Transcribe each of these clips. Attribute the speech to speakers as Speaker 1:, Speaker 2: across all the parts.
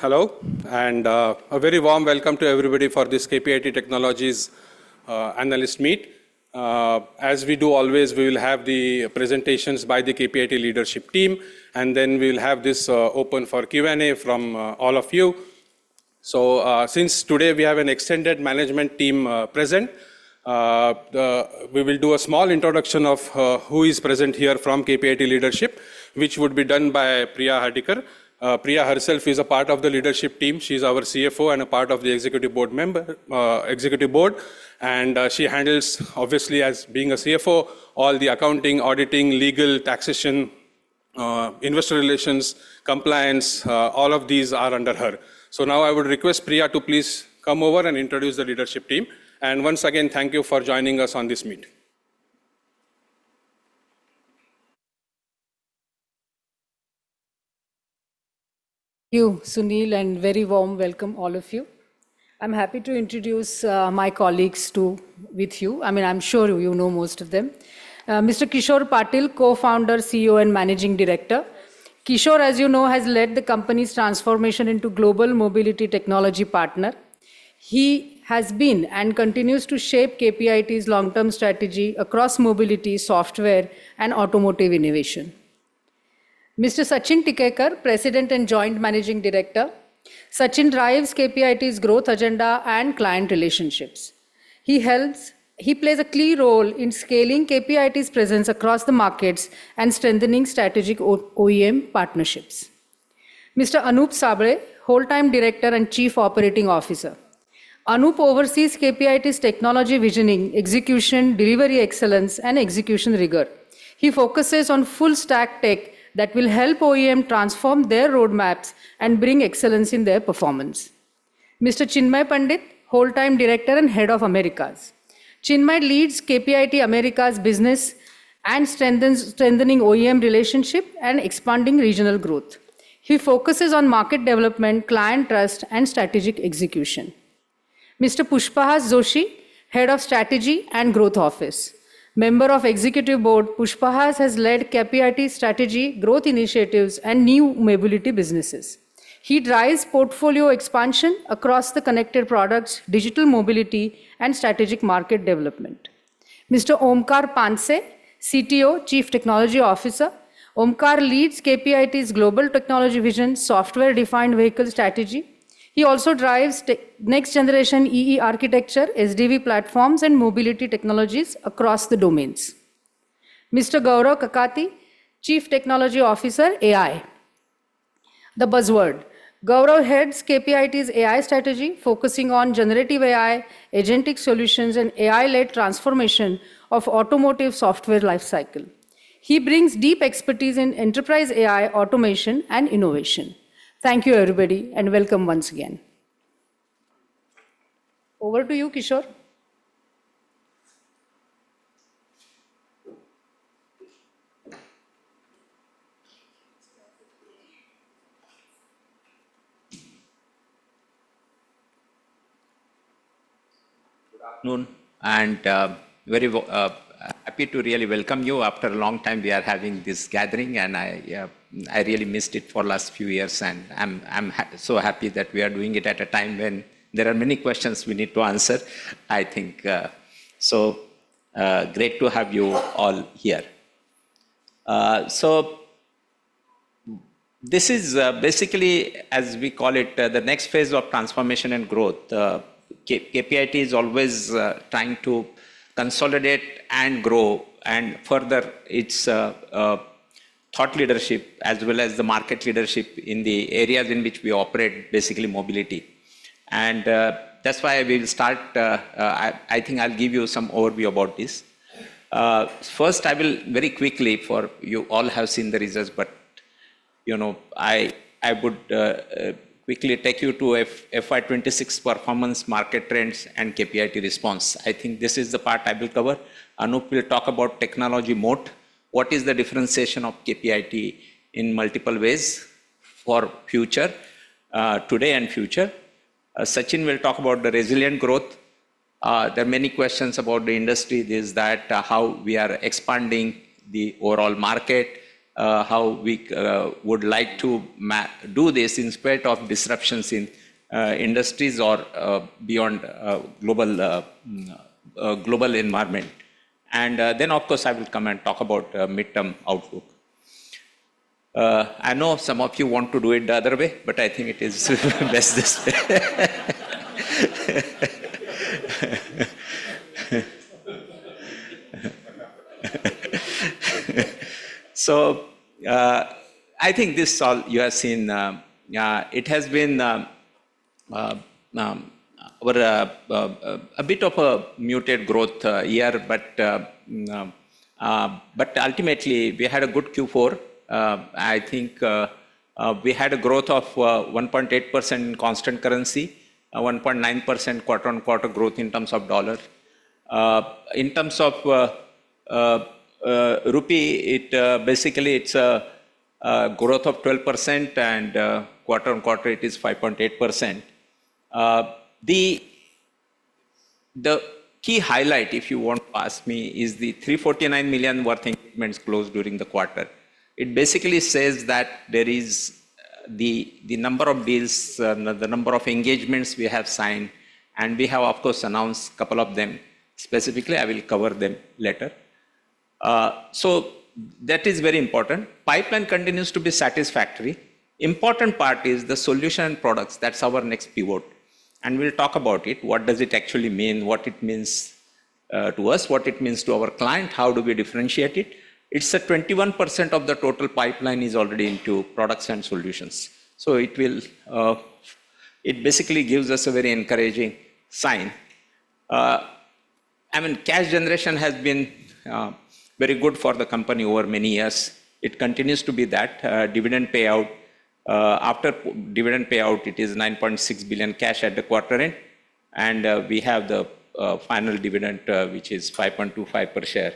Speaker 1: Hello, a very warm welcome to everybody for this KPIT Technologies analyst meet. As we do always, we will have the presentations by the KPIT leadership team, then we'll have this open for Q&A from all of you. Since today we have an extended management team present, we will do a small introduction of who is present here from KPIT leadership, which would be done by Priya Hardikar. Priya herself is a part of the leadership team. She's our CFO and a part of the Executive Board. She handles, obviously as being a CFO, all the accounting, auditing, legal, taxation, investor relations, compliance, all of these are under her. Now I would request Priya to please come over and introduce the leadership team. Once again, thank you for joining us on this meet.
Speaker 2: Thank you, Sunil, and very warm welcome, all of you. I'm happy to introduce my colleagues with you. I mean, I'm sure you know most of them. Mr. Kishor Patil, Co-founder, CEO, and Managing Director. Kishor, as you know, has led the company's transformation into global mobility technology partner. He has been and continues to shape KPIT's long-term strategy across mobility, software, and automotive innovation. Mr. Sachin Tikekar, President and Joint Managing Director. Sachin drives KPIT's growth agenda and client relationships. He plays a key role in scaling KPIT's presence across the markets and strengthening strategic OEM partnerships. Mr. Anup Sable, Whole-time Director and Chief Operating Officer. Anup oversees KPIT's technology visioning, execution, delivery excellence, and execution rigor. He focuses on full stack tech that will help OEM transform their roadmaps and bring excellence in their performance. Mr. Chinmay Pandit, Whole-time Director and Head of Americas. Chinmay leads KPIT Americas business and strengthening OEM relationship and expanding regional growth. He focuses on market development, client trust, and strategic execution. Mr. Pushpahas Joshi, Head of Strategy and Growth Office. Member of Executive Board, Pushpahas has led KPIT's strategy growth initiatives and new mobility businesses. He drives portfolio expansion across the connected products, digital mobility, and strategic market development. Mr. Omkar Panse, CTO, Chief Technology Officer. Omkar leads KPIT's global technology vision Software Defined Vehicle strategy. He also drives next generation E/E architecture, SDV platforms, and mobility technologies across the domains. Mr. Gaurav Kakati, Chief Technology Officer, AI, the buzzword. Gaurav heads KPIT's AI strategy, focusing on generative AI, agentic solutions, and AI-led transformation of automotive software lifecycle. He brings deep expertise in enterprise AI, automation, and innovation. Thank you, everybody, and welcome once again. Over to you, Kishor.
Speaker 3: Good afternoon, very happy to really welcome you. After a long time, we are having this gathering. I really missed it for last few years, and I'm so happy that we are doing it at a time when there are many questions we need to answer. I think, great to have you all here. This is, basically, as we call it, the next phase of transformation and growth. KPIT is always trying to consolidate and grow and further its thought leadership as well as the market leadership in the areas in which we operate, basically mobility. That's why we'll start. I think I'll give you some overview about this. First, I will very quickly You all have seen the results, but, you know, I would quickly take you to FY 2026 performance, market trends, and KPIT response. I think this is the part I will cover. Anup will talk about technology moat. What is the differentiation of KPIT in multiple ways for today and future? Sachin will talk about the resilient growth. There are many questions about the industry. There's that, how we are expanding the overall market, how we would like to do this in spite of disruptions in industries or beyond global environment. Then of course, I will come and talk about midterm outlook. I know some of you want to do it the other way, but I think it is best this way. I think this all you have seen, it has been a bit of a muted growth year, but ultimately, we had a good Q4. I think we had a growth of 1.8% in constant currency, 1.9% quarter-on-quarter growth in terms of USD. In terms of rupee, it basically is growth of 12% and quarter-on-quarter it is 5.8%. The key highlight, if you want to ask me, is the $349 million worth increments closed during the quarter. It basically says that there is the number of deals, the number of engagements we have signed, and we have, of course, announced a couple of them specifically. I will cover them later. That is very important. Pipeline continues to be satisfactory. Important part is the solution products. That's our next pivot, and we'll talk about it. What does it actually mean, what it means to us, what it means to our client, how do we differentiate it? It's at 21% of the total pipeline is already into products and solutions. It basically gives us a very encouraging sign. I mean, cash generation has been very good for the company over many years. It continues to be that. After dividend payout, it is 9.6 billion cash at the quarter end, and we have the final dividend, which is 5.25 per share.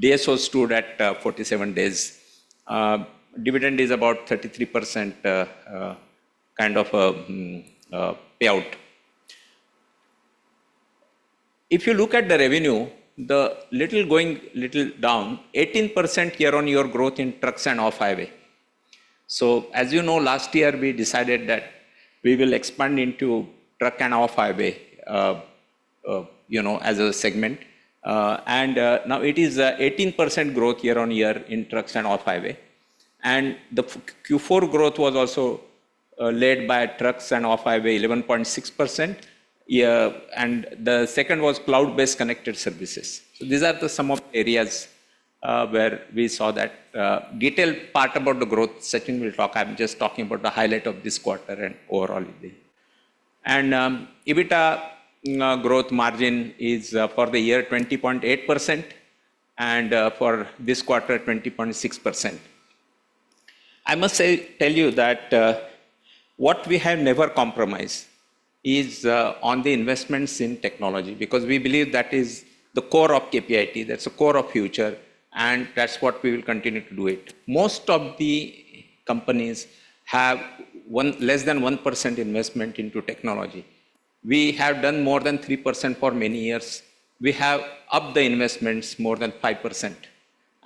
Speaker 3: DSO stood at 47 days. Dividend is about 33% kind of payout. If you look at the revenue, the little going little down, 18% year-on-year growth in trucks and off-highway. As you know, last year we decided that we will expand into truck and off-highway, you know, as a segment. Now it is 18% growth year-on-year in trucks and off-highway. The Q4 growth was also led by trucks and off-highway, 11.6%. The second was cloud-based connected services. These are the some of areas where we saw that. Detailed part about the growth Sachin will talk. I'm just talking about the highlight of this quarter and overall. EBITDA growth margin is for the year, 20.8% and for this quarter, 20.6%. I tell you that what we have never compromised is on the investments in technology, because we believe that is the core of KPIT, that's the core of future, and that's what we will continue to do it. Most of the companies have less than 1% investment into technology. We have done more than 3% for many years. We have upped the investments more than 5%,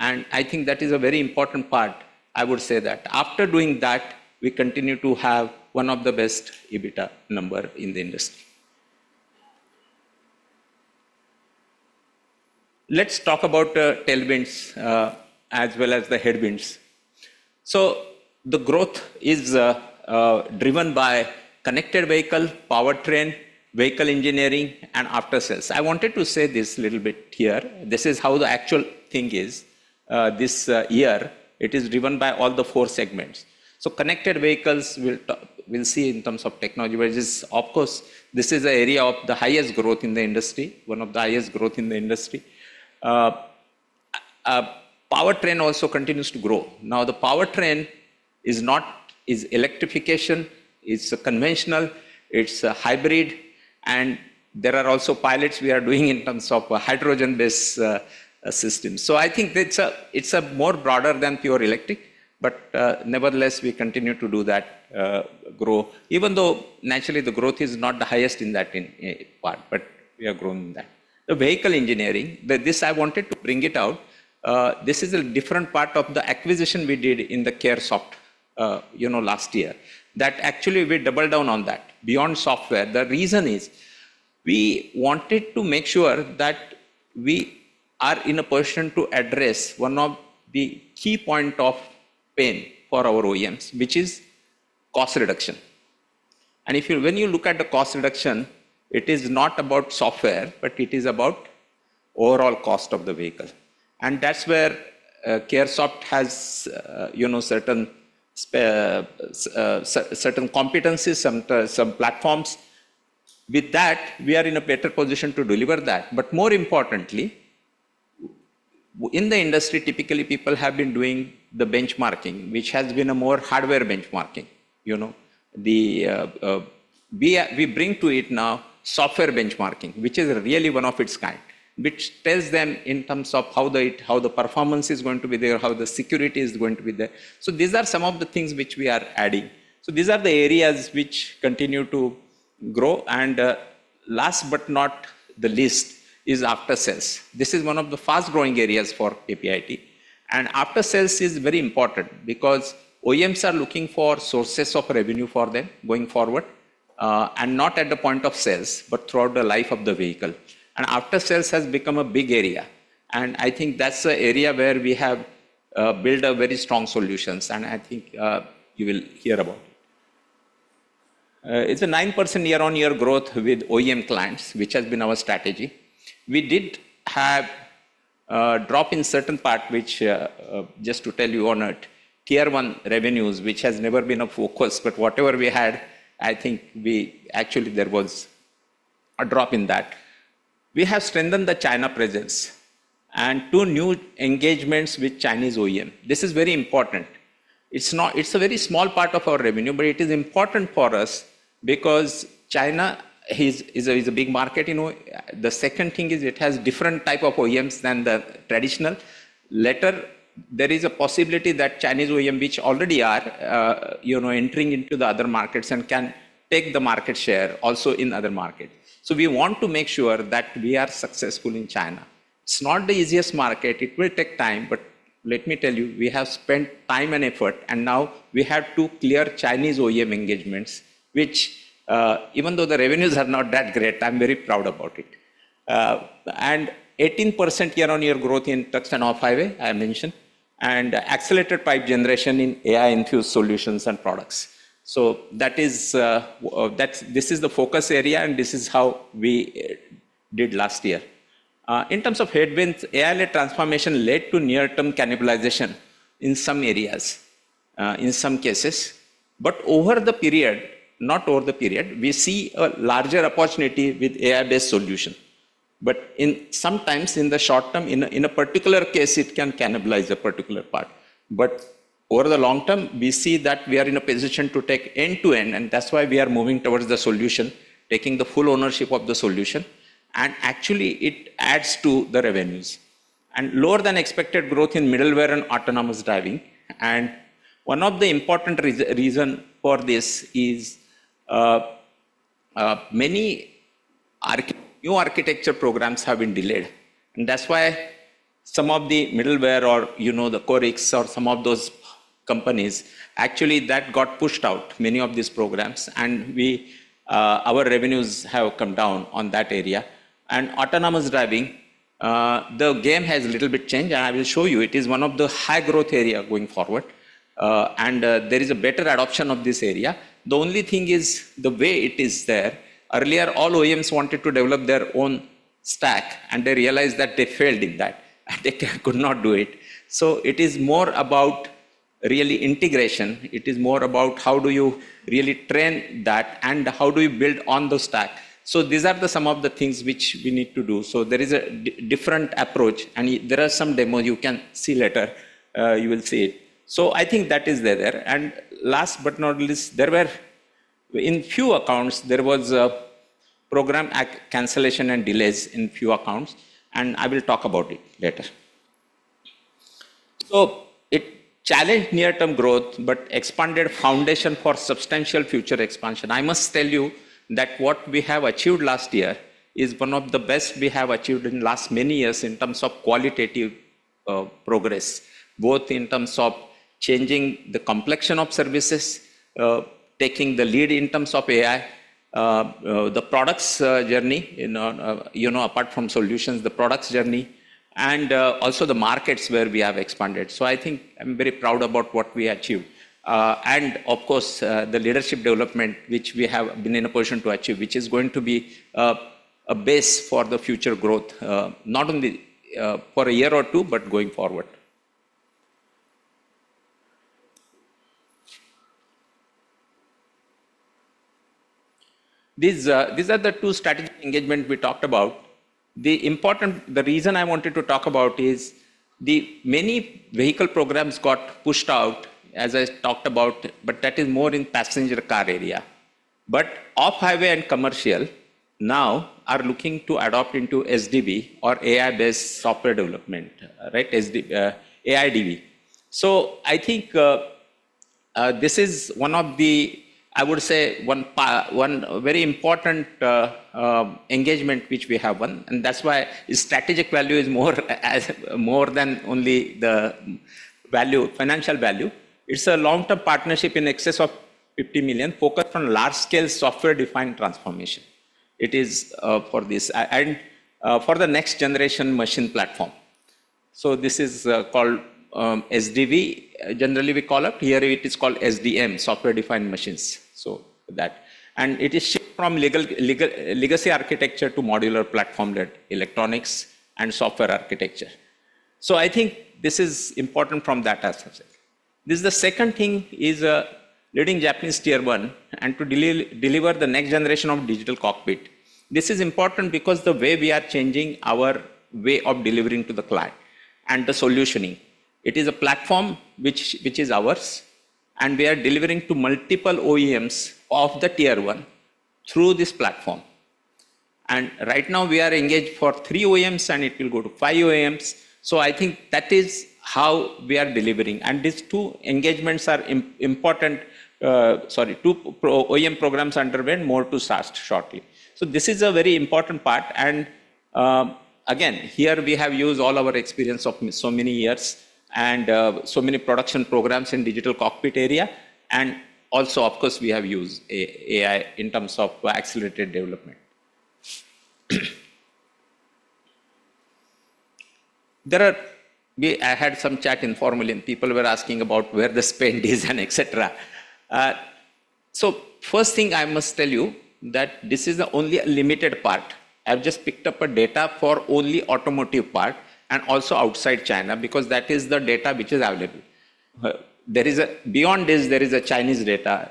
Speaker 3: and I think that is a very important part. I would say that after doing that, we continue to have one of the best EBITDA number in the industry. Let's talk about tailwinds as well as the headwinds. The growth is driven by connected vehicle, powertrain, vehicle engineering, and aftersales. I wanted to say this little bit here. This is how the actual thing is. This year it is driven by all the four segments. Connected vehicles, we'll see in terms of technology, which is of course, this is an area of the highest growth in the industry. One of the highest growth in the industry. Powertrain also continues to grow. Now the powertrain is electrification, it's a conventional, it's a hybrid, and there are also pilots we are doing in terms of a hydrogen-based system. I think it's a, it's a more broader than pure electric but, nevertheless, we continue to do that, grow even though naturally the growth is not the highest in that in part, but we are growing in that. The vehicle engineering, with this I wanted to bring it out, this is a different part of the acquisition we did in the Caresoft, you know, last year. That actually we double down on that beyond software. The reason is we wanted to make sure that we are in a position to address one of the key point of pain for our OEMs, which is cost reduction. When you look at the cost reduction, it is not about software, but it is about overall cost of the vehicle, and that's where Caresoft has, you know, certain competencies, some platforms. With that, we are in a better position to deliver that. More importantly, in the industry, typically people have been doing the benchmarking, which has been a more hardware benchmarking. You know. We bring to it now software benchmarking, which is really one of its kind, which tells them in terms of how the performance is going to be there, how the security is going to be there. These are some of the things which we are adding. These are the areas which continue to grow. Last but not the least is aftersales. This is one of the fast-growing areas for KPIT. Aftersales is very important because OEMs are looking for sources of revenue for them going forward, and not at the point of sales, but throughout the life of the vehicle. Aftersales has become a big area, and I think that's the area where we have built a very strong solutions. I think, you will hear about it. It's a 9% year-on-year growth with OEM clients, which has been our strategy. We did have a drop in certain part which, just to tell you on a Tier 1 revenues, which has never been a focus. Whatever we had, I think we actually there was a drop in that. We have strengthened the China presence and two new engagements with Chinese OEM. This is very important. It's a very small part of our revenue, but it is important for us because China is a big market, you know. The second thing is it has different type of OEMs than the traditional. There is a possibility that Chinese OEM which already are, you know, entering into the other markets and can take the market share also in other markets. We want to make sure that we are successful in China. It's not the easiest market. It will take time. Let me tell you, we have spent time and effort, and now we have two clear Chinese OEM engagements, which, even though the revenues are not that great, I'm very proud about it. 18% year-on-year growth in trucks and off-highway, I mentioned, and accelerated pipe generation in AI-infused solutions and products. This is the focus area, and this is how we did last year. In terms of headwinds, AI-led transformation led to near-term cannibalization in some areas, in some cases. We see a larger opportunity with AI-based solution. Sometimes in the short term, in a particular case, it can cannibalize a particular part. Over the long term, we see that we are in a position to take end-to-end, and that's why we are moving towards the solution, taking the full ownership of the solution. Actually it adds to the revenues. Lower than expected growth in middleware and autonomous driving. One of the important reason for this is many new architecture programs have been delayed. That's why some of the middleware or, you know, the Qorix or some of those companies, actually that got pushed out, many of these programs. Our revenues have come down on that area. Autonomous driving, the game has a little bit changed, and I will show you. It is one of the high-growth area going forward. There is a better adoption of this area. The only thing is the way it is there. Earlier, all OEMs wanted to develop their own stack, and they realized that they failed in that, and they could not do it. It is more about really integration. It is more about how do you really train that and how do you build on the stack. These are the some of the things which we need to do. There is a different approach, and there are some demos you can see later. You will see it. I think that is there. Last but not least, in few accounts, there was a program cancellation and delays in few accounts, and I will talk about it later. It challenged near-term growth, but expanded foundation for substantial future expansion. I must tell you that what we have achieved last year is one of the best we have achieved in last many years in terms of qualitative progress, both in terms of changing the complexion of services, taking the lead in terms of AI, the products journey, you know, apart from solutions, the products journey, and also the markets where we have expanded. I think I am very proud about what we achieved. Of course, the leadership development which we have been in a position to achieve, which is going to be a base for the future growth, not only for a year or two, but going forward. These are the two strategic engagement we talked about. The reason I wanted to talk about is the many vehicle programs got pushed out, as I talked about, but that is more in passenger car area. Off-highway and commercial now are looking to adopt into SDV or AI-based software development, right? AIDV. I think this is one of the, I would say, one very important engagement which we have won. That's why strategic value is more as, more than only the value, financial value. It's a long-term partnership in excess of 50 million focused on large-scale software-defined transformation. It is for this. For the next generation machine platform. This is called SDV. Generally, we call it. Here it is called SDM, Software-Defined Machines. It is shipped from legal, legacy architecture to modular platform led electronics and software architecture. I think this is important from that aspect. This is the second thing, is leading Japanese Tier 1 and to deliver the next generation of digital cockpit. This is important because the way we are changing our way of delivering to the client and the solutioning. It is a platform which is ours, and we are delivering to multiple OEMs of the Tier 1 through this platform. Right now we are engaged for three OEMs, and it will go to five OEMs. I think that is how we are delivering. These two engagements are important, sorry, two OEM programs underwent, more to start shortly. This is a very important part. Again, here we have used all our experience of so many years and so many production programs in digital cockpit area. Also, of course, we have used AI in terms of accelerated development. I had some chat informally, and people were asking about where the spend is and et cetera. First thing I must tell you that this is only a limited part. I've just picked up a data for only automotive part and also outside China because that is the data which is available. Beyond this, there is a Chinese data,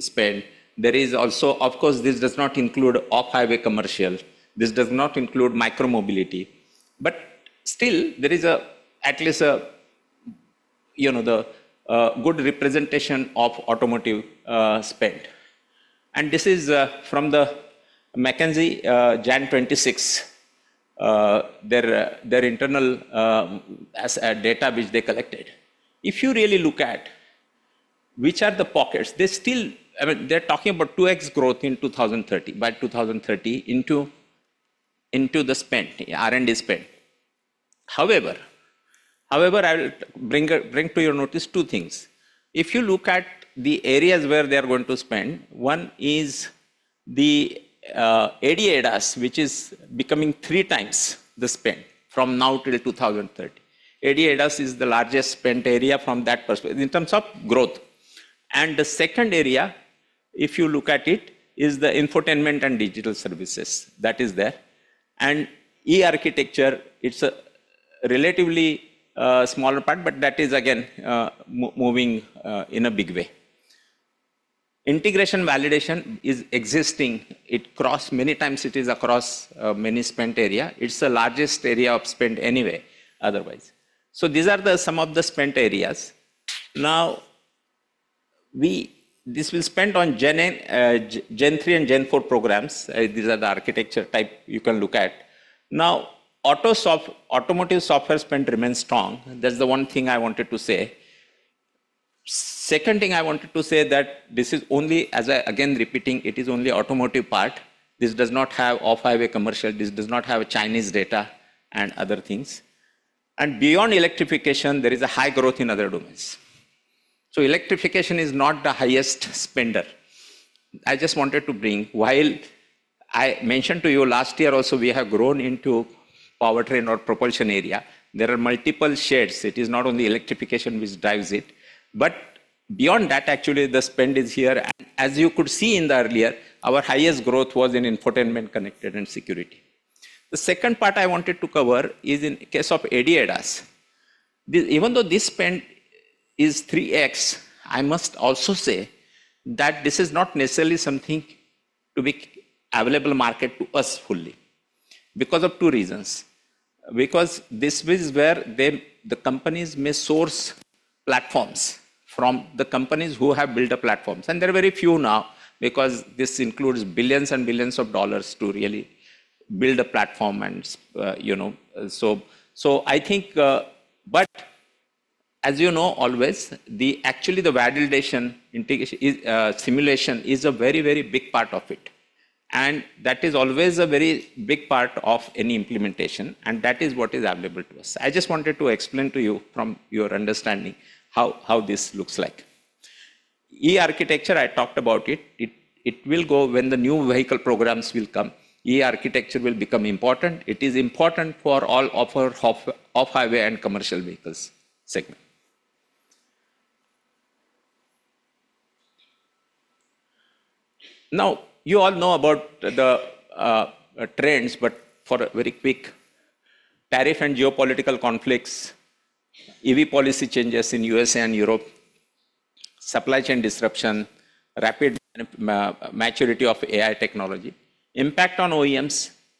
Speaker 3: spend. Of course, this does not include off-highway commercial. This does not include micro-mobility. Still there is at least a, you know, good representation of automotive spend. This is from the McKinsey, January 26th, their internal data which they collected. If you really look at which are the pockets, I mean, they're talking about 2x growth in 2030, by 2030 into the spend, the R&D spend. However, I'll bring to your notice two things. If you look at the areas where they are going to spend, one is the AD/ADAS, which is becoming 3x the spend from now till 2030. AD/ADAS is the largest spent area from that perspective in terms of growth. The second area, if you look at it, is the infotainment and digital services that is there. E/E architecture, it's a relatively smaller part, but that is again moving in a big way. Integration validation is existing. It is across many spent area. It's the largest area of spend anyway, otherwise. These are the some of the spent areas. This will spend on gen 3 and gen 4 programs. These are the architecture type you can look at. Automotive software spend remains strong. That's the one thing I wanted to say. Second thing I wanted to say that this is only, as I again repeating, it is only automotive part. This does not have off-highway commercial, this does not have Chinese data and other things. Beyond electrification, there is a high growth in other domains. Electrification is not the highest spender. I just wanted to bring, while I mentioned to you last year also, we have grown into powertrain or propulsion area. There are multiple shares. It is not only electrification which drives it. Beyond that, actually the spend is here. As you could see in the earlier, our highest growth was in infotainment connected and security. The second part I wanted to cover is in case of AD/ADAS. Even though this spend is 3x, I must also say that this is not necessarily something to be available market to us fully because of two reasons. Because this is where the companies may source platforms from the companies who have built the platforms. There are very few now because this includes billions and billions of dollars to really build a platform and, you know. I think, but as you know, always, the validation integration is simulation is a very big part of it, and that is always a very big part of any implementation, and that is what is available to us. I just wanted to explain to you from your understanding how this looks like. E/E architecture, I talked about it. It will go when the new vehicle programs will come. E/E architecture will become important. It is important for all off-highway and commercial vehicles segment. You all know about the trends, but for a very quick tariff and geopolitical conflicts, EV policy changes in USA and Europe, supply chain disruption, rapid maturity of AI technology, impact on OEMs,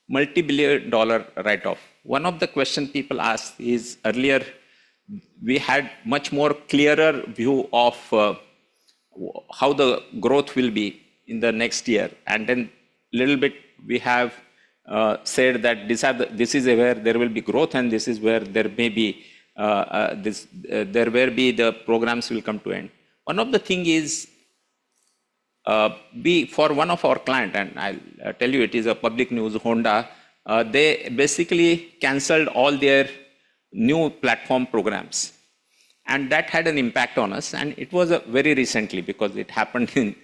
Speaker 3: multi-billion dollar write-off. One of the question people ask is, earlier we had much more clearer view of how the growth will be in the next year. Little bit we have said that this is where there will be growth and this is where there may be there will be the programs will come to end. One of the thing is, for one of our client, and I'll tell you, it is a public news, Honda, they basically canceled all their new platform programs. That had an impact on us. It was very recently because it happened in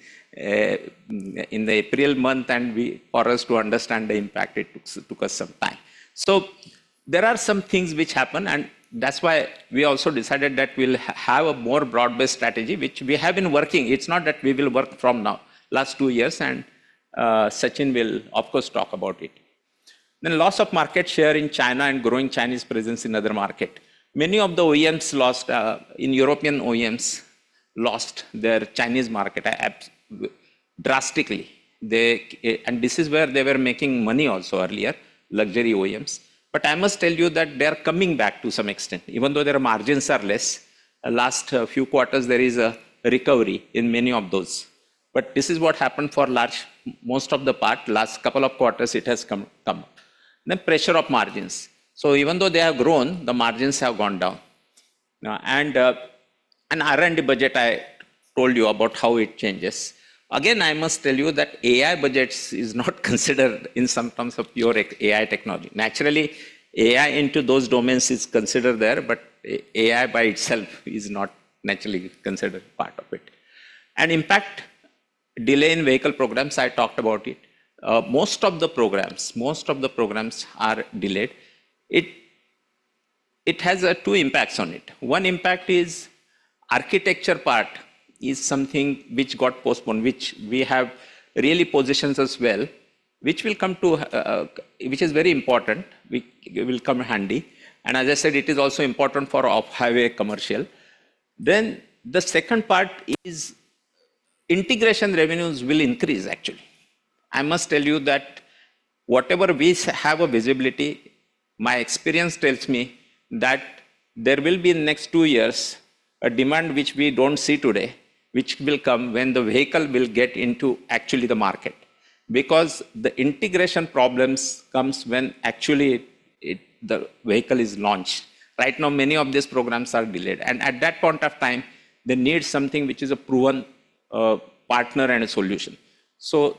Speaker 3: the April month. For us to understand the impact it took us some time. There are some things which happened. That's why we also decided that we'll have a more broad-based strategy, which we have been working. It's not that we will work from now. Last two years. Sachin will of course talk about it. Loss of market share in China and growing Chinese presence in other market. Many of the OEMs lost in European OEMs lost their Chinese market drastically. This is where they were making money also earlier, luxury OEMs. I must tell you that they are coming back to some extent. Even though their margins are less, last few quarters there is a recovery in many of those. This is what happened for most of the part, last couple of quarters it has come, the pressure of margins. Even though they have grown, the margins have gone down. R&D budget, I told you about how it changes. I must tell you that AI budgets is not considered in some terms of pure AI technology. Naturally, AI into those domains is considered there, but AI by itself is not naturally considered part of it. Impact delay in vehicle programs, I talked about it. Most of the programs are delayed. It has two impacts on it. One impact is architecture part is something which got postponed, which we have really positioned as well, which will come to, which is very important. It will come in handy. As I said, it is also important for off-highway commercial. The second part is integration revenues will increase, actually. I must tell you that. Whatever we have a visibility, my experience tells me that there will be next two years a demand which we don't see today, which will come when the vehicle will get into actually the market. The integration problems comes when actually it the vehicle is launched. Right now, many of these programs are delayed. At that point of time, they need something which is a proven partner and a solution.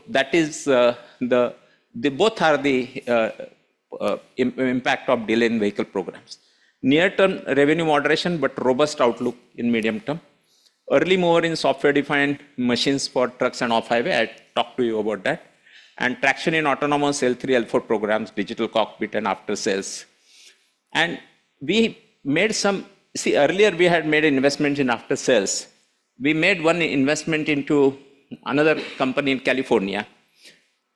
Speaker 3: That is, they both are the impact of delay in vehicle programs. Near-term revenue moderation but robust outlook in medium term. Early mover in software-defined machines for trucks and off-highway. I talked to you about that. Traction in autonomous L3, L4 programs, digital cockpit, and aftersales. We made See, earlier we had made investment in aftersales. We made one investment into another company in California,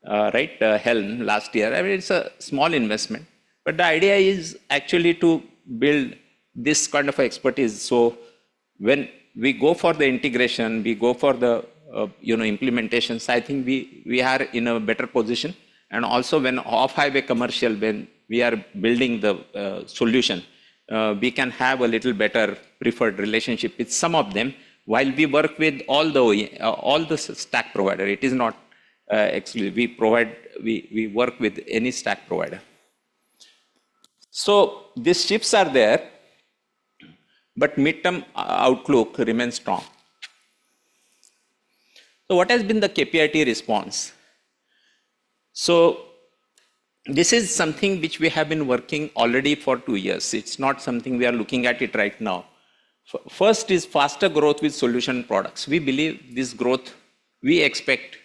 Speaker 3: right? Helm.ai, last year. I mean, it's a small investment. The idea is actually to build this kind of expertise, so when we go for the integration, we go for the, you know, implementations, I think we are in a better position. Also when off-highway commercial, when we are building the solution, we can have a little better preferred relationship with some of them while we work with all the stack provider. It is not exclusive. We work with any stack provider. The ships are there, but midterm outlook remains strong. What has been the KPIT response? This is something which we have been working already for two years. It's not something we are looking at it right now. First is faster growth with solution products. We believe this growth, we expect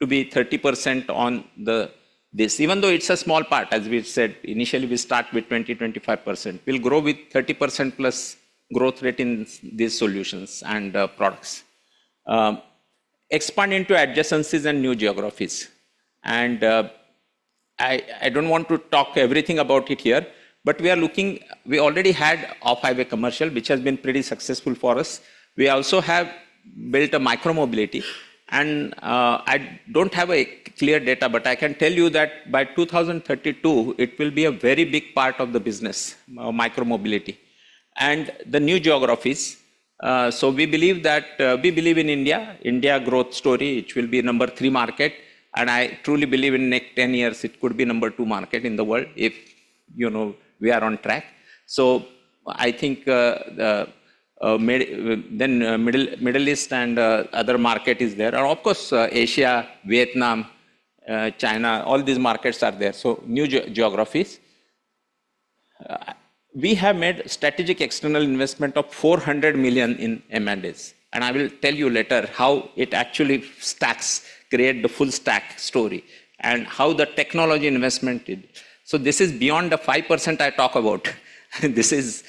Speaker 3: to be 30% on the this. Even though it's a small part, as we've said, initially we start with 20%-25%. We'll grow with 30% plus growth rate in these solutions and products. Expand into adjacencies and new geographies. I don't want to talk everything about it here, but we already had off-highway commercial, which has been pretty successful for us. We also have built a micro-mobility. I don't have a clear data, but I can tell you that by 2032, it will be a very big part of the business, micro-mobility. The new geographies, so we believe that we believe in India growth story, which will be number three market. I truly believe in next 10 years, it could be number two market in the world if, you know, we are on track. I think the then Middle East and other market is there. Of course, Asia, Vietnam, China, all these markets are there. New geographies. We have made strategic external investment of 400 million in M&As, I will tell you later how it actually stacks, create the full stack story and how the technology investment did. This is beyond the 5% I talk about. These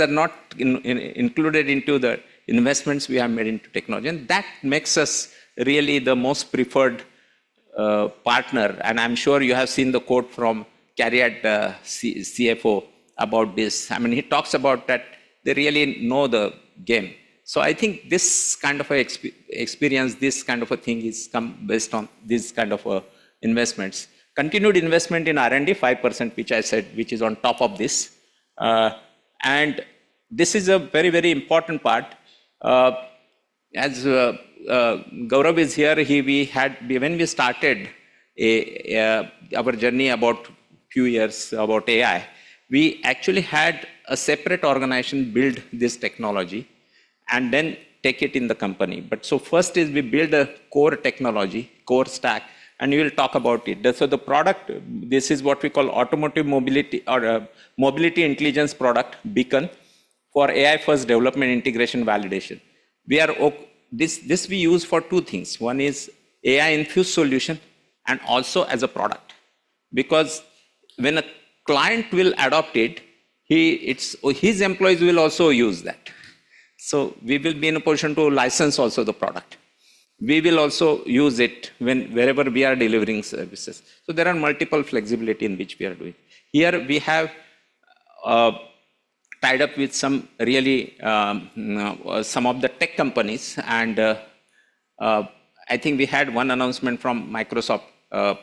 Speaker 3: are not included into the investments we have made into technology, that makes us really the most preferred partner. I'm sure you have seen the quote from CARIAD CFO about this. I mean, he talks about that they really know the game. I think this kind of experience, this kind of a thing is come based on this kind of investments. Continued investment in R&D, 5%, which I said, which is on top of this. This is a very, very important part. As Gaurav is here, when we started our journey about few years about AI, we actually had a separate organization build this technology and then take it in the company. First is we build a core technology, core stack, and we will talk about it. The product, this is what we call automotive mobility or Mobility Intelligence Product, Beacon, for AI-first development integration validation. This we use for two things. One is AI-infused solution and also as a product. Because when a client will adopt it, his employees will also use that. We will be in a position to license also the product. We will also use it wherever we are delivering services. There are multiple flexibility in which we are doing. Here we have tied up with some really, some of the tech companies and I think we had one announcement from Microsoft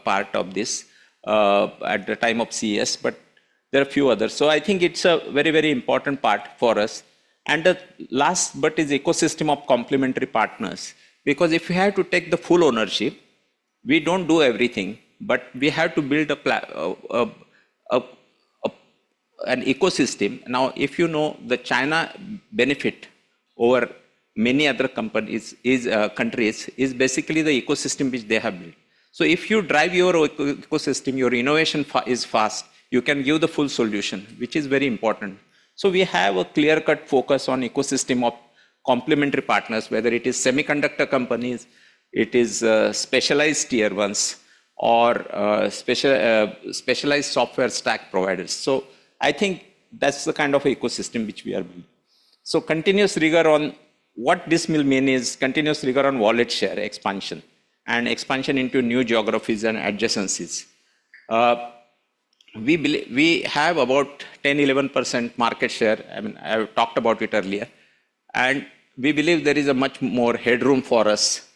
Speaker 3: part of this at the time of CES, but there are a few others. I think it's a very, very important part for us. The last, but is ecosystem of complementary partners. Because if we have to take the full ownership, we don't do everything, but we have to build an ecosystem. If you know the China benefit over many other companies is, countries is basically the ecosystem which they have built. If you drive your ecosystem, your innovation is fast, you can give the full solution, which is very important. We have a clear-cut focus on ecosystem of complementary partners, whether it is semiconductor companies, it is specialized tier ones or specialized software stack providers. I think that's the kind of ecosystem which we are building. Continuous rigor on what this will mean is continuous rigor on wallet share expansion and expansion into new geographies and adjacencies. We have about 10%, 11% market share, I talked about it earlier, and we believe there is a much more headroom for us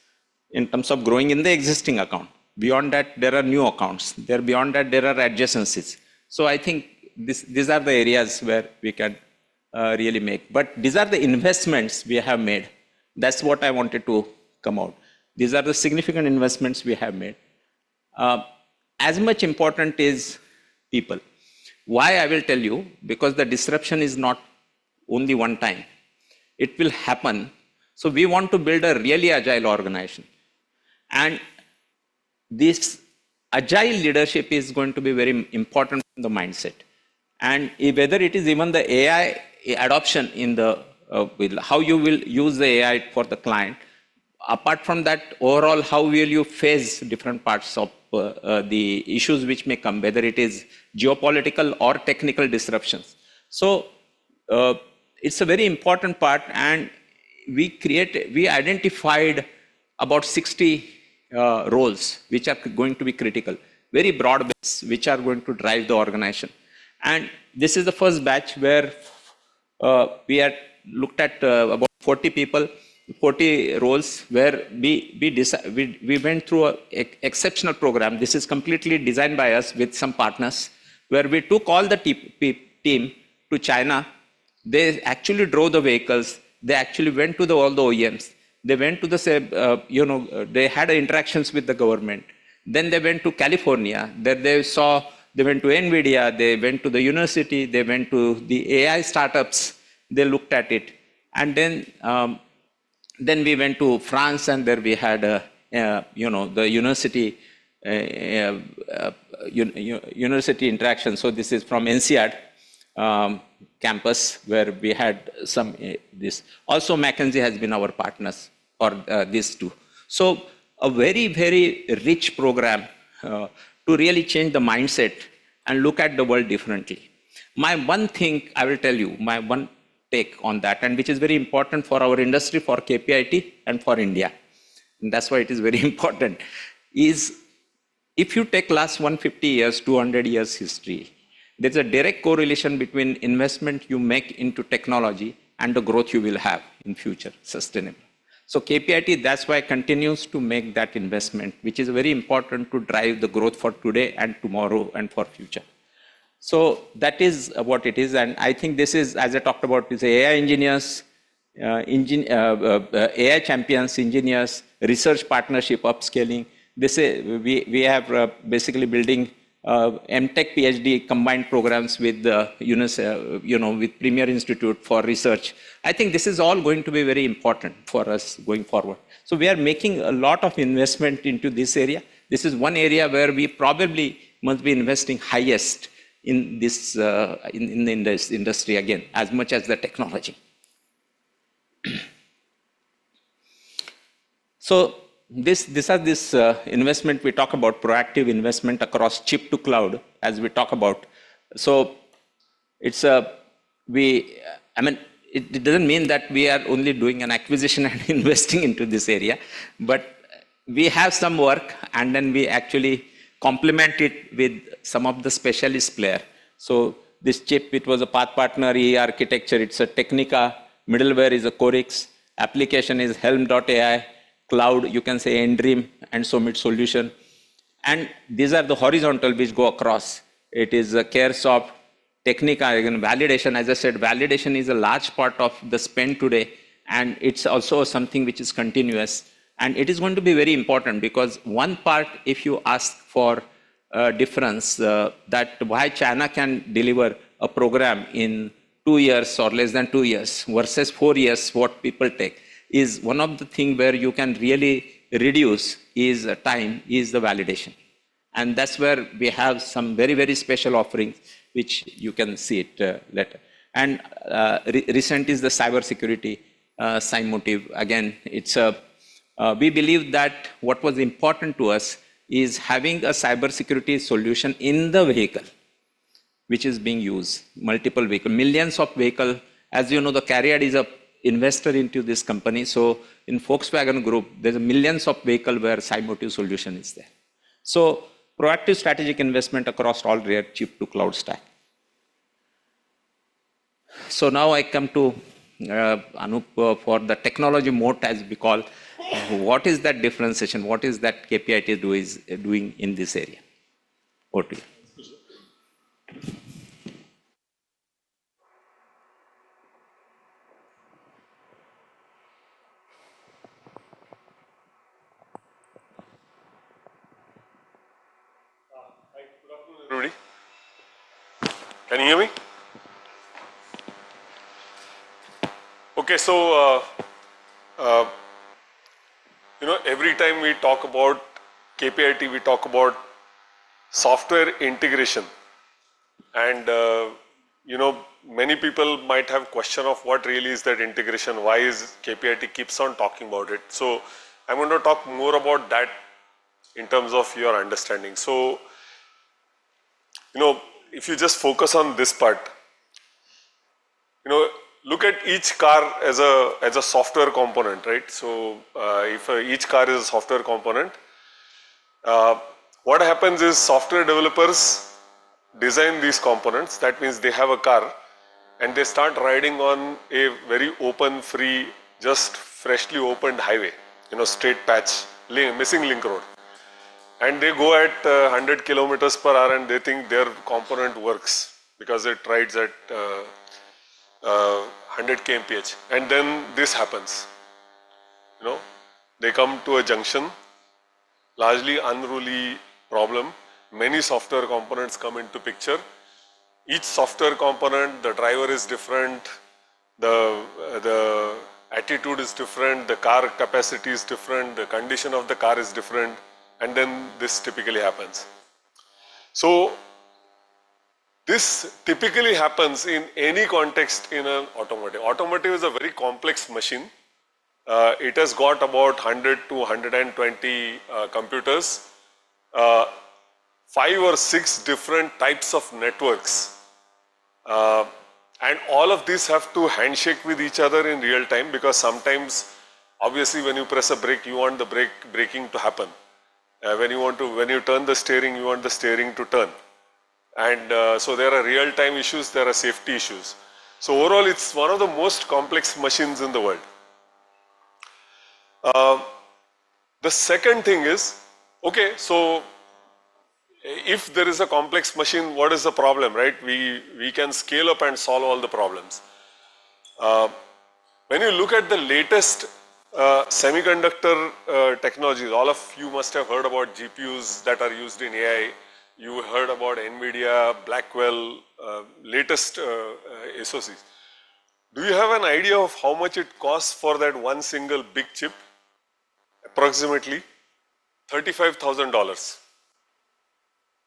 Speaker 3: in terms of growing in the existing account. Beyond that, there are new accounts. Beyond that, there are adjacencies. I think these are the areas where we can really make. These are the investments we have made. That's what I wanted to come out. These are the significant investments we have made. As much important is people. Why? I will tell you, the disruption is not only one time. It will happen. We want to build a really agile organization. This agile leadership is going to be very important in the mindset. Whether it is even the AI adoption in the with how you will use the AI for the client. Apart from that, overall, how will you face different parts of the issues which may come, whether it is geopolitical or technical disruptions. It's a very important part, and we identified about 60 roles which are going to be critical, very broad-based, which are going to drive the organization. This is the first batch where we had looked at about 40 people, 40 roles, where we went through an exceptional program. This is completely designed by us with some partners, where we took all the team to China. They actually drove the vehicles. They actually went to all the OEMs. They went to the same. They had interactions with the government. They went to California. There they saw. They went to NVIDIA, they went to the university, they went to the AI startups. They looked at it. We went to France, there we had a, you know, a university interaction. This is from INSEAD campus, where we had some this. McKinsey has been our partners for this too. A very, very rich program to really change the mindset and look at the world differently. My one thing I will tell you, my one take on that, and which is very important for our industry, for KPIT and for India, and that's why it is very important, is if you take last 150 years, 200 years history, there's a direct correlation between investment you make into technology and the growth you will have in future, sustainable. KPIT, that's why it continues to make that investment, which is very important to drive the growth for today and tomorrow and for future. That is what it is. I think this is, as I talked about, is AI engineers, AI champions, engineers, research partnership, upskilling. We have basically building MTech, PhD combined programs with the unis, you know, with premier institute for research. I think this is all going to be very important for us going forward. We are making a lot of investment into this area. This is one area where we probably must be investing highest in this industry, again, as much as the technology. This investment we talk about, proactive investment across chip to cloud, as we talk about. I mean, it doesn't mean that we are only doing an acquisition and investing into this area, but we have some work, and then we actually complement it with some of the specialist player. This chip, it was a PathPartner, E/E architecture, it's a Technica. Middleware is a Qorix. Application is Helm.ai. Cloud, you can say N-Dream and SOMIT solution. These are the horizontal which go across. It is a Caresoft, Technica. Again, validation, as I said, validation is a large part of the spend today, and it's also something which is continuous. It is going to be very important because one part, if you ask for a difference, that why China can deliver a program in two years or less than two years versus four years what people take, is one of the thing where you can really reduce is, time, is the validation. That's where we have some very, very special offerings, which you can see it later. Recent is the cybersecurity, Cymotive. Again, it's, we believe that what was important to us is having a cybersecurity solution in the vehicle, which is being used, multiple vehicle, millions of vehicle. As you know, the CARIAD is a investor into this company. In Volkswagen Group, there's millions of vehicle where Cymotive solution is there. Proactive strategic investment across all rare chip to cloud stack. Now I come to Anup for the technology moat, as we call. What is that differentiation? What is that KPIT is doing in this area? Over to you.
Speaker 4: Everybody, can you hear me? Okay. You know, every time we talk about KPIT, we talk about software integration. You know, many people might have question of what really is that integration? Why is KPIT keeps on talking about it? I'm going to talk more about that in terms of your understanding. You know, if you just focus on this part. You know, look at each car as a software component, right? If each car is a software component, what happens is software developers design these components. That means they have a car, and they start riding on a very open free, just freshly opened highway, you know, straight patch, missing link road. They go at 100 km per hour, and they think their component works because it rides at 100 km/h. Then this happens. You know, they come to a junction, largely unruly problem. Many software components come into picture. Each software component, the driver is different, the attitude is different, the car capacity is different, the condition of the car is different, then this typically happens. This typically happens in any context in automotive. Automotive is a very complex machine. It has got about 100-120 computers, five or six different types of networks. All of these have to handshake with each other in real time because sometimes obviously when you press a brake, you want the brake braking to happen. When you turn the steering, you want the steering to turn. There are real-time issues, there are safety issues. Overall, it's one of the most complex machines in the world. The second thing is, okay, if there is a complex machine, what is the problem, right? We can scale up and solve all the problems. When you look at the latest semiconductor technologies, all of you must have heard about GPUs that are used in AI. You heard about NVIDIA Blackwell, latest SoCs. Do you have an idea of how much it costs for that one single big chip? Approximately $35,000.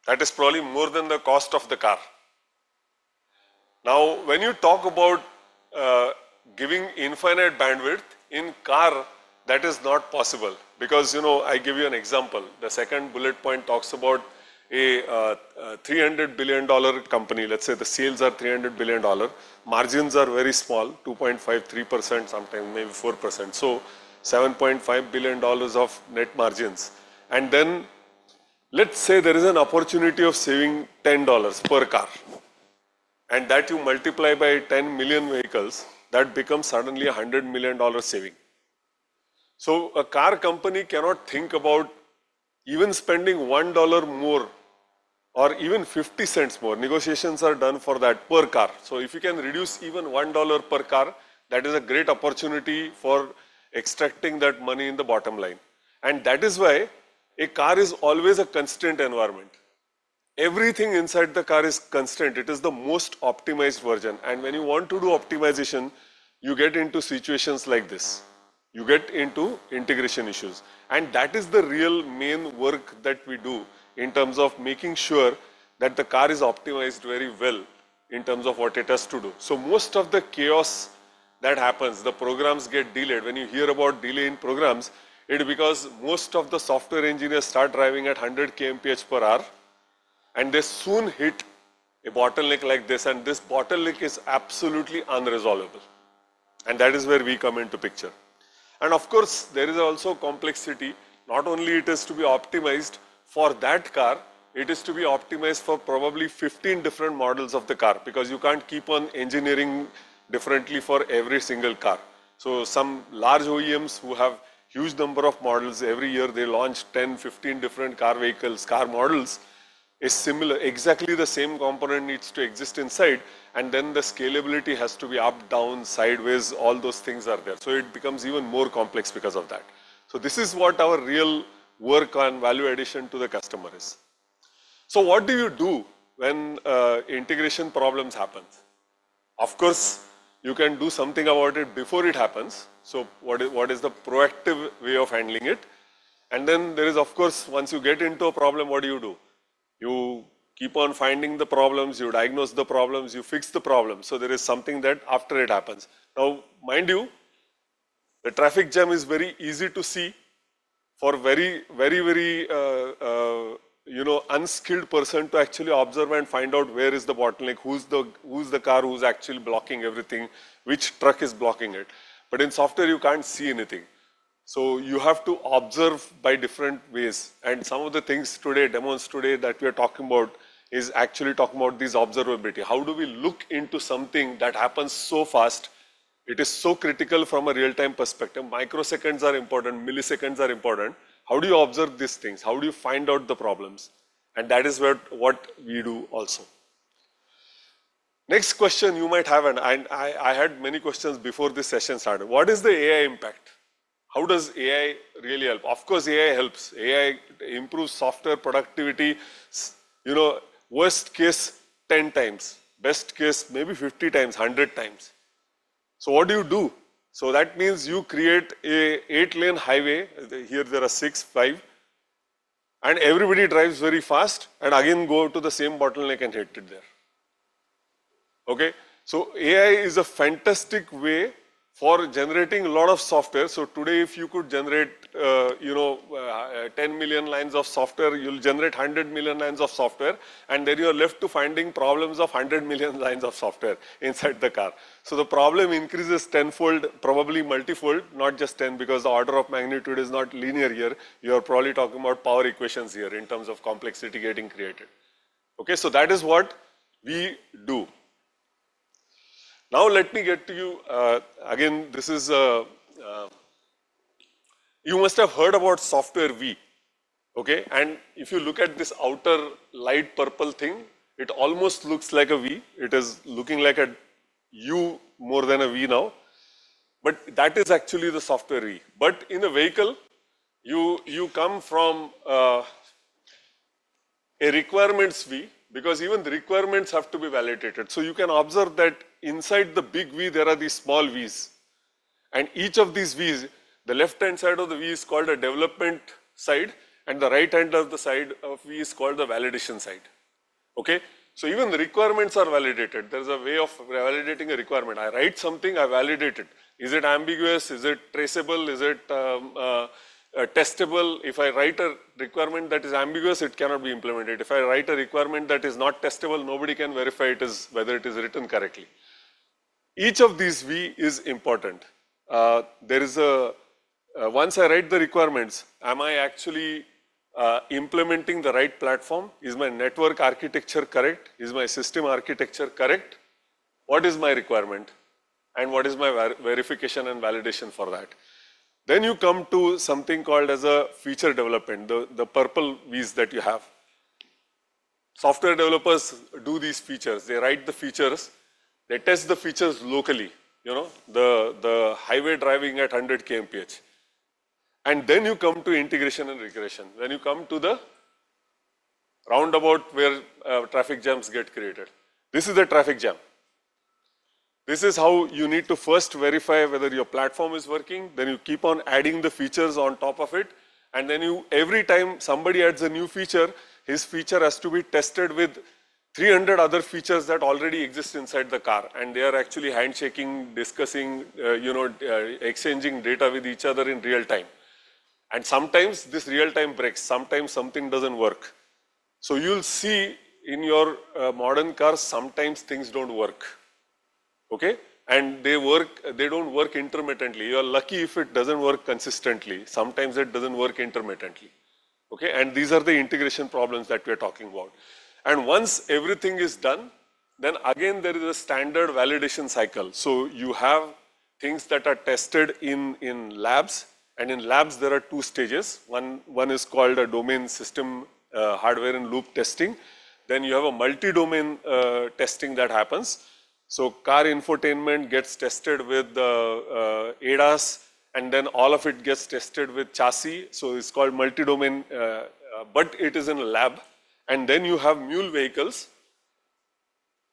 Speaker 4: That is probably more than the cost of the car. When you talk about giving infinite bandwidth in car, that is not possible because, you know, I give you an example. The second bullet point talks about a $300 billion company. Let's say the sales are $300 billion. Margins are very small, 2.5%, 3%, sometimes maybe 4%, $7.5 billion of net margins. Let's say there is an opportunity of saving $10 per car, and that you multiply by 10 million vehicles, that becomes suddenly a $100 million saving. A car company cannot think about even spending $1 more or even $0.50 more. Negotiations are done for that per car. If you can reduce even $1 per car, that is a great opportunity for extracting that money in the bottom line. That is why a car is always a constraint environment. Everything inside the car is constrained. It is the most optimized version. When you want to do optimization, you get into situations like this. You get into integration issues. That is the real main work that we do in terms of making sure that the car is optimized very well in terms of what it has to do. Most of the chaos that happens, the programs get delayed. When you hear about delay in programs, it's because most of the software engineers start driving at 100 km/h, and they soon hit a bottleneck like this. This bottleneck is absolutely unresolvable, and that is where we come into picture. Of course, there is also complexity. Not only it is to be optimized for that car, it is to be optimized for probably 15 different models of the car because you can't keep on engineering differently for every single car. Some large OEMs who have huge number of models, every year, they launch 10, 15 different car vehicles, car models, exactly the same component needs to exist inside, and then the scalability has to be up, down, sideways, all those things are there. It becomes even more complex because of that. This is what our real work and value addition to the customer is. What do you do when integration problems happen? Of course, you can do something about it before it happens. What is the proactive way of handling it? Then there is, of course, once you get into a problem, what do you do? You keep on finding the problems, you diagnose the problems, you fix the problems. There is something that after it happens. Mind you, the traffic jam is very easy to see for very, very, very, you know, unskilled person to actually observe and find out where is the bottleneck, who's the car who's actually blocking everything, which truck is blocking it. In software, you can't see anything. You have to observe by different ways. Some of the things today, demos today that we are talking about is actually talking about this observability. How do we look into something that happens so fast? It is so critical from a real-time perspective. Microseconds are important, milliseconds are important. How do you observe these things? How do you find out the problems? That is where what we do also. Next question you might have, and I had many questions before this session started. What is the AI impact? How does AI really help? Of course, AI helps. AI improves software productivity, you know, worst case, 10x. Best case, maybe 50x, 100x. What do you do? That means you create an eight-lane highway. Here there are six, five. Everybody drives very fast and again go to the same bottleneck and hit it there. Okay. AI is a fantastic way for generating a lot of software. Today, if you could generate, you know, 10 million lines of software, you'll generate 100 million lines of software, and then you are left to finding problems of 100 million lines of software inside the car. The problem increases tenfold, probably multifold, not just 10, because the order of magnitude is not linear here. You are probably talking about power equations here in terms of complexity getting created. Okay, that is what we do. Let me get to you, again, this is, you must have heard about software V, okay? If you look at this outer light purple thing, it almost looks like a V. It is looking like a U more than a V now, that is actually the software V. In a vehicle, you come from a requirements V, because even the requirements have to be validated. You can observe that inside the big V, there are these small V's. Each of these V's, the left-hand side of the V is called a development side, and the right-hand of the side of V is called the validation side. Okay? Even the requirements are validated. There's a way of validating a requirement. I write something, I validate it. Is it ambiguous? Is it traceable? Is it testable? If I write a requirement that is ambiguous, it cannot be implemented. If I write a requirement that is not testable, nobody can verify it is written correctly. Each of these V is important. Once I write the requirements, am I actually implementing the right platform? Is my network architecture correct? Is my system architecture correct? What is my requirement? What is my verification and validation for that? You come to something called as a feature development, the purple V's that you have. Software developers do these features. They write the features. They test the features locally, you know, the highway driving at 100 km/h. You come to integration and regression. You come to the roundabout where traffic jams get created. This is a traffic jam. This is how you need to first verify whether your platform is working. You keep on adding the features on top of it. Every time somebody adds a new feature, his feature has to be tested with 300 other features that already exist inside the car, and they are actually handshaking, discussing, exchanging data with each other in real-time. Sometimes this real-time breaks. Sometimes something doesn't work. You'll see in your modern cars, sometimes things don't work. Okay. They don't work intermittently. You're lucky if it doesn't work consistently. Sometimes it doesn't work intermittently. Okay. These are the integration problems that we're talking about. Once everything is done, then again, there is a standard validation cycle. You have things that are tested in labs. In labs, there are two stages. One is called a domain system, hardware and loop testing. You have a multi-domain testing that happens. Car infotainment gets tested with ADAS, and then all of it gets tested with chassis. It's called multi-domain, but it is in a lab. You have mule vehicles.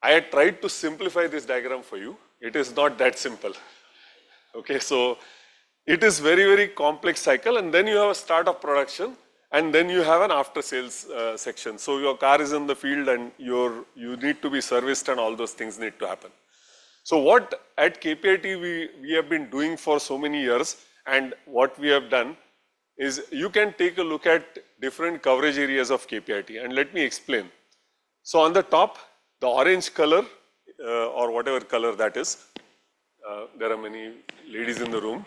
Speaker 4: I had tried to simplify this diagram for you. It is not that simple. It is very, very complex cycle. You have a start of production, and then you have an after-sales section. Your car is in the field and you need to be serviced and all those things need to happen. What at KPIT we have been doing for so many years and what we have done is you can take a look at different coverage areas of KPIT, and let me explain. On the top, the orange color, or whatever color that is, there are many ladies in the room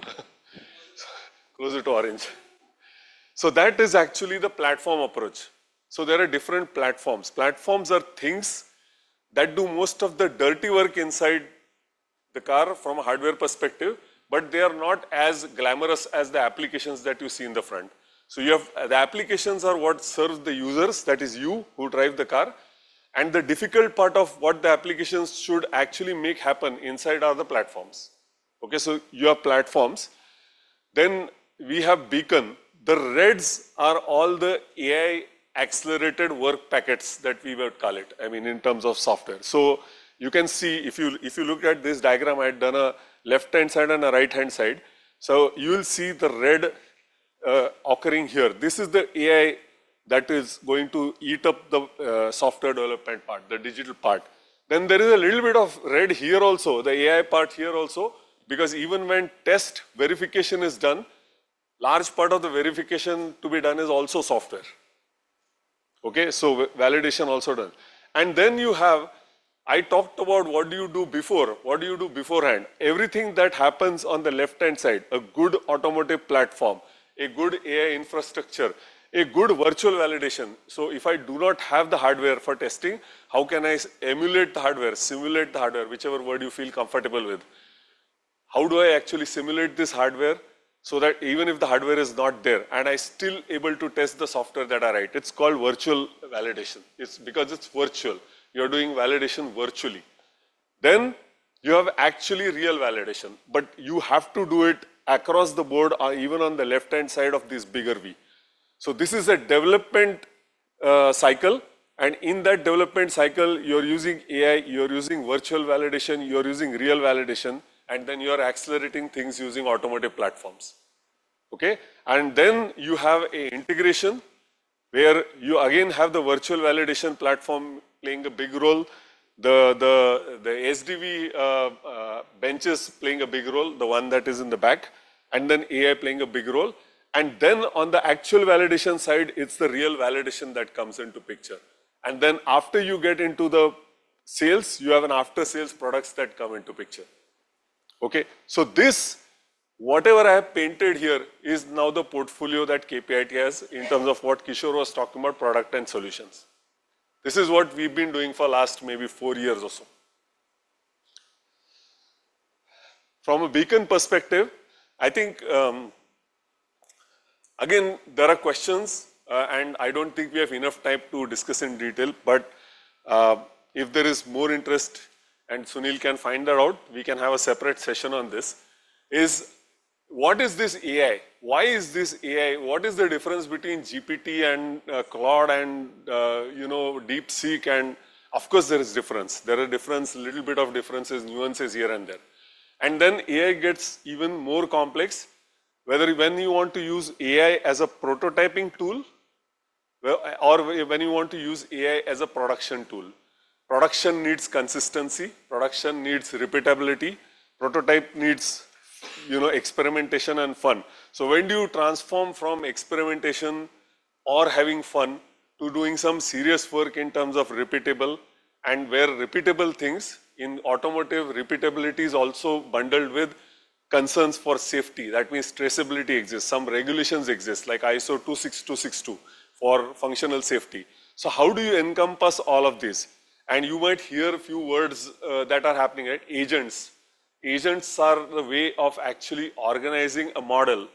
Speaker 4: closer to orange. That is actually the platform approach. There are different platforms. Platforms are things that do most of the dirty work inside the car from a hardware perspective, but they are not as glamorous as the applications that you see in the front. The applications are what serves the users, that is you who drive the car. The difficult part of what the applications should actually make happen inside are the platforms. You have platforms. We have Beacon. The reds are all the AI-accelerated work packets that we would call it, I mean, in terms of software. You can see if you look at this diagram, I've done a left-hand side and a right-hand side. You will see the red occurring here. This is the AI that is going to eat up the software development part, the digital part. There is a little bit of red here also, the AI part here also, because even when test verification is done, large part of the verification to be done is also software. Okay? Validation also done. I talked about what do you do before? What do you do beforehand? Everything that happens on the left-hand side, a good automotive platform, a good AI infrastructure, a good virtual validation. If I do not have the hardware for testing, how can I emulate the hardware, simulate the hardware, whichever word you feel comfortable with? How do I actually simulate this hardware so that even if the hardware is not there, and I still able to test the software that I write? It's called virtual validation. It's because it's virtual, you're doing validation virtually. You have actually real validation, but you have to do it across the board, even on the left-hand side of this bigger V. This is a development cycle, and in that development cycle, you're using AI, you're using virtual validation, you're using real validation, and then you're accelerating things using automotive platforms. Okay? You have a integration where you again have the virtual validation platform playing a big role, the SDV bench is playing a big role, the one that is in the back, and then AI playing a big role. On the actual validation side, it's the real validation that comes into picture. After you get into the sales, you have an after-sales products that come into picture. Okay. This, whatever I have painted here, is now the portfolio that KPIT has in terms of what Kishor was talking about product and solutions. This is what we've been doing for last maybe four years or so. From a Beacon perspective, I think, again, there are questions, and I don't think we have enough time to discuss in detail, but, if there is more interest and Sunil can find that out, we can have a separate session on this. What is this AI? Why is this AI? What is the difference between GPT and Claude and, you know, DeepSeek? Of course there is difference. There are differences, nuances here and there. AI gets even more complex, whether when you want to use AI as a prototyping tool, or when you want to use AI as a production tool. Production needs consistency, production needs repeatability. Prototype needs, you know, experimentation and fun. When do you transform from experimentation or having fun to doing some serious work in terms of repeatable, and where repeatable things in automotive repeatability is also bundled with concerns for safety. That means traceability exists, some regulations exist. Like ISO 26262 for functional safety. How do you encompass all of this? You might hear a few words that are happening, right? Agents. Agents are the way of actually organizing a model.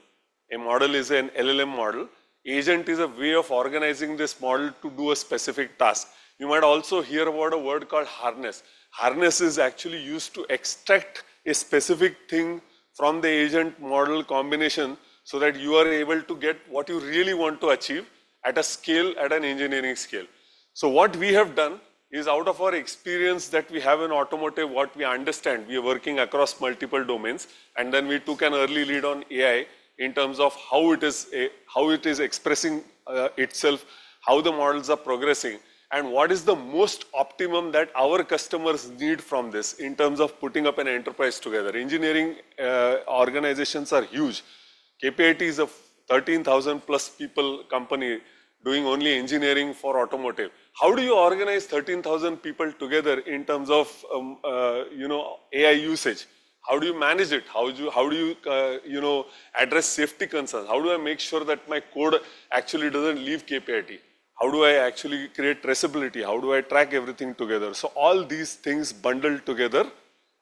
Speaker 4: A model is an LLM model. Agent is a way of organizing this model to do a specific task. You might also hear about a word called harness. Harness is actually used to extract a specific thing from the agent model combination, so that you are able to get what you really want to achieve at a scale, at an engineering scale. What we have done is, out of our experience that we have in automotive, what we understand, we are working across multiple domains, and then we took an early lead on AI in terms of how it is expressing itself, how the models are progressing, and what is the most optimum that our customers need from this in terms of putting up an enterprise together. Engineering organizations are huge. KPIT is a 13,000 plus people company doing only engineering for automotive. How do you organize 13,000 people together in terms of, you know, AI usage? How do you manage it? How do you know, address safety concerns? How do I make sure that my code actually doesn't leave KPIT? How do I actually create traceability? How do I track everything together? All these things bundled together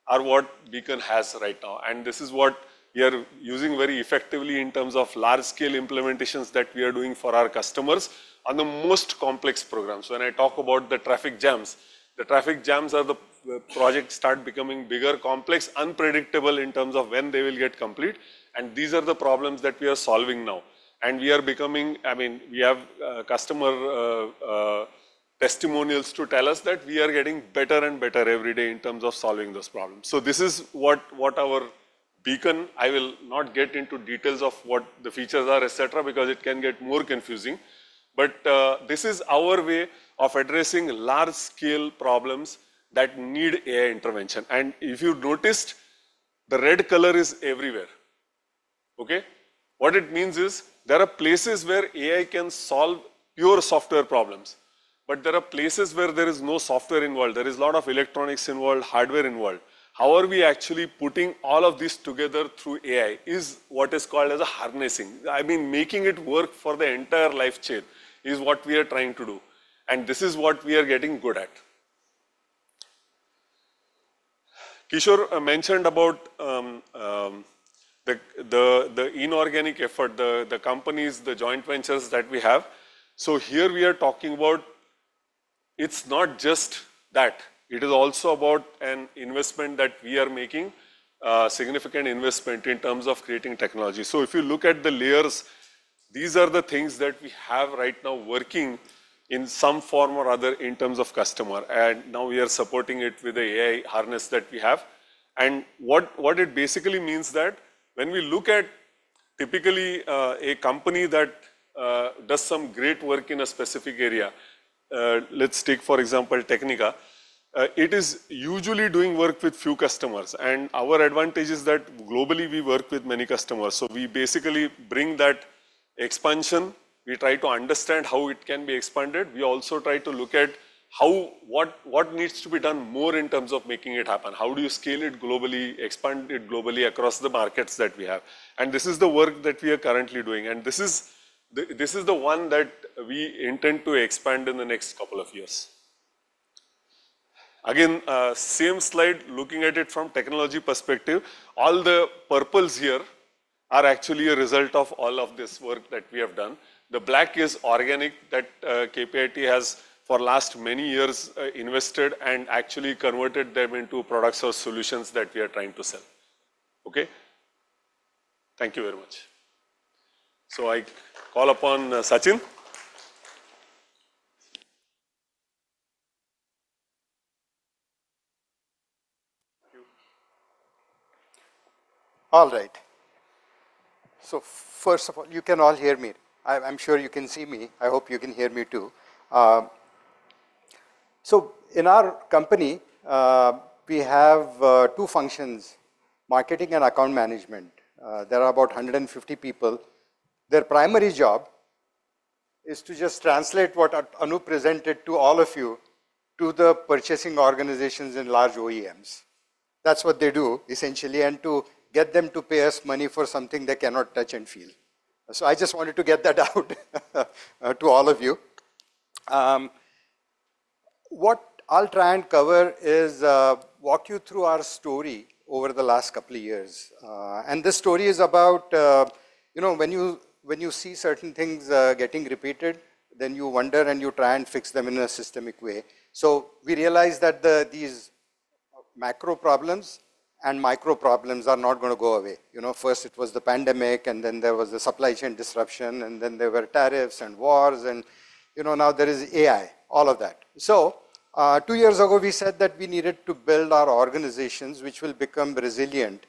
Speaker 4: are what Beacon has right now, and this is what we are using very effectively in terms of large scale implementations that we are doing for our customers on the most complex programs. When I talk about the traffic jams, the traffic jams are where projects start becoming bigger, complex, unpredictable in terms of when they will get complete, and these are the problems that we are solving now. I mean, we have customer testimonials to tell us that we are getting better and better every day in terms of solving those problems. This is what our Beacon, I will not get into details of what the features are, et cetera, because it can get more confusing, but this is our way of addressing large-scale problems that need AI intervention. If you noticed, the red color is everywhere. Okay? What it means is, there are places where AI can solve pure software problems, but there are places where there is no software involved. There is lot of electronics involved, hardware involved. How are we actually putting all of this together through AI is what is called as a harnessing. I mean, making it work for the entire life chain is what we are trying to do, and this is what we are getting good at. Kishor mentioned about the inorganic effort, the companies, the joint ventures that we have. Here we are talking about it's not just that. It is also about an investment that we are making, significant investment in terms of creating technology. If you look at the layers, these are the things that we have right now working in some form or other in terms of customer, and now we are supporting it with the AI harness that we have. What it basically means that when we look at typically, a company that does some great work in a specific area, let's take for example Technica, it is usually doing work with few customers. Our advantage is that globally we work with many customers, so we basically bring that expansion. We try to understand how it can be expanded. We also try to look at what needs to be done more in terms of making it happen. How do you scale it globally, expand it globally across the markets that we have? This is the work that we are currently doing, and this is the one that we intend to expand in the next couple of years. Again, same slide, looking at it from technology perspective. All the purples here are actually a result of all of this work that we have done. The black is organic, that KPIT has for last many years, invested and actually converted them into products or solutions that we are trying to sell. Okay? Thank you very much. I call upon Sachin.
Speaker 5: All right. First of all, you can all hear me? I'm sure you can see me. I hope you can hear me too. In our company, we have two functions: marketing and account management. There are about 150 people. Their primary job is to just translate what Anup presented to all of you to the purchasing organizations in large OEMs. That's what they do, essentially, and to get them to pay us money for something they cannot touch and feel. I just wanted to get that out to all of you. What I'll try and cover is walk you through our story over the last couple of years. The story is about, when you, when you see certain things getting repeated, then you wonder and you try and fix them in a systemic way. We realized that the, these macro problems and micro problems are not gonna go away. First it was the pandemic, and then there was the supply chain disruption, and then there were tariffs and wars and, now there is AI, all of that. Two years ago, we said that we needed to build our organizations, which will become resilient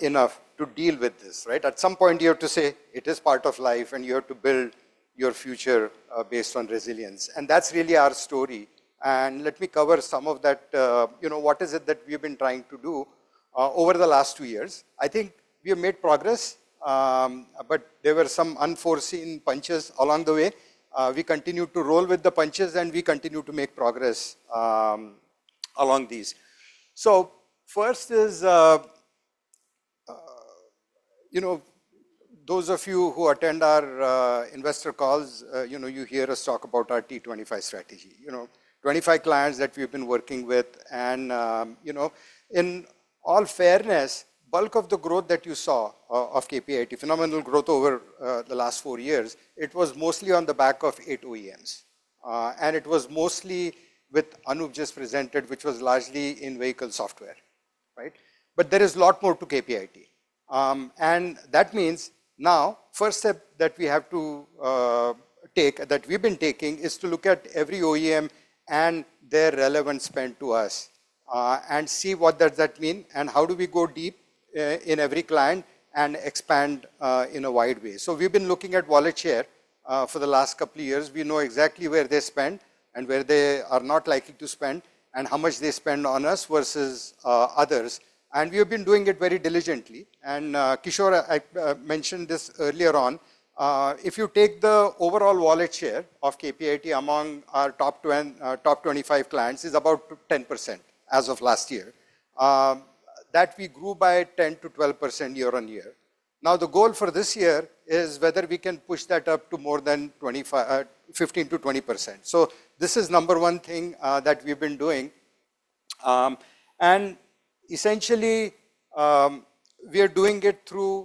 Speaker 5: enough to deal with this, right? At some point, you have to say, it is part of life and you have to build your future based on resilience. That's really our story. Let me cover some of that, you know, what is it that we've been trying to do over the last two years. I think we have made progress, but there were some unforeseen punches along the way. We continued to roll with the punches and we continue to make progress along these. First is, you know, those of you who attend our investor calls, you know, you hear us talk about our T25 strategy. You know, 25 clients that we've been working with and, you know. In all fairness, bulk of the growth that you saw of KPIT, phenomenal growth over the last four years, it was mostly on the back of eight OEMs. It was mostly what Anup just presented, which was largely in vehicle software, right? There is a lot more to KPIT. That means now first step that we've been taking is to look at every OEM and their relevant spend to us and see what does that mean and how do we go deep in every client and expand in a wide way. We've been looking at wallet share for the last couple of years. We know exactly where they spend and where they are not likely to spend and how much they spend on us versus others. We have been doing it very diligently. Kishor, I mentioned this earlier on. If you take the overall wallet share of KPIT among our top 25 clients is about 10% as of last year. That we grew by 10%-12% year-on-year. Now, the goal for this year is whether we can push that up to more than 15%-20%. This is number one thing that we've been doing. Essentially, we are doing it through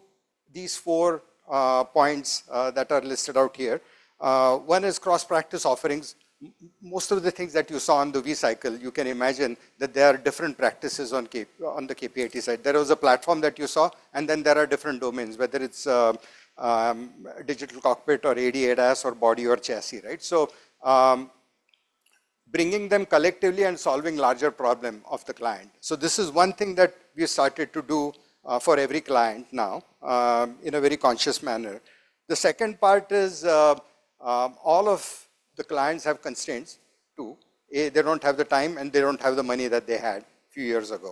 Speaker 5: these four points that are listed out here. One is cross practice offerings. Most of the things that you saw on the V-cycle, you can imagine that there are different practices on the KPIT side. There was a platform that you saw, and then there are different domains, whether it's digital cockpit or AD/ADAS or body or chassis, right? Bringing them collectively and solving larger problem of the client. This is one thing that we started to do for every client now, in a very conscious manner. The second part is, all of the clients have constraints too. A, they don't have the time, and they don't have the money that they had a few years ago.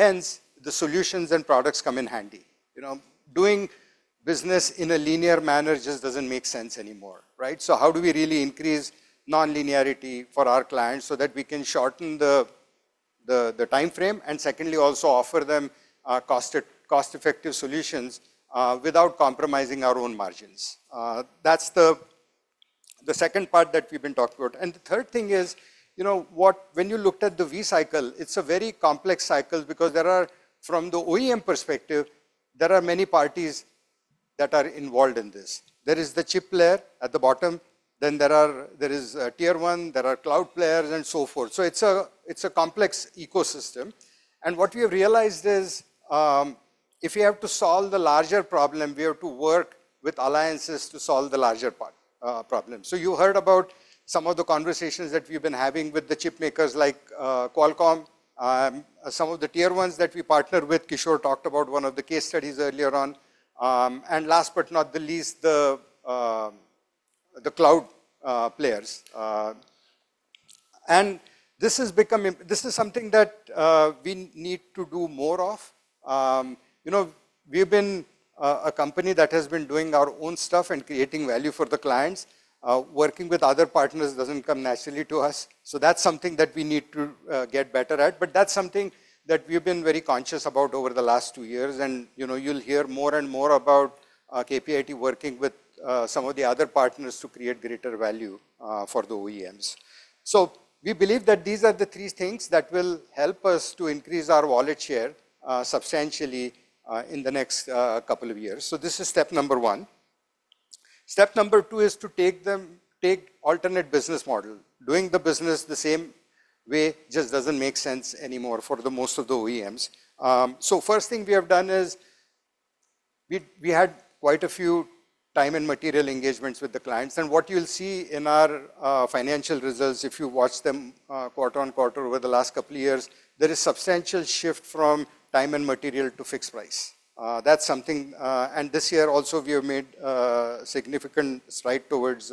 Speaker 5: Hence, the solutions and products come in handy. You know, doing business in a linear manner just doesn't make sense anymore, right? How do we really increase nonlinearity for our clients so that we can shorten the time frame, and secondly, also offer them cost-effective solutions without compromising our own margins. That's the second part that we've been talking about. The third thing is, you know, when you looked at the V-cycle, it's a very complex cycle because there are from the OEM perspective, there are many parties that are involved in this. There is the chip layer at the bottom, then there is Tier 1, there are cloud players and so forth. It's a complex ecosystem. What we have realized is, if you have to solve the larger problem, we have to work with alliances to solve the larger part problem. You heard about some of the conversations that we've been having with the chip makers like Qualcomm, some of the Tier 1s that we partner with. Kishor talked about one of the case studies earlier on. Last but not the least, the cloud players. This is something that we need to do more of. You know, we've been a company that has been doing our own stuff and creating value for the clients. Working with other partners doesn't come naturally to us. That's something that we need to get better at. That's something that we've been very conscious about over the last two years. You know, you'll hear more and more about KPIT working with some of the other partners to create greater value for the OEMs. We believe that these are the three things that will help us to increase our wallet share substantially in the next couple of years. This is step number one. Step number two is to take alternate business model. Doing the business the same way just doesn't make sense anymore for the most of the OEMs. First thing we have done, we had quite a few time and material engagements with the clients. What you'll see in our financial results, if you watch them, quarter-on-quarter over the last couple of years, there is substantial shift from time and material to fixed price. That's something this year also we have made significant stride towards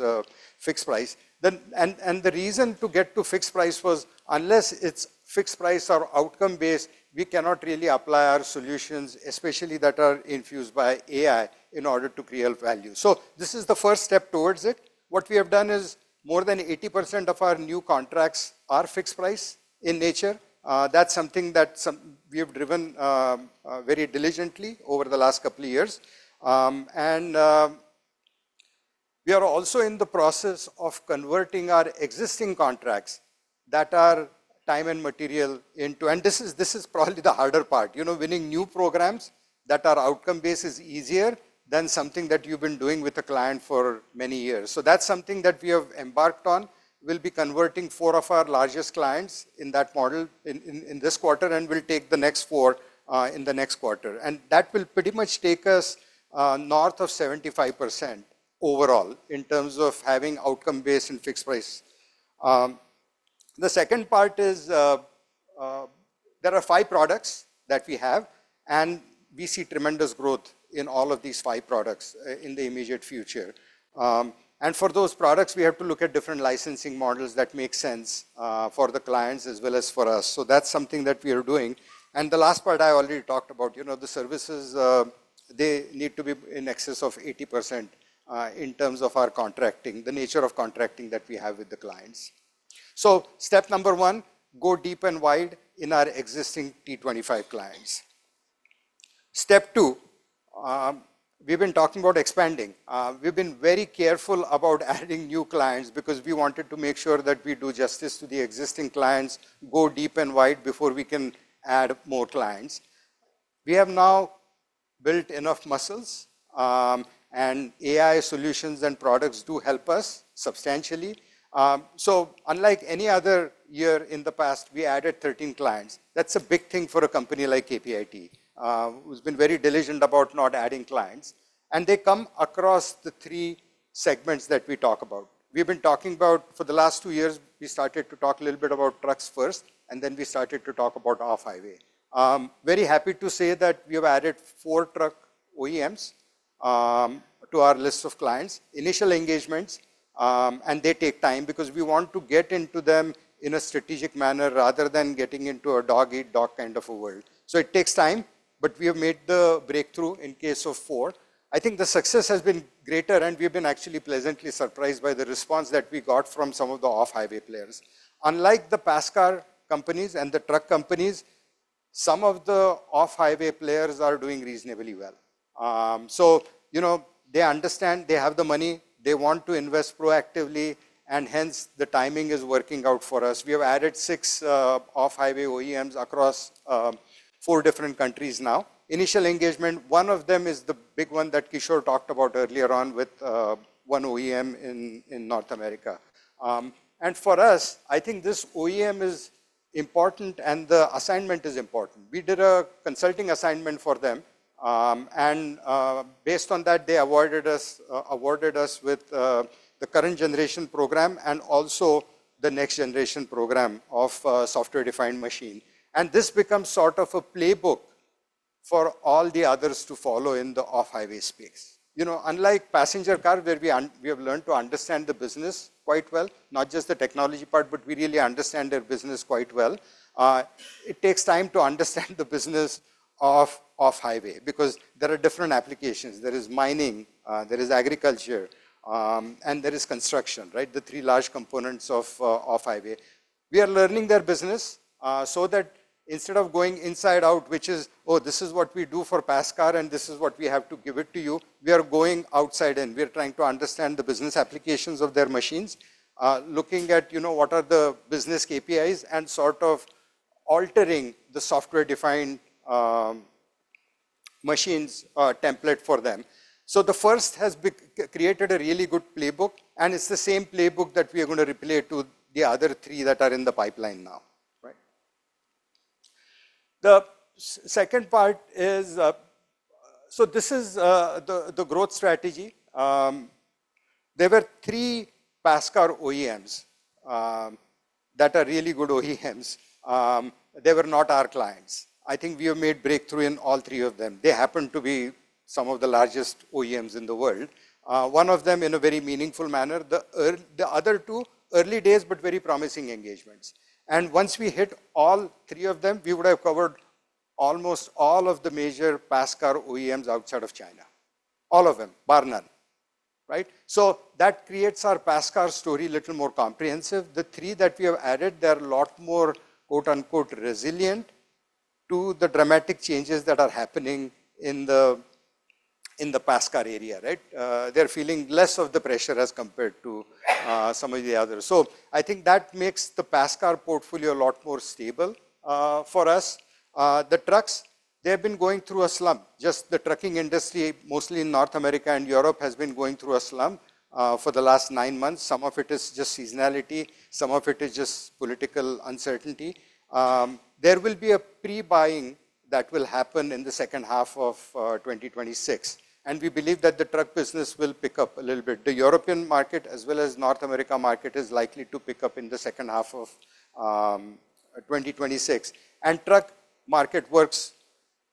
Speaker 5: fixed price. The reason to get to fixed price was, unless it's fixed price or outcome-based, we cannot really apply our solutions, especially that are infused by AI, in order to create value. This is the first step towards it. What we have done is more than 80% of our new contracts are fixed price in nature. That's something that we have driven very diligently over the last couple of years. We are also in the process of converting our existing contracts that are time and material into. This is probably the harder part. You know, winning new programs that are outcome-based is easier than something that you've been doing with a client for many years. That's something that we have embarked on. We'll be converting four of our largest clients in that model in this quarter, and we'll take the next four in the next quarter. That will pretty much take us north of 75% overall in terms of having outcome-based and fixed price. The second part is, there are five products that we have, and we see tremendous growth in all of these five products in the immediate future. For those products, we have to look at different licensing models that make sense for the clients as well as for us. That's something that we are doing. The last part I already talked about, you know, the services, they need to be in excess of 80% in terms of our contracting, the nature of contracting that we have with the clients. Step number one, go deep and wide in our existing T25 clients. Step two, we've been talking about expanding. We've been very careful about adding new clients because we wanted to make sure that we do justice to the existing clients, go deep and wide before we can add more clients. We have now built enough muscles, and AI solutions and products do help us substantially. Unlike any other year in the past, we added 13 clients. That's a big thing for a company like KPIT, who's been very diligent about not adding clients. They come across the three segments that we talk about. We've been talking about, for the last two years, we started to talk a little bit about trucks first, and then we started to talk about off-highway. Very happy to say that we have added four truck OEMs to our list of clients. Initial engagements, they take time because we want to get into them in a strategic manner rather than getting into a dog-eat-dog kind of a world. It takes time, but we have made the breakthrough in case of four. I think the success has been greater, and we've been actually pleasantly surprised by the response that we got from some of the off-highway players. Unlike the passenger car companies and the truck companies, some of the off-highway players are doing reasonably well. You know, they understand, they have the money, they want to invest proactively, and hence the timing is working out for us. We have added six off-highway OEMs across four different countries now. Initial engagement, one of them is the big one that Kishor talked about earlier on with one OEM in North America. For us, I think this OEM is important and the assignment is important. We did a consulting assignment for them, based on that, they awarded us with the current generation program and also the next generation program of software-defined machine. This becomes sort of a playbook for all the others to follow in the off-highway space. You know, unlike passenger car, where we have learned to understand the business quite well, not just the technology part, but we really understand their business quite well. It takes time to understand the business of off-highway because there are different applications. There is mining, there is agriculture, there is construction, right? The three large components of off-highway. We are learning their business, so that instead of going inside out, which is, "Oh, this is what we do for passenger car and this is what we have to give it to you," we are going outside and we are trying to understand the business applications of their machines. Looking at, you know, what are the business KPIs and sort of altering the software-defined machine's template for them. The first created a really good playbook, and it's the same playbook that we are gonna replay to the other three that are in the pipeline now. Right. Second part is, this is the growth strategy. There were three passenger car OEMs that are really good OEMs. They were not our clients. I think we have made breakthrough in all three of them. They happen to be some of the largest OEMs in the world. One of them in a very meaningful manner. The other two, early days, but very promising engagements. Once we hit all three of them, we would have covered almost all of the major PASCAR OEMs outside of China. All of them, bar none, right. That creates our PASCAR story a little more comprehensive. The three that we have added, they are a lot more, quote-unquote, "resilient" to the dramatic changes that are happening in the PASCAR area, right. They're feeling less of the pressure as compared to some of the others. I think that makes the PASCAR portfolio a lot more stable for us. The trucks, they've been going through a slump. Just the trucking industry, mostly in North America and Europe, has been going through a slump. For the last nine months, some of it is just seasonality, some of it is just political uncertainty. There will be a pre-buying that will happen in the second half of 2026, We believe that the truck business will pick up a little bit. The European market as well as North America market is likely to pick up in the second half of 2026. Truck market works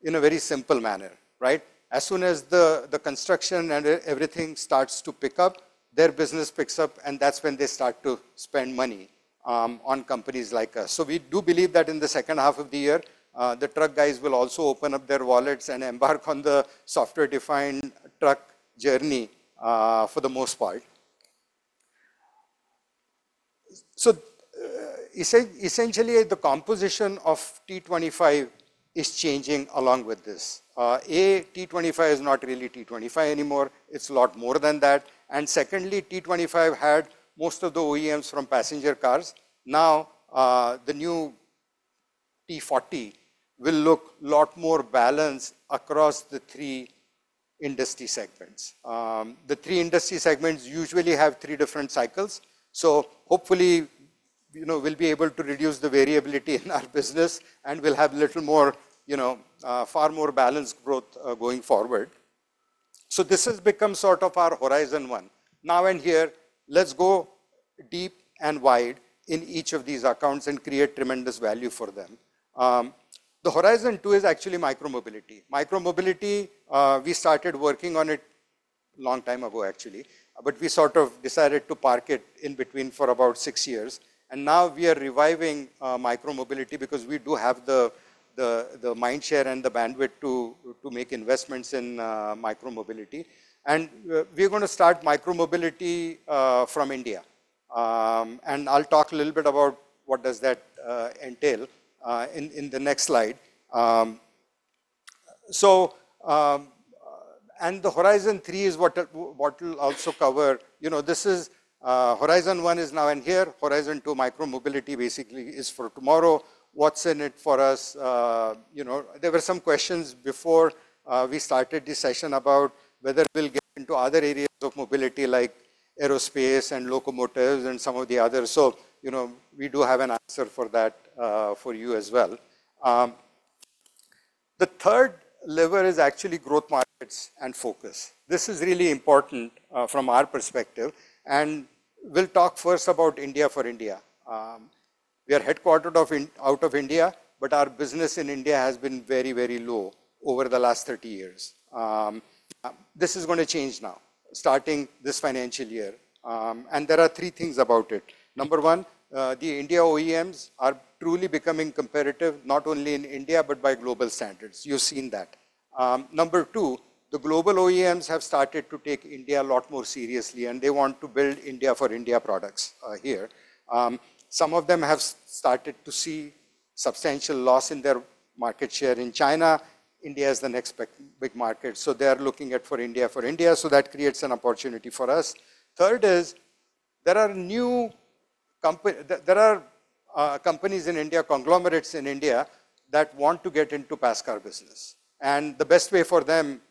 Speaker 5: in a very simple manner, right? As soon as the construction and everything starts to pick up, their business picks up, and that's when they start to spend money on companies like us. We do believe that in the second half of the year, the truck guys will also open up their wallets and embark on the software-defined truck journey for the most part. Essentially, the composition of T25 is changing along with this. A, T25 is not really T25 anymore, it's a lot more than that. Secondly, T25 had most of the OEMs from passenger cars. Now, the new T40 will look lot more balanced across the three industry segments. The three industry segments usually have three different cycles, so hopefully, you know, we'll be able to reduce the variability in our business and we'll have little more, you know, far more balanced growth going forward. This has become sort of our horizon one. Now in here, let's go deep and wide in each of these accounts and create tremendous value for them. The Horizon 2 is actually micro-mobility. Micro-mobility, we started working on it long time ago actually, but we sort of decided to park it in between for about six years. Now we are reviving micro-mobility because we do have the mind share and the bandwidth to make investments in micro-mobility. We're gonna start micro-mobility from India. I'll talk a little bit about what does that entail in the next slide. The Horizon 3 is what we'll also cover. You know, this is Horizon 1 is now in here. Horizon 2, micro-mobility basically is for tomorrow. What's in it for us? You know, there were some questions before we started this session about whether we'll get into other areas of mobility like aerospace and locomotives and some of the others. You know, we do have an answer for that for you as well. The third lever is actually growth markets and focus. This is really important from our perspective, and we'll talk first about India for India. We are headquartered out of India, but our business in India has been very low over the last 30 years. This is gonna change now, starting this financial year. There are three things about it. Number one, the India OEMs are truly becoming competitive, not only in India, but by global standards. You've seen that. Number two, the global OEMs have started to take India a lot more seriously, and they want to build India for India products here. Some of them have started to see substantial loss in their market share in China. India is the next big market, they are looking at for India, for India, that creates an opportunity for us. Third is. There are new companies in India, conglomerates in India that want to get into passenger car business. The best way for them,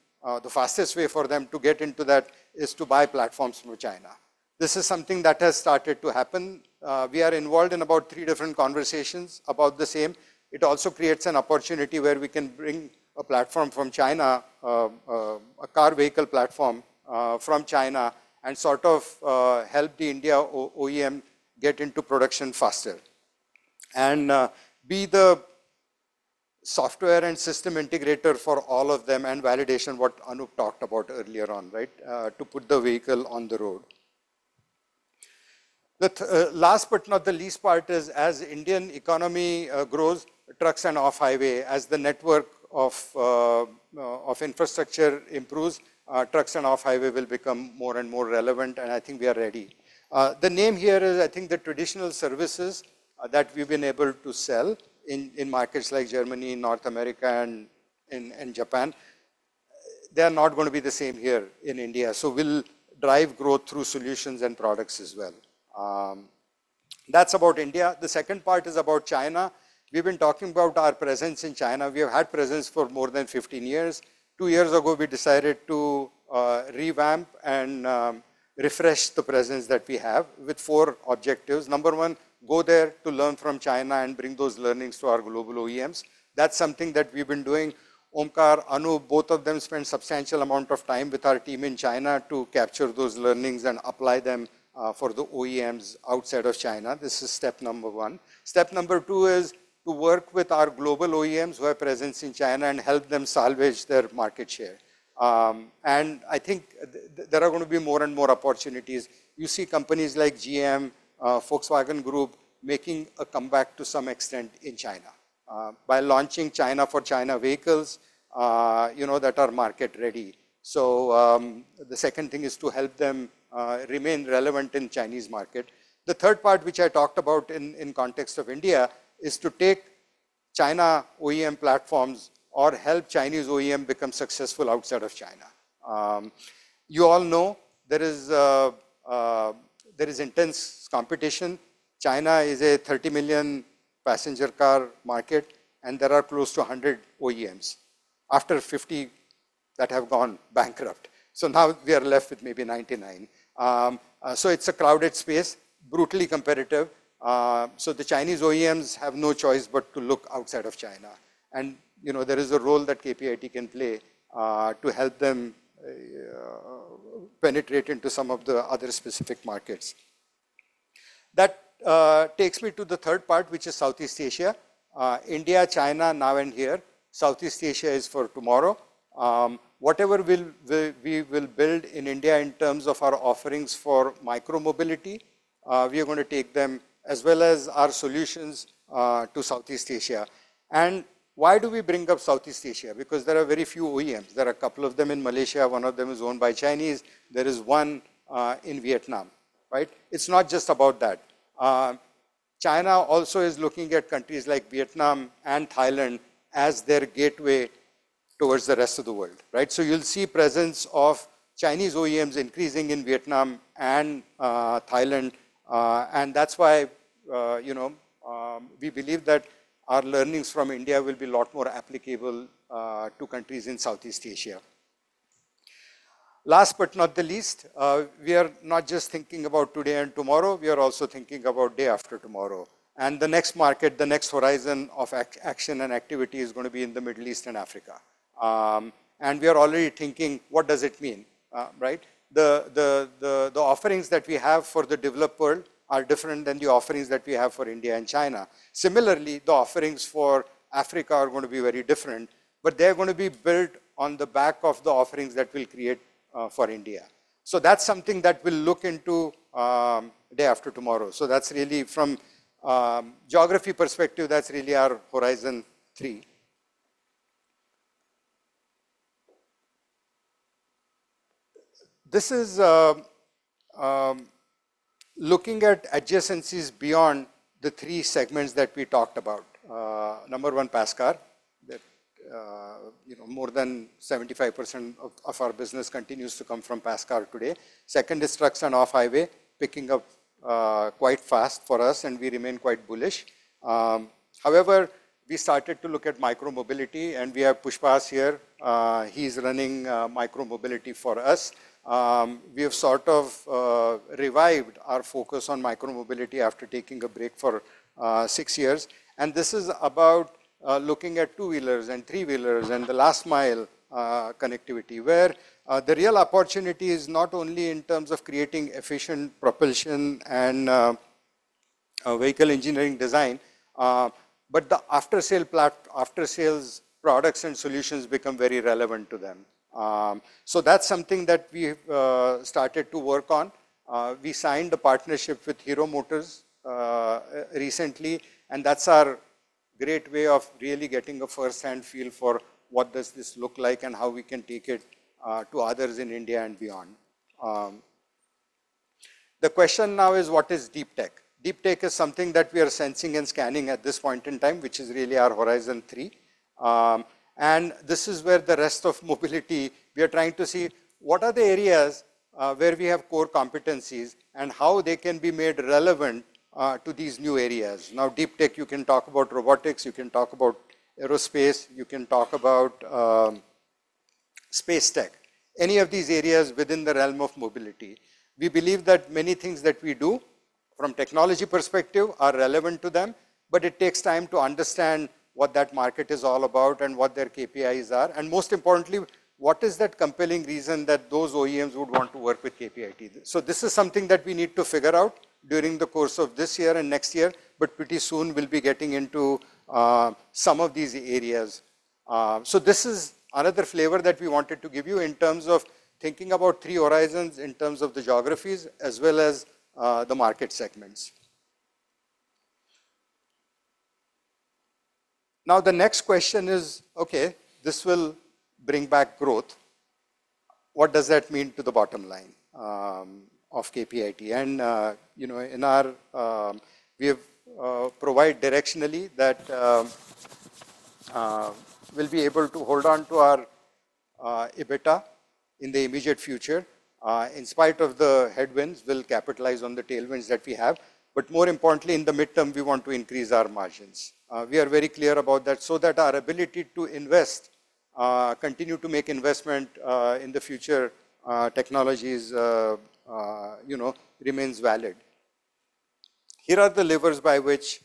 Speaker 5: the fastest way for them to get into that is to buy platforms from China. This is something that has started to happen. We are involved in about three different conversations about the same. It also creates an opportunity where we can bring a platform from China, a car vehicle platform from China and sort of help the India OEM get into production faster, and be the software and system integrator for all of them, and validation, what Anup talked about earlier on, right? To put the vehicle on the road. The last but not the least part is, as Indian economy grows, trucks and off-highway, as the network of infrastructure improves, trucks and off-highway will become more and more relevant, and I think we are ready. The name here is, I think the traditional services that we've been able to sell in markets like Germany, North America and Japan, they are not gonna be the same here in India. We'll drive growth through solutions and products as well. That's about India. The second part is about China. We've been talking about our presence in China. We have had presence for more than 15 years. Two years ago, we decided to revamp and refresh the presence that we have with four objectives. Number one, go there to learn from China and bring those learnings to our global OEMs. That's something that we've been doing. Omkar, Anup, both of them spend substantial amount of time with our team in China to capture those learnings and apply them for the OEMs outside of China. This is step number one. Step number two is to work with our global OEMs who have presence in China and help them salvage their market share. I think there are gonna be more and more opportunities. You see companies like GM, Volkswagen Group making a comeback to some extent in China, by launching China for China vehicles, you know, that are market ready. The second thing is to help them remain relevant in Chinese market. The third part, which I talked about in context of India, is to take China OEM platforms or help Chinese OEM become successful outside of China. You all know there is intense competition. China is a 30 million passenger car market, and there are close to 100 OEMs after 50 that have gone bankrupt. Now we are left with maybe 99. It's a crowded space, brutally competitive. The Chinese OEMs have no choice but to look outside of China. You know, there is a role that KPIT can play to help them penetrate into some of the other specific markets. That takes me to the third part, which is Southeast Asia. India, China, now and here. Southeast Asia is for tomorrow. Whatever we will build in India in terms of our offerings for micro-mobility, we are gonna take them as well as our solutions to Southeast Asia. Why do we bring up Southeast Asia? Because there are very few OEMs. There are a couple of them in Malaysia. One of them is owned by Chinese. There is one in Vietnam, right? It is not just about that. China also is looking at countries like Vietnam and Thailand as their gateway towards the rest of the world, right? You'll see presence of Chinese OEMs increasing in Vietnam and Thailand. That's why, you know, we believe that our learnings from India will be a lot more applicable to countries in Southeast Asia. Last but not the least, we are not just thinking about today and tomorrow, we are also thinking about day after tomorrow. The next market, the next horizon of action and activity is gonna be in the Middle East and Africa. We are already thinking, what does it mean, right? The offerings that we have for the developed world are different than the offerings that we have for India and China. Similarly, the offerings for Africa are gonna be very different, but they're gonna be built on the back of the offerings that we'll create for India. That's something that we'll look into, day after tomorrow. That's really from a geography perspective, that's really our Horizon 3. This is looking at adjacencies beyond the three segments that we talked about. Number one, passenger car, that, you know, more than 75% of our business continues to come from passenger car today. Second is trucks and off-highway, picking up quite fast for us, and we remain quite bullish. However, we started to look at micro-mobility, and we have Pushpahas here. He's running micro-mobility for us. We have sort of revived our focus on micro-mobility after taking a break for six years. This is about looking at two-wheelers and three-wheelers and the last mile connectivity, where the real opportunity is not only in terms of creating efficient propulsion and vehicle engineering design, but the after-sales products and solutions become very relevant to them. That's something that we've started to work on. We signed a partnership with Hero Motors recently, and that's our great way of really getting a first-hand feel for what does this look like and how we can take it to others in India and beyond. The question now is what is deep tech? Deep tech is something that we are sensing and scanning at this point in time, which is really our Horizon 3. This is where the rest of mobility, we are trying to see what are the areas where we have core competencies and how they can be made relevant to these new areas. Now, deep tech, you can talk about robotics, you can talk about aerospace, you can talk about space tech, any of these areas within the realm of mobility. We believe that many things that we do from technology perspective are relevant to them, but it takes time to understand what that market is all about and what their KPIs are, and most importantly, what is that compelling reason that those OEMs would want to work with KPIT. This is something that we need to figure out during the course of this year and next year, but pretty soon we'll be getting into some of these areas. This is another flavor that we wanted to give you in terms of thinking about three horizons in terms of the geographies as well as the market segments. Now, the next question is, okay, this will bring back growth. What does that mean to the bottom line of KPIT? You know, in our We have provide directionally that we'll be able to hold on to our EBITDA in the immediate future. In spite of the headwinds, we'll capitalize on the tailwinds that we have. More importantly, in the midterm, we want to increase our margins. We are very clear about that, so that our ability to invest, continue to make investment in the future technologies, you know, remains valid. Here are the levers by which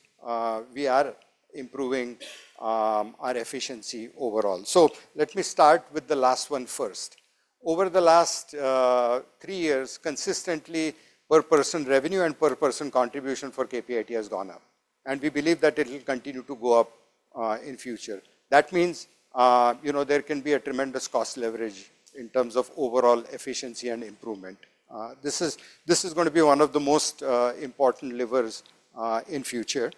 Speaker 5: we are improving our efficiency overall. Let me start with the last one first. Over the last three years, consistently per person revenue and per person contribution for KPIT has gone up, and we believe that it will continue to go up in future. That means, you know, there can be a tremendous cost leverage in terms of overall efficiency and improvement. This is gonna be one of the most important levers in future.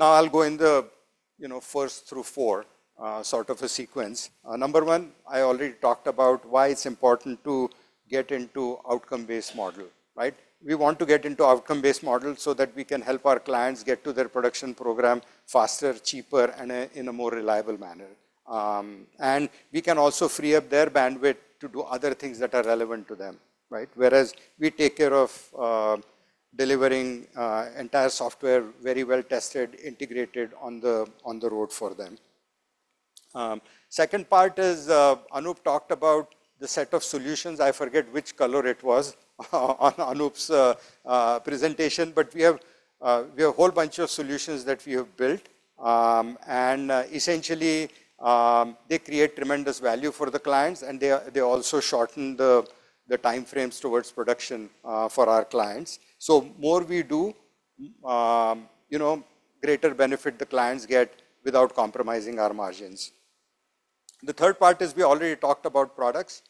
Speaker 5: I'll go in the, you know, first through four, sort of a sequence. Number one, I already talked about why it's important to get into outcome-based model, right? We want to get into outcome-based model so that we can help our clients get to their production program faster, cheaper, and in a more reliable manner. We can also free up their bandwidth to do other things that are relevant to them, right? Whereas we take care of delivering entire software, very well tested, integrated on the road for them. Second part is Anup talked about the set of solutions, I forget which color it was on Anup's presentation. We have a whole bunch of solutions that we have built. Essentially, they create tremendous value for the clients, and they also shorten the timeframes towards production for our clients. More we do, you know, greater benefit the clients get without compromising our margins. The third part is we already talked about products.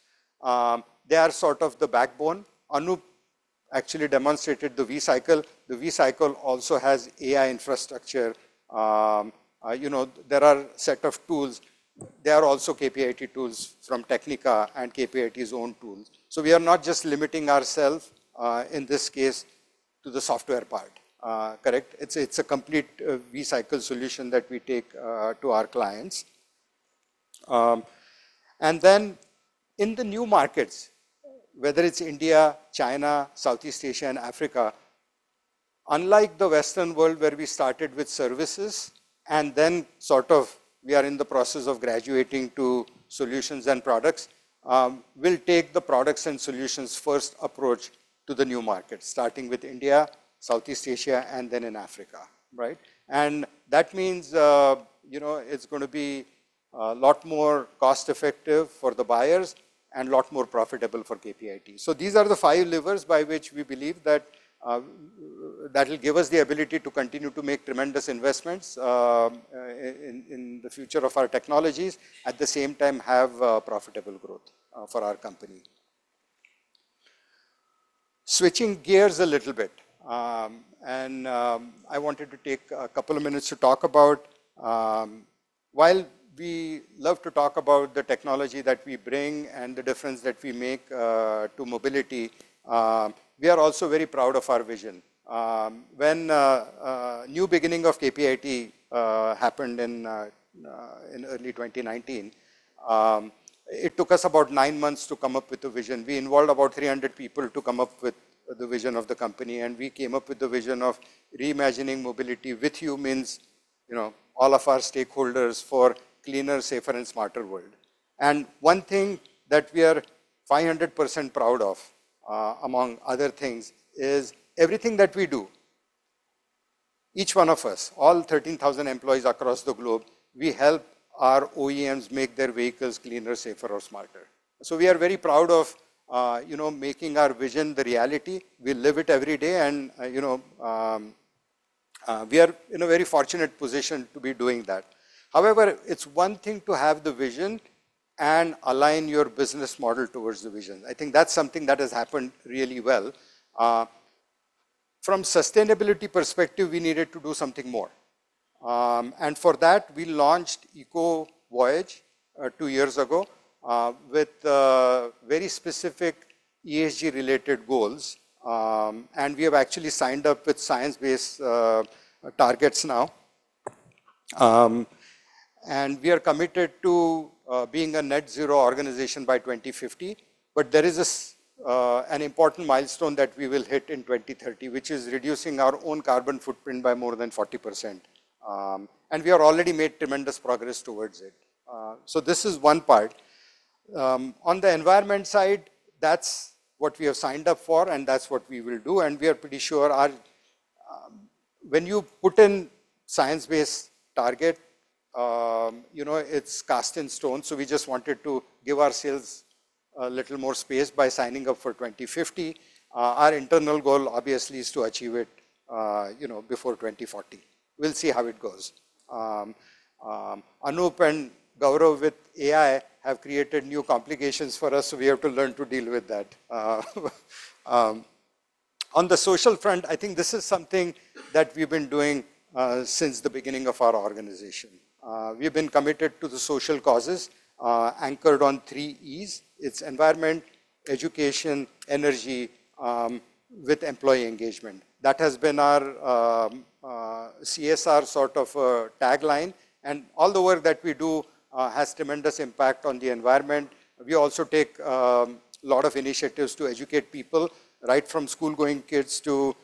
Speaker 5: They are sort of the backbone. Anup actually demonstrated the V-cycle. The V-cycle also has AI infrastructure. You know, there are set of tools. There are also KPIT tools from Technica and KPIT's own tools. We are not just limiting ourself in this case to the software part, correct. It's a complete V-cycle solution that we take to our clients. In the new markets, whether it's India, China, Southeast Asia, and Africa, unlike the Western world where we started with services and then sort of we are in the process of graduating to solutions and products, we'll take the products and solutions first approach to the new market starting with India, Southeast Asia, and then in Africa, right? That means, you know, it's gonna be a lot more cost-effective for the buyers and a lot more profitable for KPIT. These are the five levers by which we believe that'll give us the ability to continue to make tremendous investments in the future of our technologies, at the same time have profitable growth for our company. Switching gears a little bit. I wanted to take a couple of minutes to talk about while we love to talk about the technology that we bring and the difference that we make to mobility, we are also very proud of our vision. When a new beginning of KPIT happened in early 2019, it took us about nine months to come up with a vision. We involved about 300 people to come up with the vision of the company. We came up with the vision of reimagining mobility with humans, you know, all of our stakeholders, for cleaner, safer, and smarter world. One thing that we are 500% proud of, among other things, is everything that we do, each one of us, all 13,000 employees across the globe, we help our OEMs make their vehicles cleaner, safer or smarter. We are very proud of, you know, making our vision the reality. We live it every day. You know, we are in a very fortunate position to be doing that. However, it's one thing to have the vision and align your business model towards the vision. I think that's something that has happened really well. From sustainability perspective, we needed to do something more. For that, we launched EcoVoyage, two years ago, with very specific ESG related goals. We have actually signed up with science-based targets now. We are committed to being a net zero organization by 2050. There is an important milestone that we will hit in 2030, which is reducing our own carbon footprint by more than 40%. We are already made tremendous progress towards it. This is one part. On the environment side, that's what we have signed up for, and that's what we will do. We are pretty sure our When you put in science-based target, you know, it's cast in stone, so we just wanted to give ourselves a little more space by signing up for 2050. Our internal goal obviously is to achieve it, you know, before 2040. We'll see how it goes. Anup and Gaurav with AI have created new complications for us, so we have to learn to deal with that. On the social front, I think this is something that we've been doing since the beginning of our organization. We've been committed to the social causes, anchored on three E's. It's environment, education, energy, with employee engagement. That has been our CSR sort of tagline. All the work that we do has tremendous impact on the environment. We also take lot of initiatives to educate people, right from school-going kids to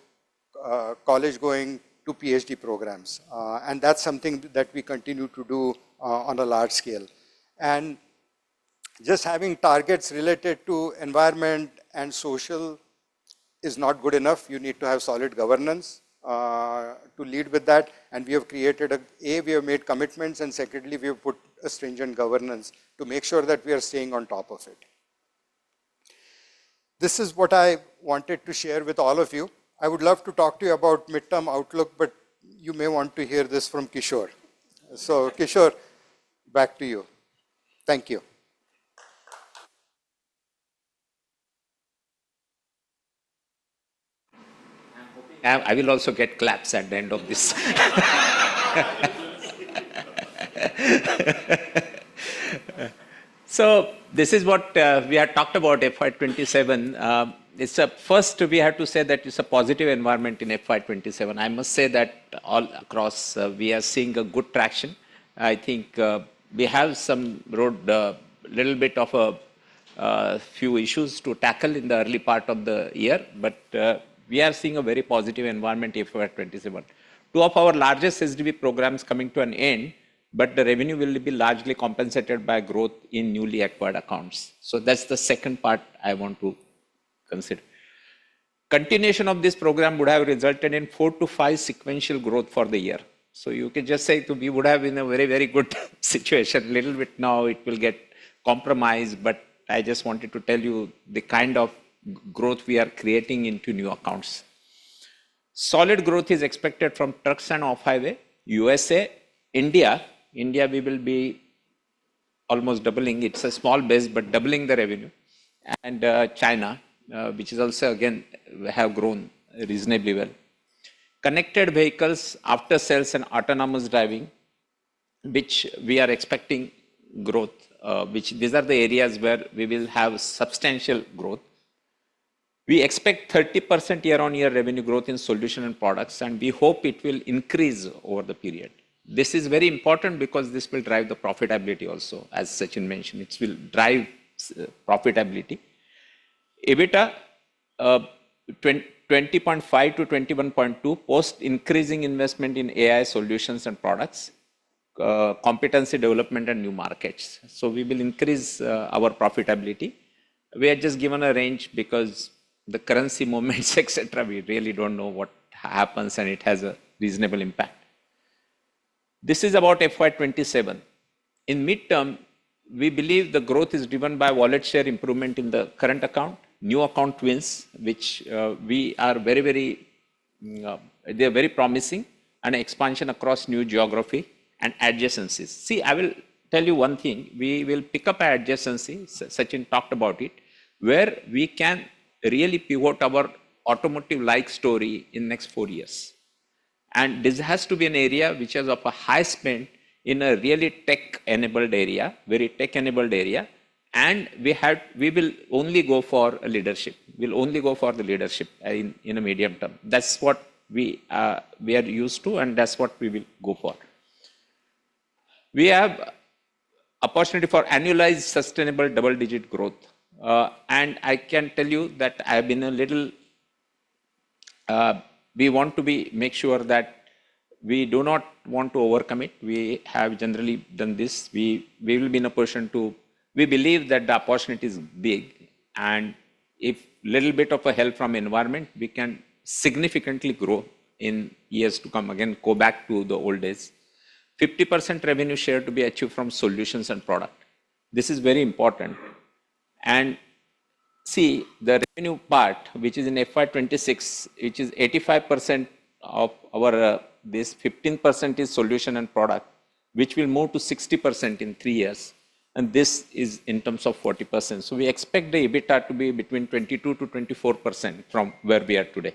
Speaker 5: college-going to PhD programs. That's something that we continue to do on a large scale. Just having targets related to environment and social is not good enough. You need to have solid governance to lead with that. We have made commitments, and secondly, we have put a stringent governance to make sure that we are staying on top of it. This is what I wanted to share with all of you. I would love to talk to you about midterm outlook, but you may want to hear this from Kishor. Kishor, back to you. Thank you.
Speaker 3: I will also get claps at the end of this. This is what we had talked about FY 2027. It's, first we have to say that it's a positive environment in FY 2027. I must say that all across, we are seeing a good traction. I think, we have some road. Few issues to tackle in the early part of the year, but we are seeing a very positive environment FY 2027. Two of our largest SDV programs coming to an end, but the revenue will be largely compensated by growth in newly acquired accounts. That's the second part I want to consider. Continuation of this program would have resulted in four to five sequential growth for the year. You can just say we would have been in a very good situation. Little bit now it will get compromised, but I just wanted to tell you the kind of growth we are creating into new accounts. Solid growth is expected from trucks and off-highway, U.S.A., India. India, we will be almost doubling. It's a small base, but doubling the revenue. China, which is also again, have grown reasonably well. Connected vehicles after sales and autonomous driving, which we are expecting growth, which these are the areas where we will have substantial growth. We expect 30% year-on-year revenue growth in solution and products, and we hope it will increase over the period. This is very important because this will drive the profitability also, as Sachin mentioned. It will drive profitability. EBITDA 20.5%-21.2% post increasing investment in AI solutions and products, competency development and new markets. We will increase our profitability. We have just given a range because the currency movements, et cetera, we really don't know what happens, and it has a reasonable impact. This is about FY 2027. In midterm, we believe the growth is driven by wallet share improvement in the current account, new account wins, which, we are very, very promising, and expansion across new geography and adjacencies. See, I will tell you one thing. We will pick up adjacencies, Sachin talked about it, where we can really pivot our automotive-like story in next four years. This has to be an area which is of a high spend in a really tech-enabled area, very tech-enabled area, and we will only go for a leadership. We'll only go for the leadership in the medium term. That's what we are used to, and that's what we will go for. We have opportunity for annualized sustainable double-digit growth. I can tell you that I have been a little. We want to make sure that we do not want to overcommit. We have generally done this. We will be in a position to. We believe that the opportunity is big, and if little bit of a help from environment, we can significantly grow in years to come. Again, go back to the old days. 50% revenue share to be achieved from solutions and product. This is very important. See, the revenue part, which is in FY 2026, which is 85% of our, this 15% is solution and product, which will move to 60% in three years, and this is in terms of 40%. We expect the EBITDA to be between 22%-24% from where we are today.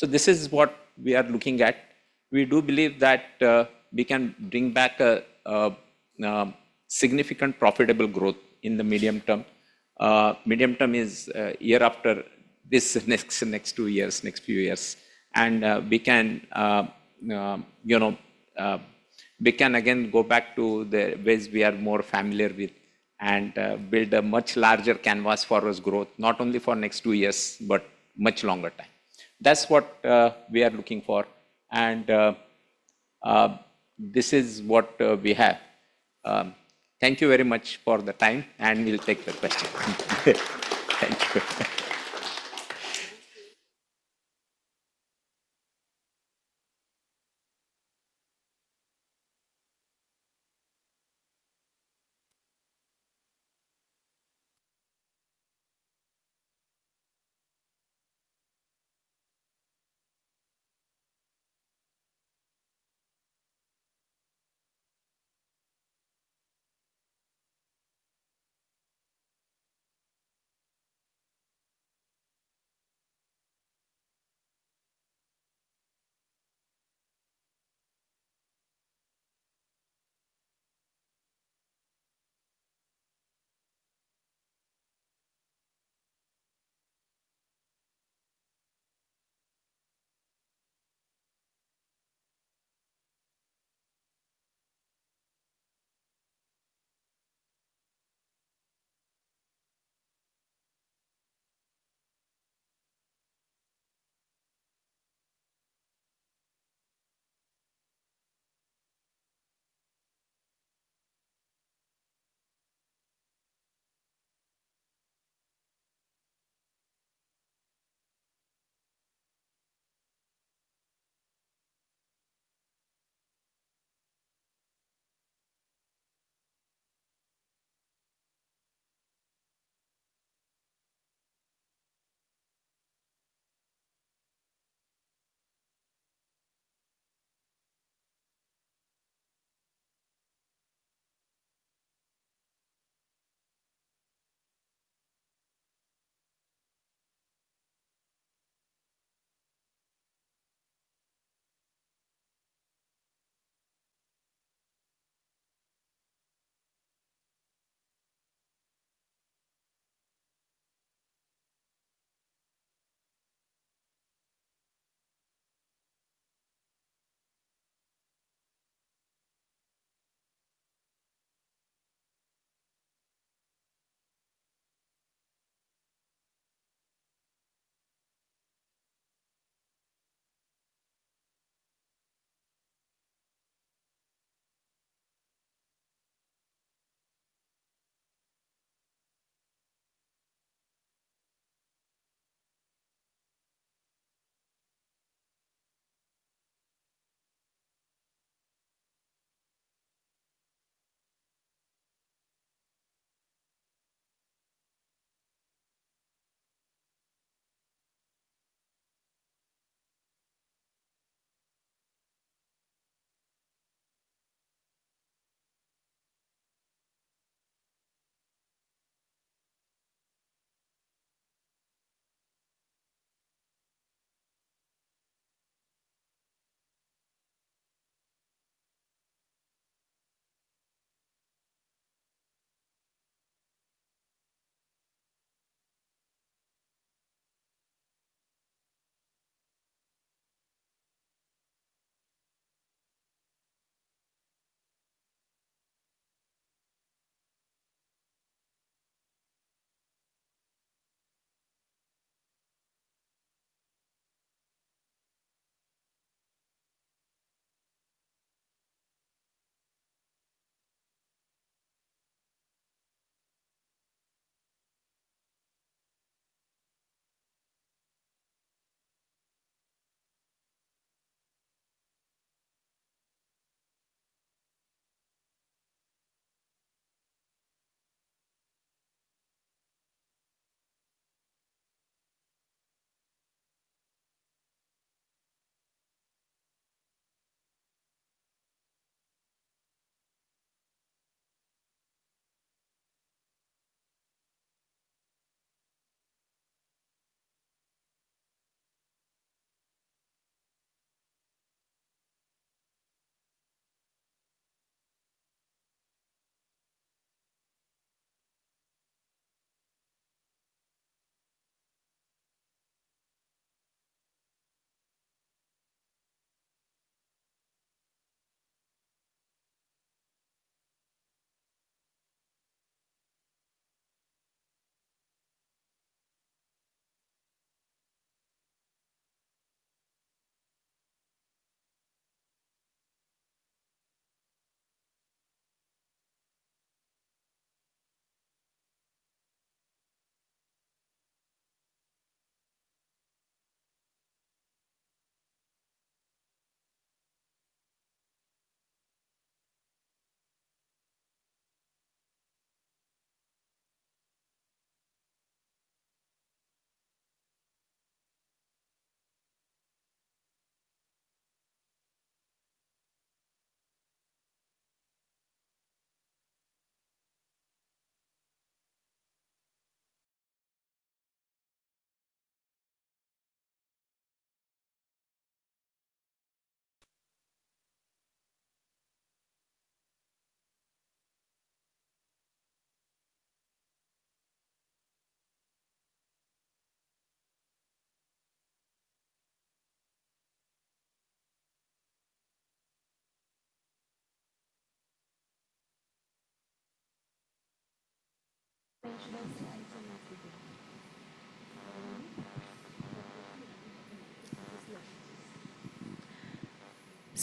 Speaker 3: This is what we are looking at. We do believe that we can bring back a significant profitable growth in the medium term. Medium term is year after this, next two years, next few years. We can, you know, we can again go back to the ways we are more familiar with and build a much larger canvas for our growth, not only for next two years, but much longer time. That's what we are looking for, this is what we have. Thank you very much for the time, and we'll take the questions. Thank you.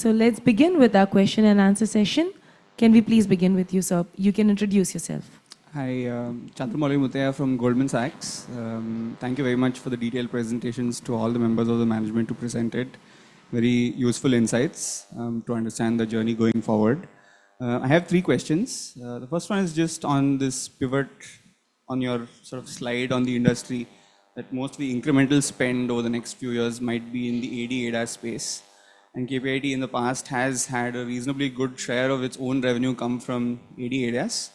Speaker 6: Let's begin with our question-and-answer session. Can we please begin with you, sir? You can introduce yourself.
Speaker 7: Hi, Chandramouli Muthiah from Goldman Sachs. Thank you very much for the detailed presentations to all the members of the management who presented. Very useful insights to understand the journey going forward. I have three questions. The first one is just on this pivot on your sort of slide on the industry that mostly incremental spend over the next few years might be in the AD/ADAS space. KPIT in the past has had a reasonably good share of its own revenue come from AD/ADAS.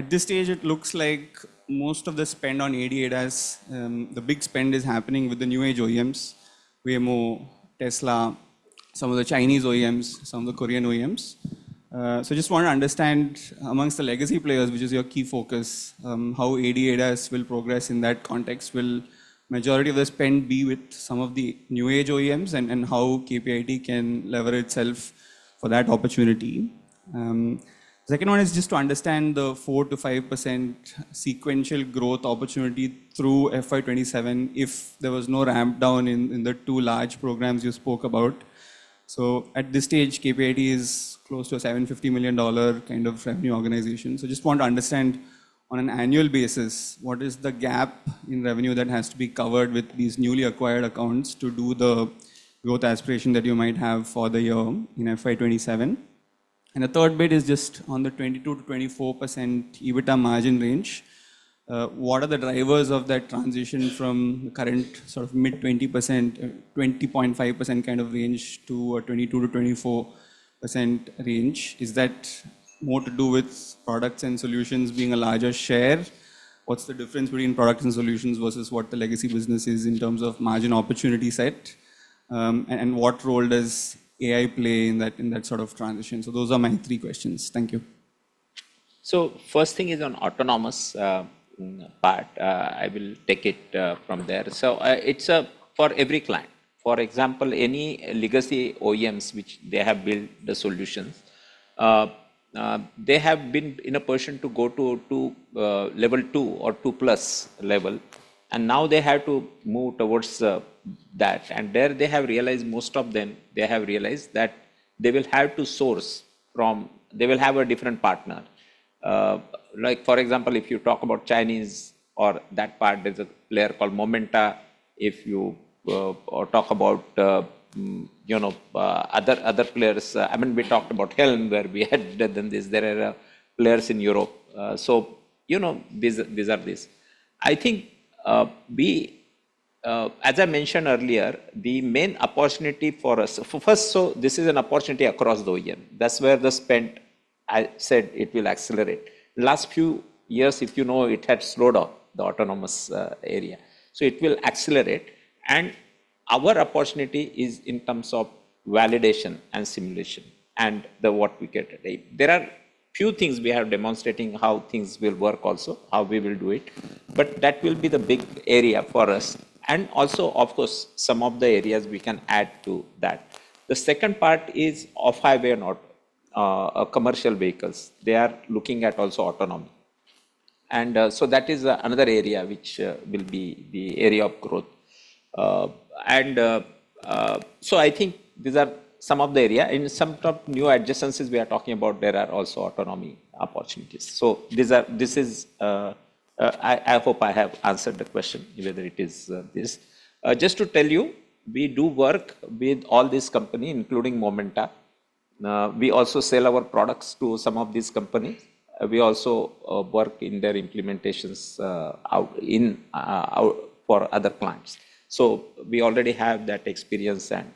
Speaker 7: At this stage it looks like most of the spend on AD/ADAS, the big spend is happening with the new age OEMs, Waymo, Tesla, some of the Chinese OEMs, some of the Korean OEMs. Just want to understand amongst the legacy players, which is your key focus, how AD/ADAS will progress in that context. Will majority of the spend be with some of the new age OEMs and how KPIT can lever itself for that opportunity? Second one is just to understand the 4%-5% sequential growth opportunity through FY 2027 if there was no ramp down in the two large programs you spoke about. At this stage, KPIT is close to a $750 million kind of revenue organization. Just want to understand on an annual basis, what is the gap in revenue that has to be covered with these newly acquired accounts to do the growth aspiration that you might have for the year in FY 2027. The third bit is just on the 22%-24% EBITDA margin range. What are the drivers of that transition from the current mid 20%, 20.5% kind of range to a 22%-24% range? Is that more to do with products and solutions being a larger share? What's the difference between products and solutions versus what the legacy business is in terms of margin opportunity set? What role does AI play in that, in that transition? Those are my three questions. Thank you.
Speaker 3: First thing is on autonomous part, I will take it from there. It's for every client. For example, any legacy OEMs which they have built the solutions, they have been in a position to go to Level 2 or 2+ Level, and now they have to move towards that. There they have realized, most of them, they have realized that they will have a different partner. Like for example, if you talk about Chinese or that part, there's a player called Momenta. If you or talk about, you know, other players, I mean, we talked about Helm where we had done this. There are players in Europe. You know, these are this. I think, as I mentioned earlier, the main opportunity for us. First, this is an opportunity across the OEM. That's where the spend, I said it will accelerate. Last few years, if you know, it had slowed down, the autonomous area. It will accelerate. Our opportunity is in terms of validation and simulation and the what we get today. There are few things we are demonstrating how things will work also, how we will do it. That will be the big area for us. Also, of course, some of the areas we can add to that. The second part is off-highway and auto commercial vehicles. They are looking at also autonomy. That is another area which will be the area of growth. I think these are some of the area. In some of new adjacencies we are talking about, there are also autonomy opportunities. This is, I hope I have answered the question, whether it is this. Just to tell you, we do work with all these companies, including Momenta. We also sell our products to some of these companies. We also work in their implementations out in out for other clients. We already have that experience and,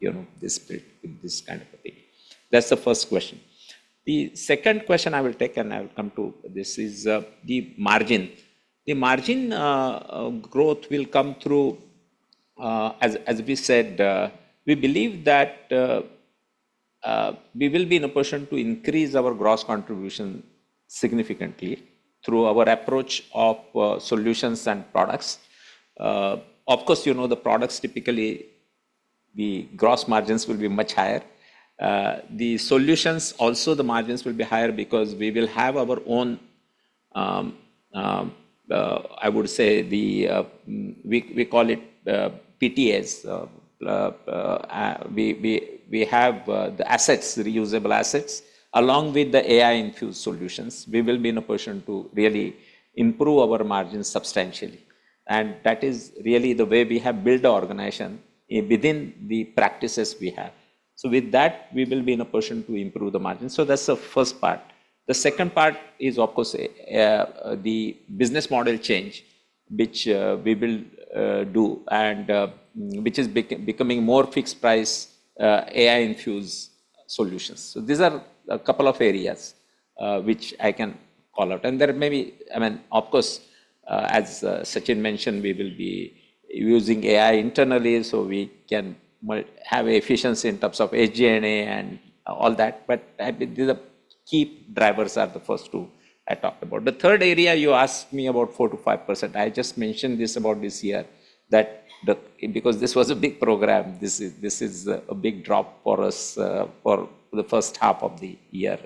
Speaker 3: you know, this kind of a thing. That's the first question. The second question I will take, and I will come to this, is the margin. The margin growth will come through as we said, we believe that we will be in a position to increase our gross contribution significantly through our approach of solutions and products. Of course, you know the products typically, the gross margins will be much higher. The solutions also the margins will be higher because we will have our own, I would say the, we call it PTS. We have the assets, reusable assets. Along with the AI-infused solutions, we will be in a position to really improve our margins substantially. That is really the way we have built our organization within the practices we have. With that, we will be in a position to improve the margin. That's the first part. The second part is, of course, the business model change, which we will do and which is becoming more fixed price, AI-infused solutions. These are a couple of areas, which I can call out. I mean, of course, as Sachin mentioned, we will be using AI internally, so we can have efficiency in terms of SG&A and all that. I mean, key drivers are the first two I talked about. The third area you asked me about 4%-5%. I just mentioned this about this year, because this was a big program. This is a big drop for us for the first half of the year.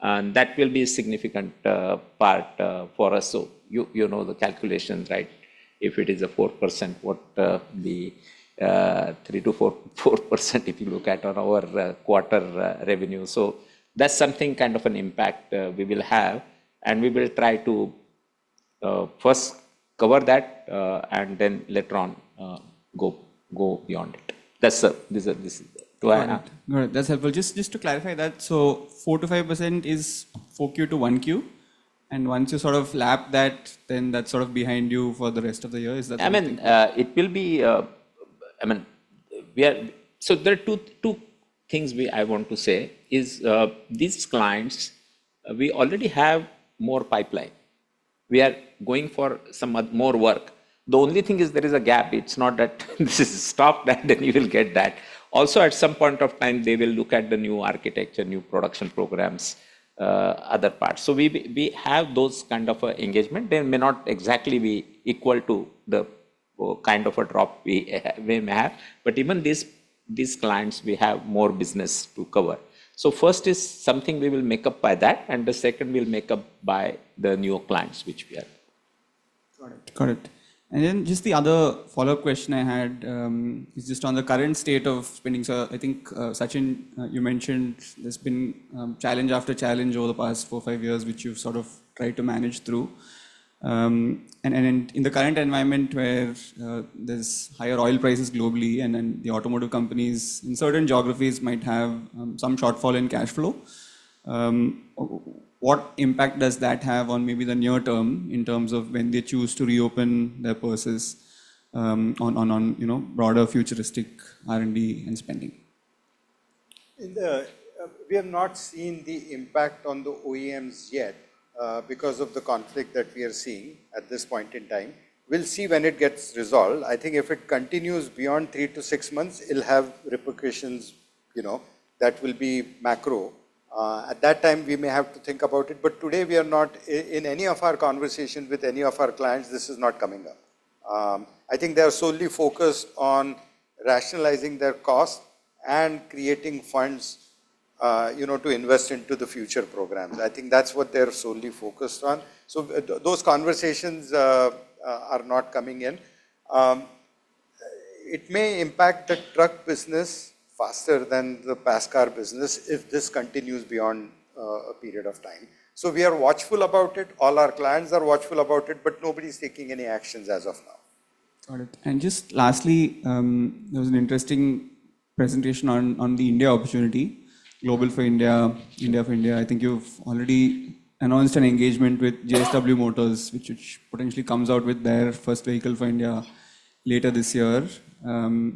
Speaker 3: That will be a significant part for us. You know the calculations, right? If it is a 4%, what the 3%-4% if you look at on our quarter revenue. That's something kind of an impact we will have, and we will try to first cover that, and then later on go beyond it. These are these. Go ahead.
Speaker 7: No, that's helpful. Just to clarify that, 4%-5% is Q4 to Q1? Once you sort of lap that, then that's sort of behind you for the rest of the year. Is that the?
Speaker 3: I mean, it will be, I mean, there are two things I want to say, is, these clients, we already have more pipeline. We are going for some more work. The only thing is there is a gap. It's not that this is stopped and then you will get that. At some point of time, they will look at the new architecture, new production programs, other parts. We have those kind of engagement. They may not exactly be equal to the kind of a drop we may have. Even these clients, we have more business to cover. First is something we will make up by that, and the second we'll make up by the newer clients which we have.
Speaker 7: Got it. Got it. Just the other follow-up question I had, is just on the current state of spending. I think Sachin, you mentioned there's been challenge after challenge over the past four, five years, which you've sort of tried to manage through. In the current environment where there's higher oil prices globally and the automotive companies in certain geographies might have some shortfall in cash flow, what impact does that have on maybe the near term in terms of when they choose to reopen their purses, on, you know, broader futuristic R&D and spending?
Speaker 5: We have not seen the impact on the OEMs yet. Because of the conflict that we are seeing at this point in time. We'll see when it gets resolved. I think if it continues beyond three to six months, it'll have repercussions, you know, that will be macro. At that time, we may have to think about it. Today we are not in any of our conversations with any of our clients, this is not coming up. I think they are solely focused on rationalizing their costs and creating funds, you know, to invest into the future programs. I think that's what they're solely focused on. Those conversations are not coming in. It may impact the truck business faster than the passenger car business if this continues beyond a period of time. We are watchful about it. All our clients are watchful about it, but nobody's taking any actions as of now.
Speaker 7: Got it. Just lastly, there was an interesting presentation on the India opportunity, global for India for India. I think you've already announced an engagement with JSW Motors, which potentially comes out with their first vehicle for India later this year.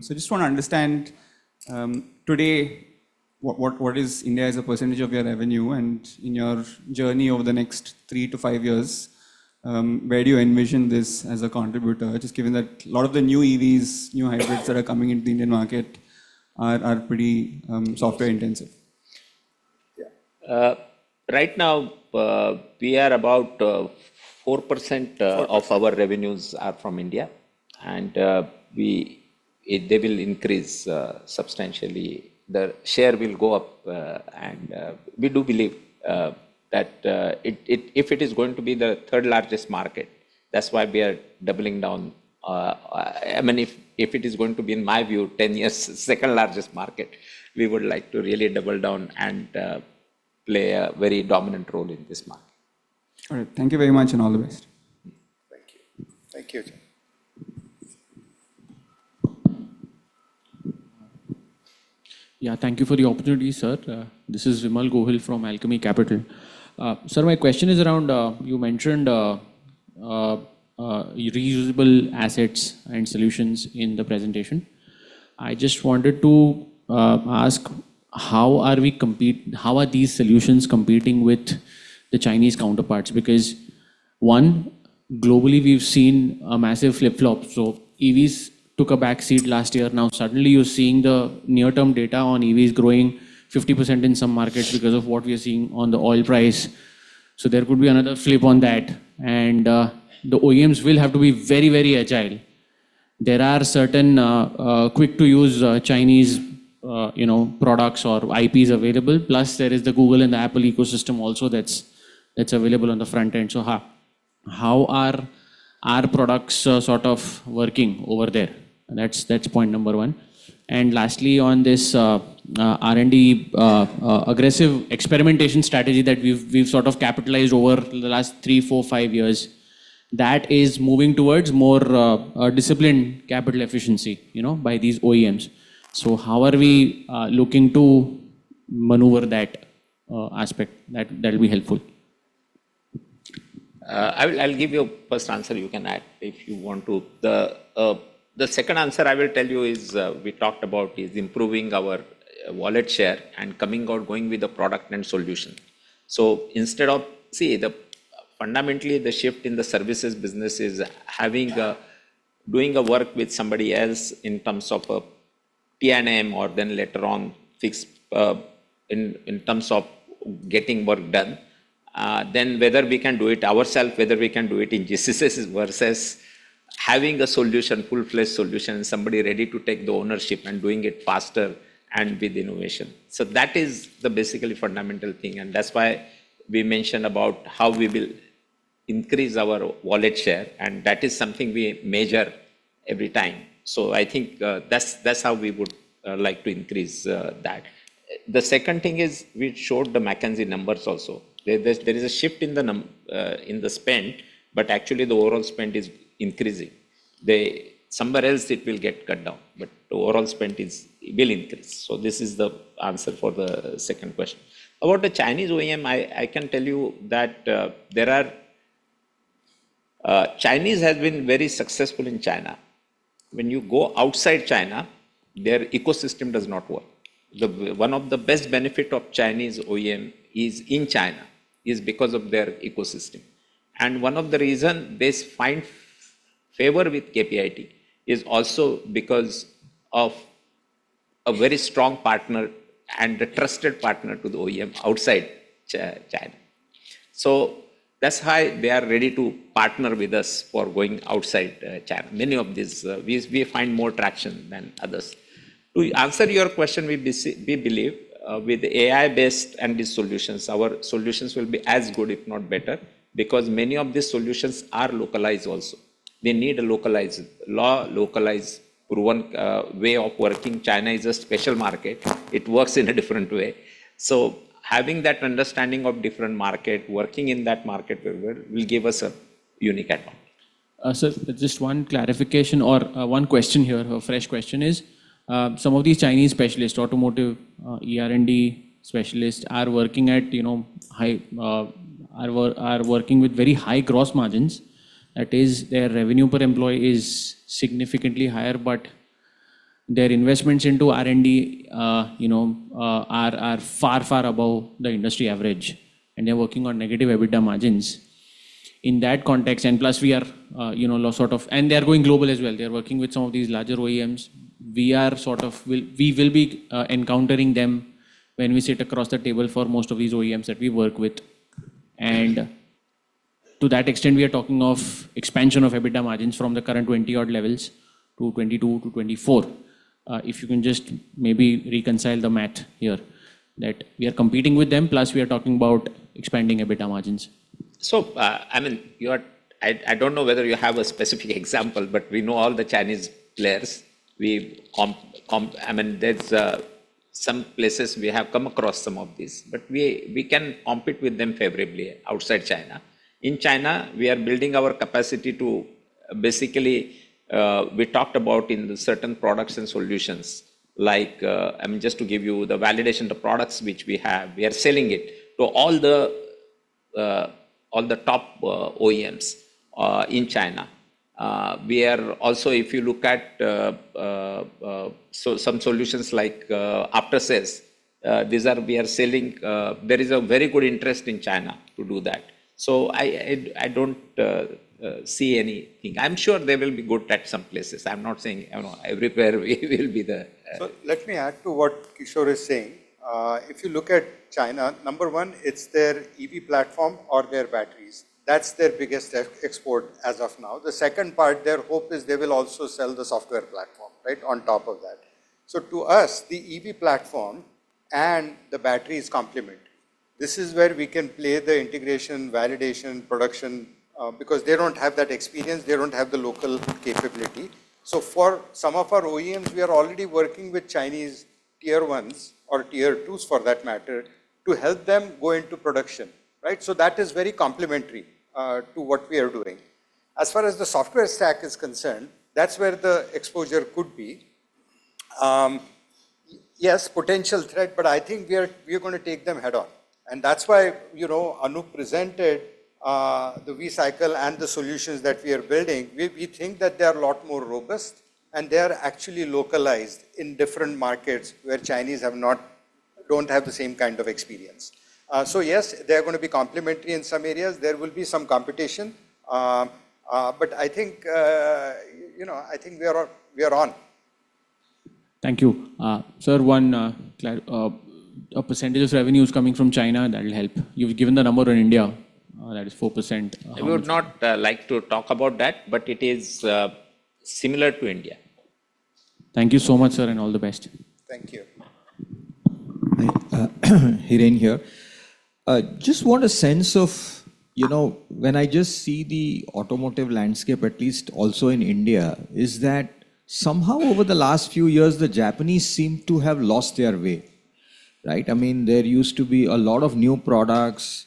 Speaker 7: Just wanna understand, today what is India as a percentage of your revenue and in your journey over the next three to five years, where do you envision this as a contributor? Just given that a lot of the new EVs, new hybrids that are coming into the Indian market are pretty software intensive.
Speaker 3: Yeah. Right now, we are about 4%.
Speaker 7: 4%.
Speaker 3: Of our revenues are from India and they will increase substantially. The share will go up and we do believe that if it is going to be the third largest market, that's why we are doubling down. I mean, if it is going to be, in my view, 10 years second largest market, we would like to really double down and play a very dominant role in this market.
Speaker 7: All right. Thank you very much, and all the best.
Speaker 3: Thank you.
Speaker 5: Thank you.
Speaker 8: Thank you for the opportunity, sir. This is Vimal Gohil from Alchemy Capital. Sir, my question is around, you mentioned reusable assets and solutions in the presentation. I just wanted to ask, how are these solutions competing with the Chinese counterparts? Because, one, globally, we've seen a massive flip-flop. EVs took a back seat last year. Suddenly you're seeing the near-term data on EVs growing 50% in some markets because of what we are seeing on the oil price. There could be another flip on that. The OEMs will have to be very agile. There are certain quick-to-use Chinese, you know, products or IPs available. Plus there is the Google and the Apple ecosystem also that's available on the front end. How are our products sort of working over there? That's point number one. Lastly, on this R&D aggressive experimentation strategy that we've sort of capitalized over the last three, four, five years, that is moving towards more disciplined capital efficiency, you know, by these OEMs. How are we looking to maneuver that aspect? That'll be helpful.
Speaker 3: I'll give you a first answer. You can add if you want to. The second answer I will tell you is, we talked about is improving our wallet share and coming or going with the product and solution. Instead of fundamentally, the shift in the services business is doing a work with somebody else in terms of a T&M or then later on fix, in terms of getting work done. Then whether we can do it ourself, whether we can do it in GCC versus having a solution, full-fledged solution, somebody ready to take the ownership and doing it faster and with innovation. That is the basically fundamental thing, and that's why we mentioned about how we will increase our wallet share, and that is something we measure every time. I think, that's how we would like to increase that. The second thing is we showed the McKinsey numbers also. There is a shift in the spend, but actually the overall spend is increasing. Somewhere else it will get cut down, but the overall spend will increase. This is the answer for the second question. About the Chinese OEM, I can tell you that Chinese has been very successful in China. When you go outside China, their ecosystem does not work. One of the best benefit of Chinese OEM is in China, is because of their ecosystem. One of the reason they find favor with KPIT is also because of a very strong partner and a trusted partner to the OEM outside China. That's why they are ready to partner with us for going outside China. Many of these, we find more traction than others. To answer your question, we believe with AI-based and these solutions, our solutions will be as good if not better, because many of these solutions are localized also. They need a localized law, localized proven way of working. China is a special market. It works in a different way. Having that understanding of different market, working in that market will give us a unique add-on.
Speaker 8: Just one clarification or one question here. A fresh question is, some of these Chinese specialists, automotive ER&D specialists are working at high, are working with very high gross margins. That is, their revenue per employee is significantly higher. Their investments into R&D are far, far above the industry average, and they're working on negative EBITDA margins. In that context. They're going global as well. They're working with some of these larger OEMs. We are sort of we will be encountering them when we sit across the table for most of these OEMs that we work with. To that extent, we are talking of expansion of EBITDA margins from the current 20-odd levels to 22-24. If you can just maybe reconcile the math here that we are competing with them, plus we are talking about expanding EBITDA margins.
Speaker 3: I mean, I don't know whether you have a specific example, but we know all the Chinese players. We I mean, there's some places we have come across some of these, but we can compete with them favorably outside China. In China, we are building our capacity to basically, we talked about in certain products and solutions like, I mean, just to give you the validation, the products which we have, we are selling it to all the all the top OEMs in China. We are also, if you look at, so some solutions like after-sales, we are selling. There is a very good interest in China to do that. I don't see anything. I'm sure they will be good at some places. I'm not saying, you know, everywhere we will be the.
Speaker 5: Let me add to what Kishor is saying. If you look at China, number one, it's their EV platform or their batteries. That's their biggest export as of now. The second part, their hope is they will also sell the software platform, right, on top of that. To us, the EV platform and the batteries complement. This is where we can play the integration, validation, production, because they don't have that experience. They don't have the local capability. For some of our OEMs, we are already working with Chinese Tier 1s or Tier 2s for that matter, to help them go into production, right. That is very complementary to what we are doing. As far as the software stack is concerned, that's where the exposure could be. Yes, potential threat, but I think we are gonna take them head-on. That's why, you know, Anup presented the V-cycle and the solutions that we are building. We think that they are a lot more robust, and they are actually localized in different markets where Chinese don't have the same kind of experience. Yes, they are gonna be complementary in some areas. There will be some competition. I think, you know, I think we are on.
Speaker 8: Thank you. Sir, a percentage of revenue is coming from China that will help. You've given the number in India, that is 4%.
Speaker 3: I would not like to talk about that, but it is similar to India.
Speaker 8: Thank you so much, sir, and all the best.
Speaker 3: Thank you.
Speaker 9: Hiren here. Just want a sense of, you know, when I just see the automotive landscape, at least also in India, is that somehow over the last few years, the Japanese seem to have lost their way, right? I mean, there used to be a lot of new products.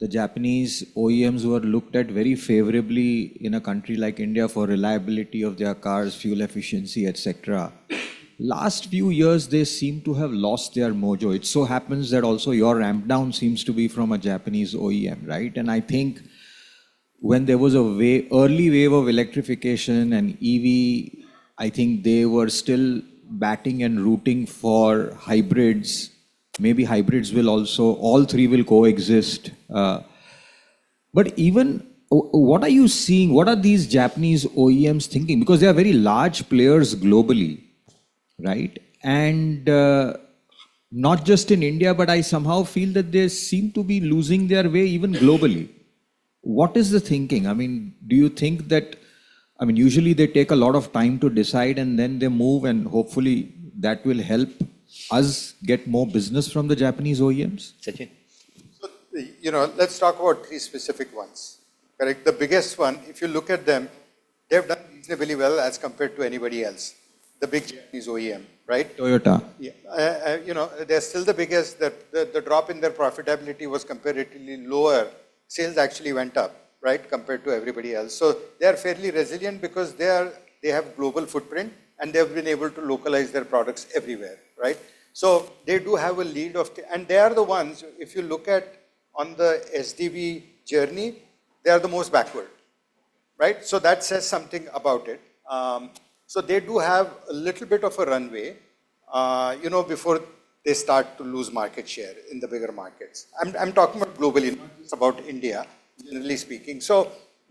Speaker 9: The Japanese OEMs were looked at very favorably in a country like India for reliability of their cars, fuel efficiency, et cetera. Last few years, they seem to have lost their mojo. It so happens that also your ramp down seems to be from a Japanese OEM, right? I think when there was a early wave of electrification and EV, I think they were still batting and rooting for hybrids. Maybe hybrids will also all three will coexist. Even, what are you seeing? What are these Japanese OEMs thinking? They are very large players globally, right? Not just in India, but I somehow feel that they seem to be losing their way even globally. What is the thinking? I mean, do you think that usually they take a lot of time to decide, then they move, and hopefully that will help us get more business from the Japanese OEMs.
Speaker 3: Sachin.
Speaker 5: You know, let's talk about three specific ones. Correct. The biggest one, if you look at them, they've done reasonably well as compared to anybody else. The big Japanese OEM, right?
Speaker 9: Toyota.
Speaker 5: Yeah. You know, they're still the biggest. The drop in their profitability was comparatively lower. Sales actually went up, right, compared to everybody else. They are fairly resilient because they have global footprint, and they've been able to localize their products everywhere, right? They do have a lead. They are the ones, if you look at on the SDV journey, they are the most backward, right? That says something about it. They do have a little bit of a runway, you know, before they start to lose market share in the bigger markets. I'm talking about globally, not just about India, generally speaking.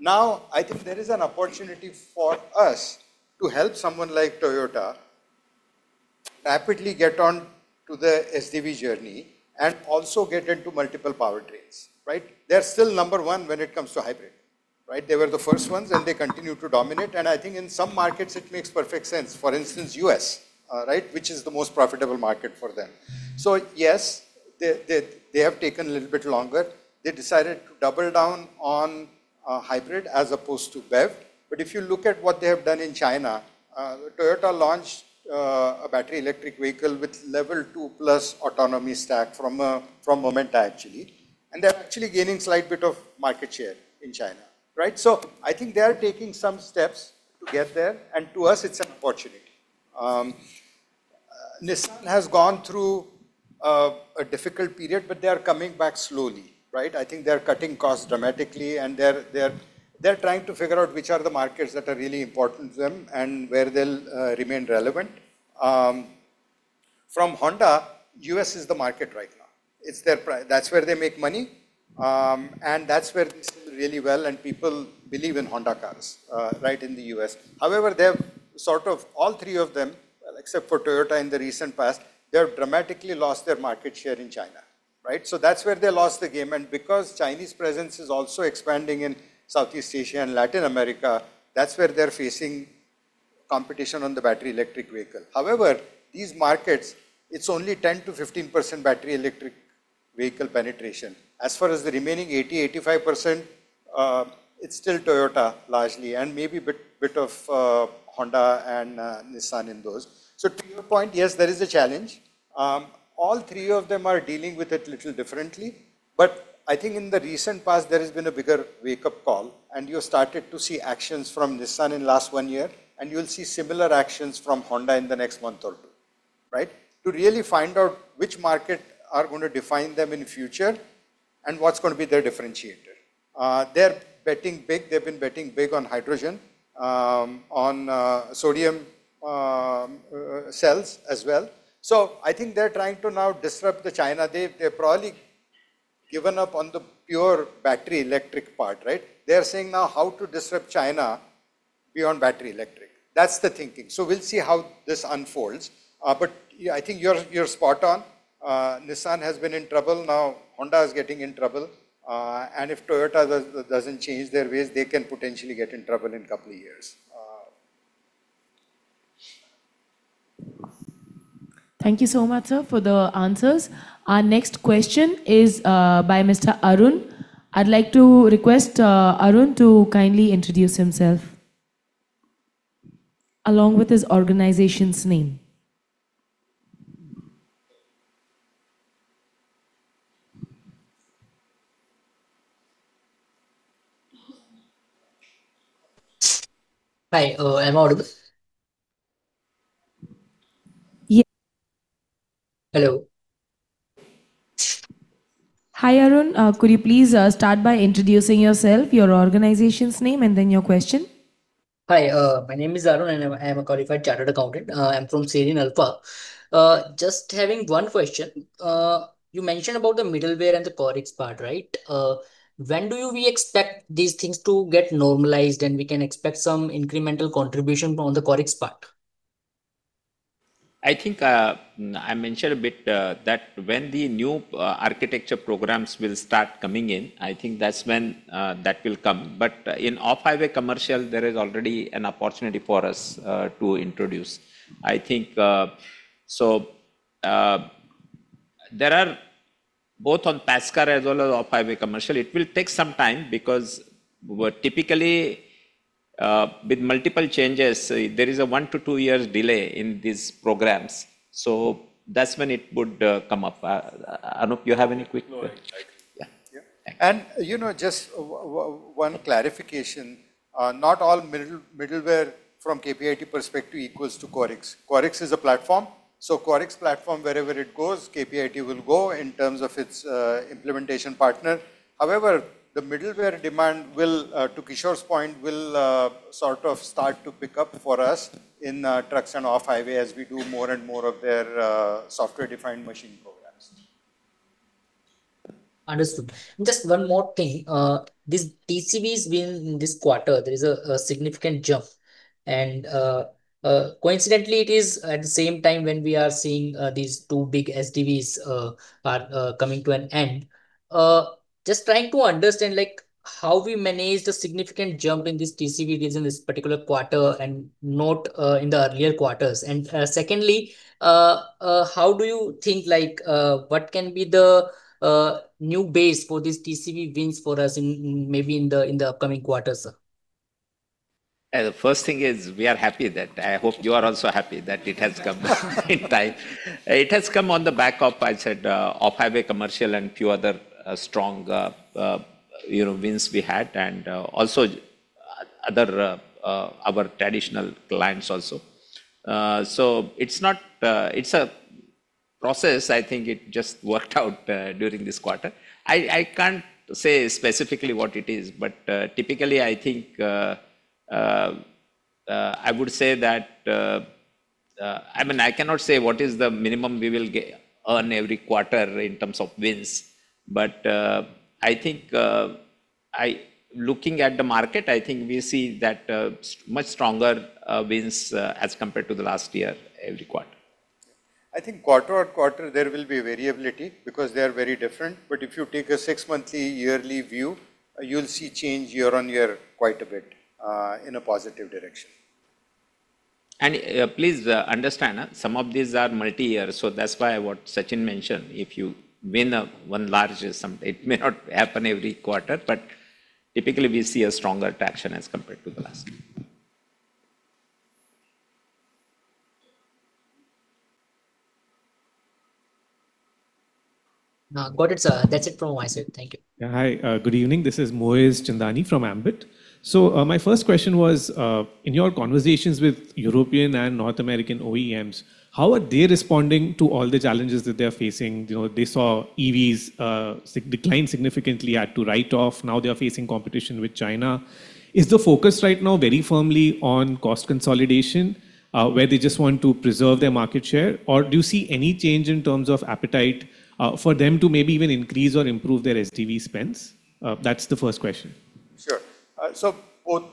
Speaker 5: Now I think there is an opportunity for us to help someone like Toyota rapidly get on to the SDV journey and also get into multiple powertrains, right? They're still number one when it comes to hybrid, right? They were the first ones, and they continue to dominate. I think in some markets it makes perfect sense. For instance, U.S., right, which is the most profitable market for them. Yes, they have taken a little bit longer. They decided to double down on hybrid as opposed to BEV. If you look at what they have done in China, Toyota launched a battery electric vehicle with Level 2+ autonomy stack from Momenta actually, and they're actually gaining slight bit of market share in China, right? I think they are taking some steps to get there, and to us it's unfortunate. Nissan has gone through a difficult period, but they are coming back slowly, right? I think they're cutting costs dramatically and they're trying to figure out which are the markets that are really important to them and where they'll remain relevant. From Honda, U.S. is the market right now. That's where they make money, and that's where they sell really well, and people believe in Honda cars right in the U.S. They've sort of all three of them, except for Toyota in the recent past, they have dramatically lost their market share in China, right? That's where they lost the game. Because Chinese presence is also expanding in Southeast Asia and Latin America, that's where they're facing competition on the battery electric vehicle. These markets, it's only 10%-15% battery electric vehicle penetration. As far as the remaining 80%, 85%, it's still Toyota largely, and maybe bit of Honda and Nissan in those. To your point, yes, there is a challenge. All three of them are dealing with it little differently. I think in the recent past, there has been a bigger wake-up call, and you started to see actions from Nissan in last one year, and you'll see similar actions from Honda in the next month or two, right? To really find out which market are gonna define them in future and what's gonna be their differentiator. They're betting big. They've been betting big on hydrogen, on sodium, cells as well. I think they're trying to now disrupt the China. They've probably given up on the pure battery electric part, right? They are saying now how to disrupt China beyond battery electric. That's the thinking. We'll see how this unfolds. But I think you're spot on. Nissan has been in trouble. Now Honda is getting in trouble. And if Toyota doesn't change their ways, they can potentially get in trouble in a couple of years.
Speaker 6: Thank you so much, sir, for the answers. Our next question is by Mr. Arun. I'd like to request Arun to kindly introduce himself along with his organization's name.
Speaker 10: Hi. Am I audible?
Speaker 6: Yes.
Speaker 10: Hello.
Speaker 6: Hi, Arun. Could you please start by introducing yourself, your organization's name, and then your question?
Speaker 10: Hi. My name is Arun, I am a qualified chartered accountant. I am from Sirion Alpha. Just having one question. You mentioned about the middleware and the Qorix part, right? When do we expect these things to get normalized, and we can expect some incremental contribution on the Qorix part?
Speaker 3: I think, I mentioned a bit, that when the new architecture programs will start coming in, I think that's when that will come. In off-highway commercial, there is already an opportunity for us to introduce. I think, so, there are both on passenger car as well as off-highway commercial, it will take some time because we're typically, with multiple changes, there is a one to two years delay in these programs. That's when it would come up. Anup, do you have any quick-
Speaker 4: No. I agree.
Speaker 3: Yeah.
Speaker 4: Yeah.
Speaker 3: Thank you.
Speaker 5: You know, just one clarification. Not all middleware from KPIT perspective equals to Qorix. Qorix is a platform, so Qorix platform, wherever it goes, KPIT will go in terms of its implementation partner. However, the middleware demand will, to Kishor's point, will sort of start to pick up for us in trucks and off-highway as we do more and more of their Software-Defined Machine programs.
Speaker 10: Understood. Just one more thing. This TCVs win in this quarter, there is a significant jump. Coincidentally, it is at the same time when we are seeing these two big SDVs are coming to an end. Just trying to understand, like, how we manage the significant jump in this TCV wins in this particular quarter and not in the earlier quarters. Secondly, how do you think, like, what can be the new base for this TCV wins for us in maybe in the upcoming quarters, sir?
Speaker 3: The first thing is we are happy that I hope you are also happy that it has come in time. It has come on the back of, I said, off-highway commercial and few other, strong, you know, wins we had and also other, our traditional clients also. It's not. It's a process. I think it just worked out during this quarter. I cannot say specifically what it is, but typically, I think, I would say that I mean, I cannot say what is the minimum we will earn every quarter in terms of wins. I think, Looking at the market, I think we see that much stronger wins as compared to the last year every quarter.
Speaker 5: I think quarter-over-quarter, there will be variability because they are very different. If you take a six monthly, yearly view, you'll see change year-on-year quite a bit in a positive direction.
Speaker 3: Please understand, some of these are multi-year, that is why what Sachin mentioned, if you win a one large sum, it may not happen every quarter, but typically we see a stronger traction as compared to the last year.
Speaker 10: No, got it, sir. That's it from my side. Thank you.
Speaker 11: Yeah, hi. Good evening. This is Moez Chandani from Ambit. My first question was, in your conversations with European and North American OEMs, how are they responding to all the challenges that they're facing? You know, they saw EVs decline significantly, had to write off. Now they are facing competition with China. Is the focus right now very firmly on cost consolidation, where they just want to preserve their market share? Do you see any change in terms of appetite, for them to maybe even increase or improve their SDV spends? That's the first question.
Speaker 5: Sure. Both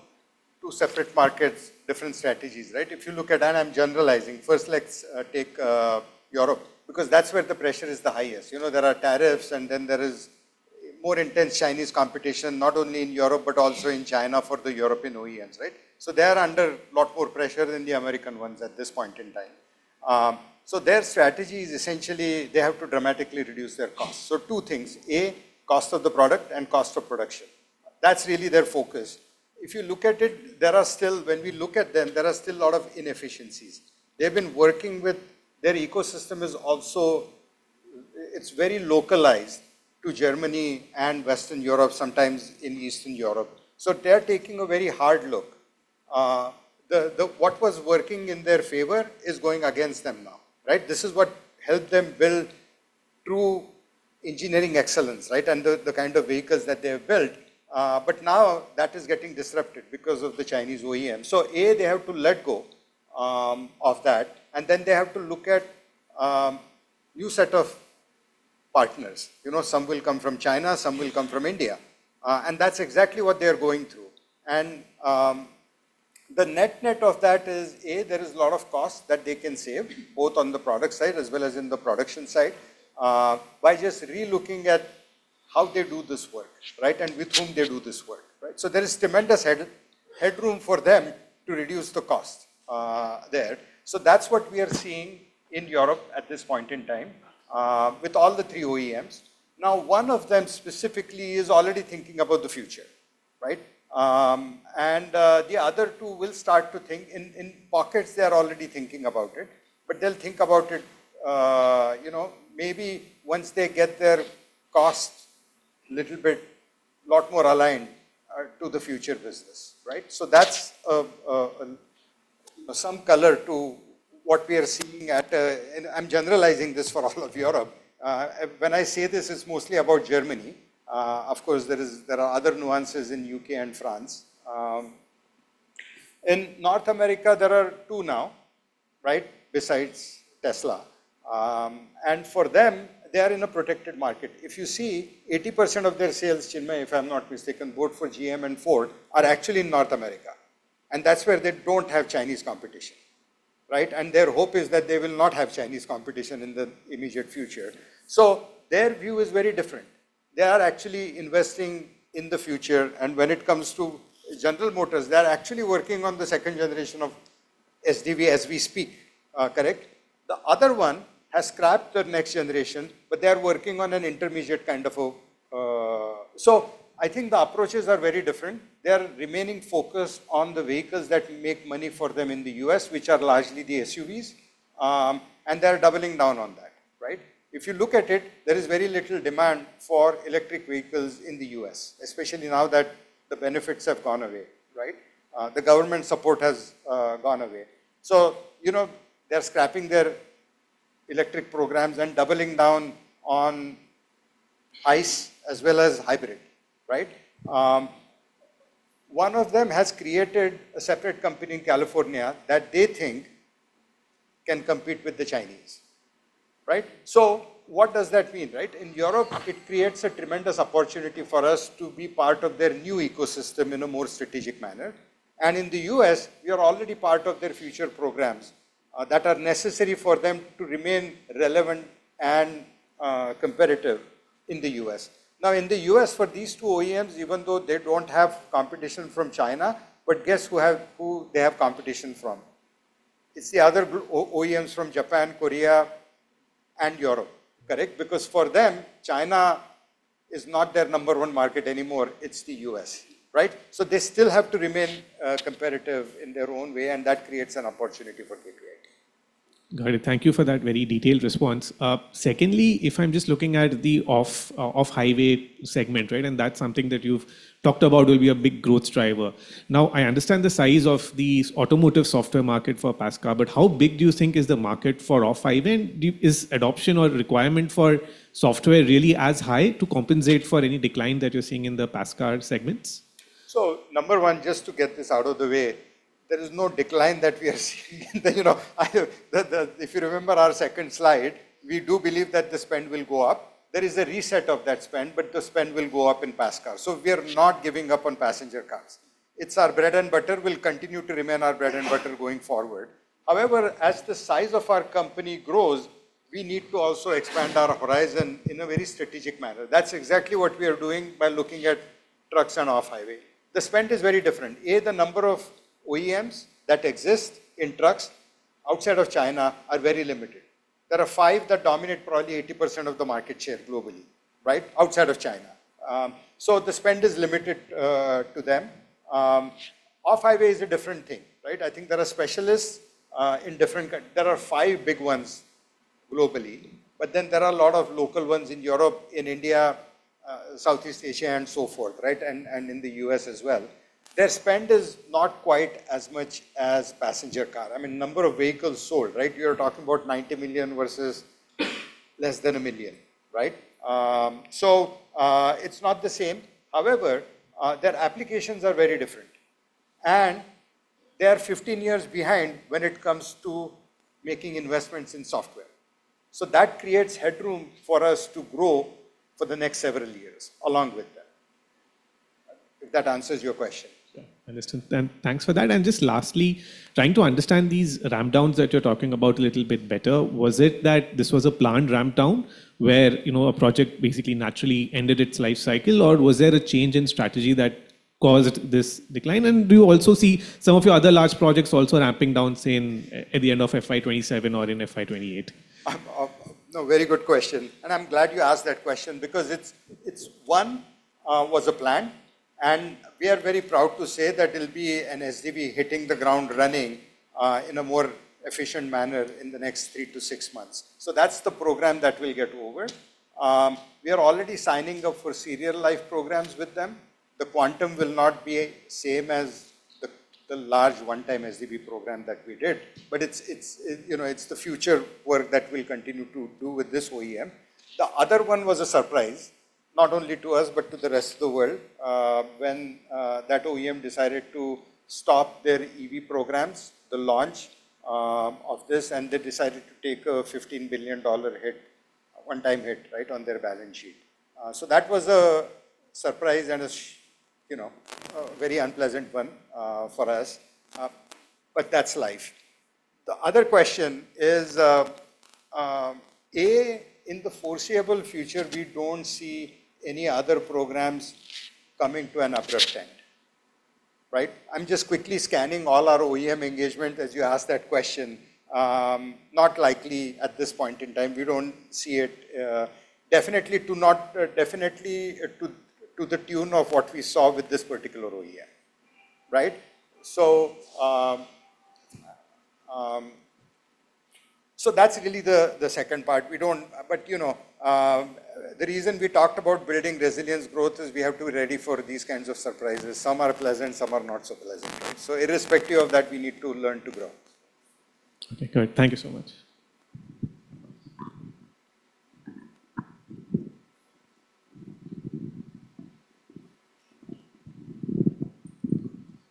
Speaker 5: two separate markets, different strategies, right? I'm generalizing. First, let's take Europe, because that's where the pressure is the highest. You know, there are tariffs. There is more intense Chinese competition, not only in Europe, but also in China for the European OEMs, right? They are under a lot more pressure than the American ones at this point in time. Their strategy is essentially they have to dramatically reduce their costs. Two things: A, cost of the product and cost of production. That's really their focus. If you look at it. When we look at them, there are still a lot of inefficiencies. They've been working with. Their ecosystem is also. It's very localized to Germany and Western Europe, sometimes in Eastern Europe. They are taking a very hard look. What was working in their favor is going against them now, right? This is what helped them build true engineering excellence, right? The kind of vehicles that they have built. Now that is getting disrupted because of the Chinese OEM. A, they have to let go of that, and then they have to look at new set of partners. You know, some will come from China, some will come from India. That's exactly what they are going through. The net-net of that is, A, there is a lot of costs that they can save, both on the product side as well as in the production side, by just relooking at how they do this work, right? With whom they do this work, right? There is tremendous headroom for them to reduce the cost there. That's what we are seeing in Europe at this point in time with all the three OEMs. Now, one of them specifically is already thinking about the future, right? The other two will start to think. In pockets, they are already thinking about it, but they'll think about it, you know, maybe once they get their costs little bit lot more aligned to the future business, right? That's some color to what we are seeing at. I'm generalizing this for all of Europe. When I say this, it's mostly about Germany. Of course, there are other nuances in U.K. and France. In North America, there are two now, right, besides Tesla. For them, they are in a protected market. If you see, 80% of their sales, Chinmay, if I'm not mistaken, both for GM and Ford, are actually in North America, and that's where they don't have Chinese competition, right? Their hope is that they will not have Chinese competition in the immediate future. Their view is very different. They are actually investing in the future. When it comes to General Motors, they are actually working on the second generation of SDV as we speak. Correct? The other one has scrapped the next generation, but they are working on an intermediate kind of, so I think the approaches are very different. They are remaining focused on the vehicles that make money for them in the U.S., which are largely the SUVs, and they are doubling down on that, right? If you look at it, there is very little demand for electric vehicles in the U.S., especially now that the benefits have gone away, right? The government support has gone away. You know, they are scrapping their electric programs and doubling down on ICE as well as hybrid, right? One of them has created a separate company in California that they think can compete with the Chinese, right? What does that mean, right? In Europe, it creates a tremendous opportunity for us to be part of their new ecosystem in a more strategic manner. In the U.S., we are already part of their future programs that are necessary for them to remain relevant and competitive in the U.S. In the U.S., for these two OEMs, even though they don't have competition from China, guess who they have competition from? It's the other group OEMs from Japan, Korea, and Europe. Correct. For them, China is not their number one market anymore. It's the U.S., right. They still have to remain competitive in their own way, and that creates an opportunity for the trade.
Speaker 11: Got it. Thank you for that very detailed response. Secondly, if I'm just looking at the off-highway segment, right? That's something that you've talked about will be a big growth driver. I understand the size of the automotive software market for passenger car, but how big do you think is the market for off-highway? Is adoption or requirement for software really as high to compensate for any decline that you're seeing in the passenger car segments?
Speaker 5: Number one, just to get this out of the way, there is no decline that we are seeing in the, if you remember our second slide, we do believe that the spend will go up. There is a reset of that spend, but the spend will go up in passenger car. We are not giving up on passenger cars. It's our bread and butter, will continue to remain our bread and butter going forward. However, as the size of our company grows, we need to also expand our horizon in a very strategic manner. That's exactly what we are doing by looking at trucks and off-highway. The spend is very different. The number of OEMs that exist in trucks outside of China are very limited. There are five that dominate probably 80% of the market share globally, right, outside of China. The spend is limited to them. Off-highway is a different thing, right? I think there are specialists in different coun. There are five big ones globally, but then there are a lot of local ones in Europe, in India, Southeast Asia, and so forth, right, and in the U.S. as well. Their spend is not quite as much as passenger car. I mean, number of vehicles sold, right? We are talking about 90 million versus less than 1 million, right? It's not the same. However, their applications are very different, and they are 15 years behind when it comes to making investments in software. That creates headroom for us to grow for the next several years along with them. If that answers your question.
Speaker 11: Yeah, understood. Thanks for that. Just lastly, trying to understand these ramp downs that you're talking about a little bit better. Was it that this was a planned ramp down where, you know, a project basically naturally ended its life cycle, or was there a change in strategy that caused this decline? Do you also see some of your other large projects also ramping down, say, in, at the end of FY 2027 or in FY 2028?
Speaker 5: No, very good question. I am glad you asked that question because it's one, was a plan, and we are very proud to say that it'll be an SDV hitting the ground running in a more efficient manner in the next three to six months. That's the program that we'll get over. We are already signing up for serial life programs with them. The quantum will not be same as the large one-time SDV program that we did. It's, you know, it's the future work that we'll continue to do with this OEM. The other one was a surprise, not only to us, but to the rest of the world, when that OEM decided to stop their EV programs, the launch of this. They decided to take a $15 billion hit, one-time hit, right, on their balance sheet. That was a surprise and you know, a very unpleasant one for us, but that's life. The other question is, A, in the foreseeable future, we don't see any other programs coming to an abrupt end. Right. I'm just quickly scanning all our OEM engagement as you ask that question. Not likely at this point in time. We don't see it, definitely to not, definitely to the tune of what we saw with this particular OEM. Right. That's really the second part. You know, the reason we talked about building resilience growth is we have to be ready for these kinds of surprises. Some are pleasant, some are not so pleasant. Irrespective of that, we need to learn to grow.
Speaker 11: Okay, great. Thank you so much.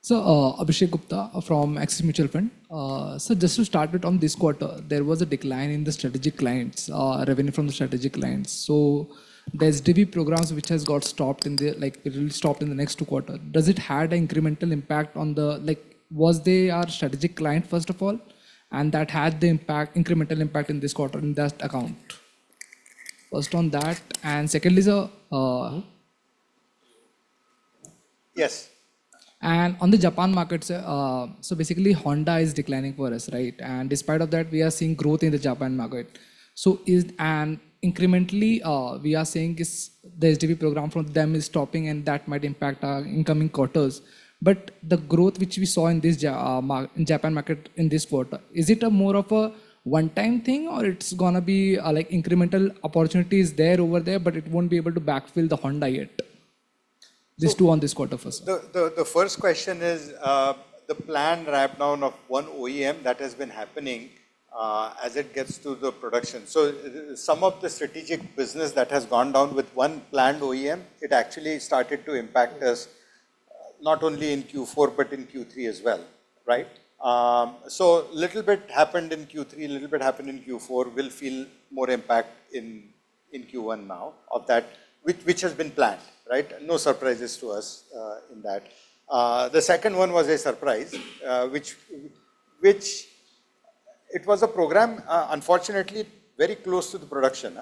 Speaker 12: Abhishek Gupta from Axis Mutual Fund. Just to start with, on this quarter, there was a decline in the strategic clients, revenue from the strategic clients. The SDV programs which has got stopped in the, it will stop in the next two quarter. Was they our strategic client, first of all, and that had the impact, incremental impact in this quarter in that account? First on that. Second is-
Speaker 5: Yes.
Speaker 12: On the Japan markets, basically Honda is declining for us, right? Despite of that, we are seeing growth in the Japan market. Incrementally, we are seeing is the SDV program from them is stopping and that might impact our incoming quarters. The growth which we saw in this Japan market in this quarter, is it a more of a one-time thing or it's gonna be like incremental opportunities there over there, but it won't be able to backfill the Honda yet? These two on this quarter first.
Speaker 5: The first question is, the planned ramp down of one OEM that has been happening, as it gets to the production. Some of the strategic business that has gone down with one planned OEM, it actually started to impact us not only in Q4, but in Q3 as well. Little bit happened in Q3, a little bit happened in Q4. We'll feel more impact in Q1 now of that, which has been planned. No surprises to us in that. The second one was a surprise, which it was a program, unfortunately very close to the production.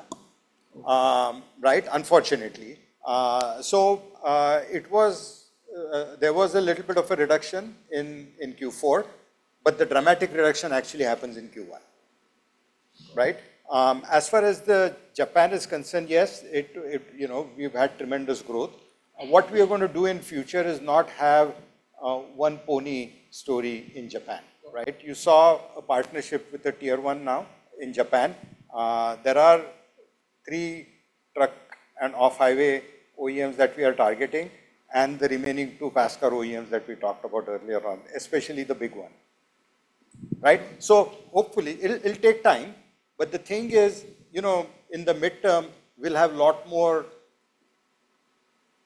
Speaker 5: Right, unfortunately. It was, there was a little bit of a reduction in Q4, but the dramatic reduction actually happens in Q1. As far as Japan is concerned, yes, you know, we've had tremendous growth. What we are gonna do in future is not have one pony story in Japan, right? You saw a partnership with a Tier 1 now in Japan. There are three truck and off-highway OEMs that we are targeting, and the remaining two PASCAR OEMs that we talked about earlier on, especially the big one. Hopefully, it'll take time, but the thing is, you know, in the midterm, we'll have lot more,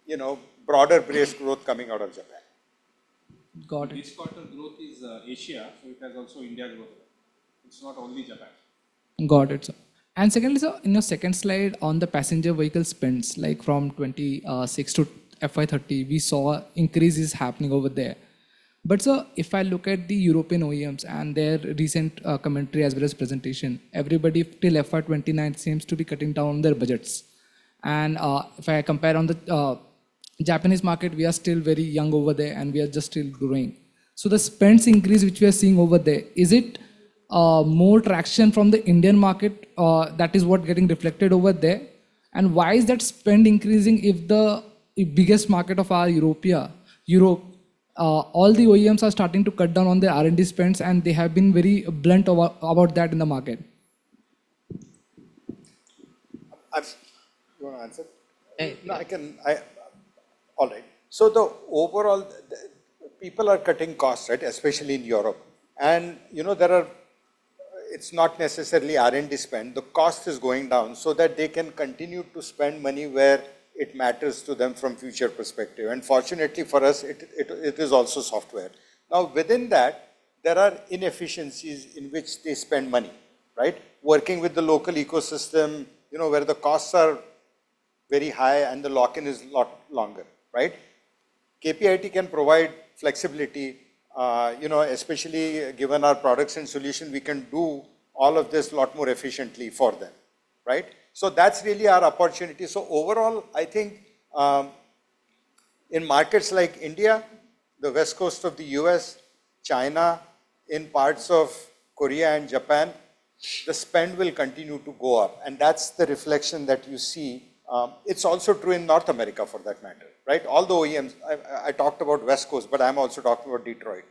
Speaker 5: you know, broader-based growth coming out of Japan.
Speaker 12: Got it.
Speaker 13: This quarter growth is Asia. It has also India growth. It's not only Japan.
Speaker 12: Got it, sir. Secondly, sir, in the second slide on the passenger vehicle spends, like from 2026 to FY 2030, we saw increases happening over there. Sir, if I look at the European OEMs and their recent commentary as well as presentation, everybody till FY 2029 seems to be cutting down their budgets. If I compare on the Japanese market, we are still very young over there and we are just still growing. The spends increase which we are seeing over there, is it more traction from the Indian market, that is what getting reflected over there? Why is that spend increasing if the biggest market of our Europe all the OEMs are starting to cut down on their R&D spends, and they have been very blunt about that in the market.
Speaker 5: You wanna answer?
Speaker 12: Eh-
Speaker 5: All right. The overall, people are cutting costs, right? Especially in Europe. You know, it's not necessarily R&D spend. The cost is going down so that they can continue to spend money where it matters to them from future perspective. Fortunately for us, it is also software. Within that, there are inefficiencies in which they spend money, right? Working with the local ecosystem, you know, where the costs are very high and the lock-in is a lot longer, right? KPIT can provide flexibility, you know, especially given our products and solutions, we can do all of this a lot more efficiently for them, right? That's really our opportunity. Overall, I think, in markets like India, the West Coast of the U.S., China, in parts of Korea and Japan, the spend will continue to go up, and that's the reflection that you see. It's also true in North America, for that matter, right. All the OEMs. I talked about West Coast, but I'm also talking about Detroit.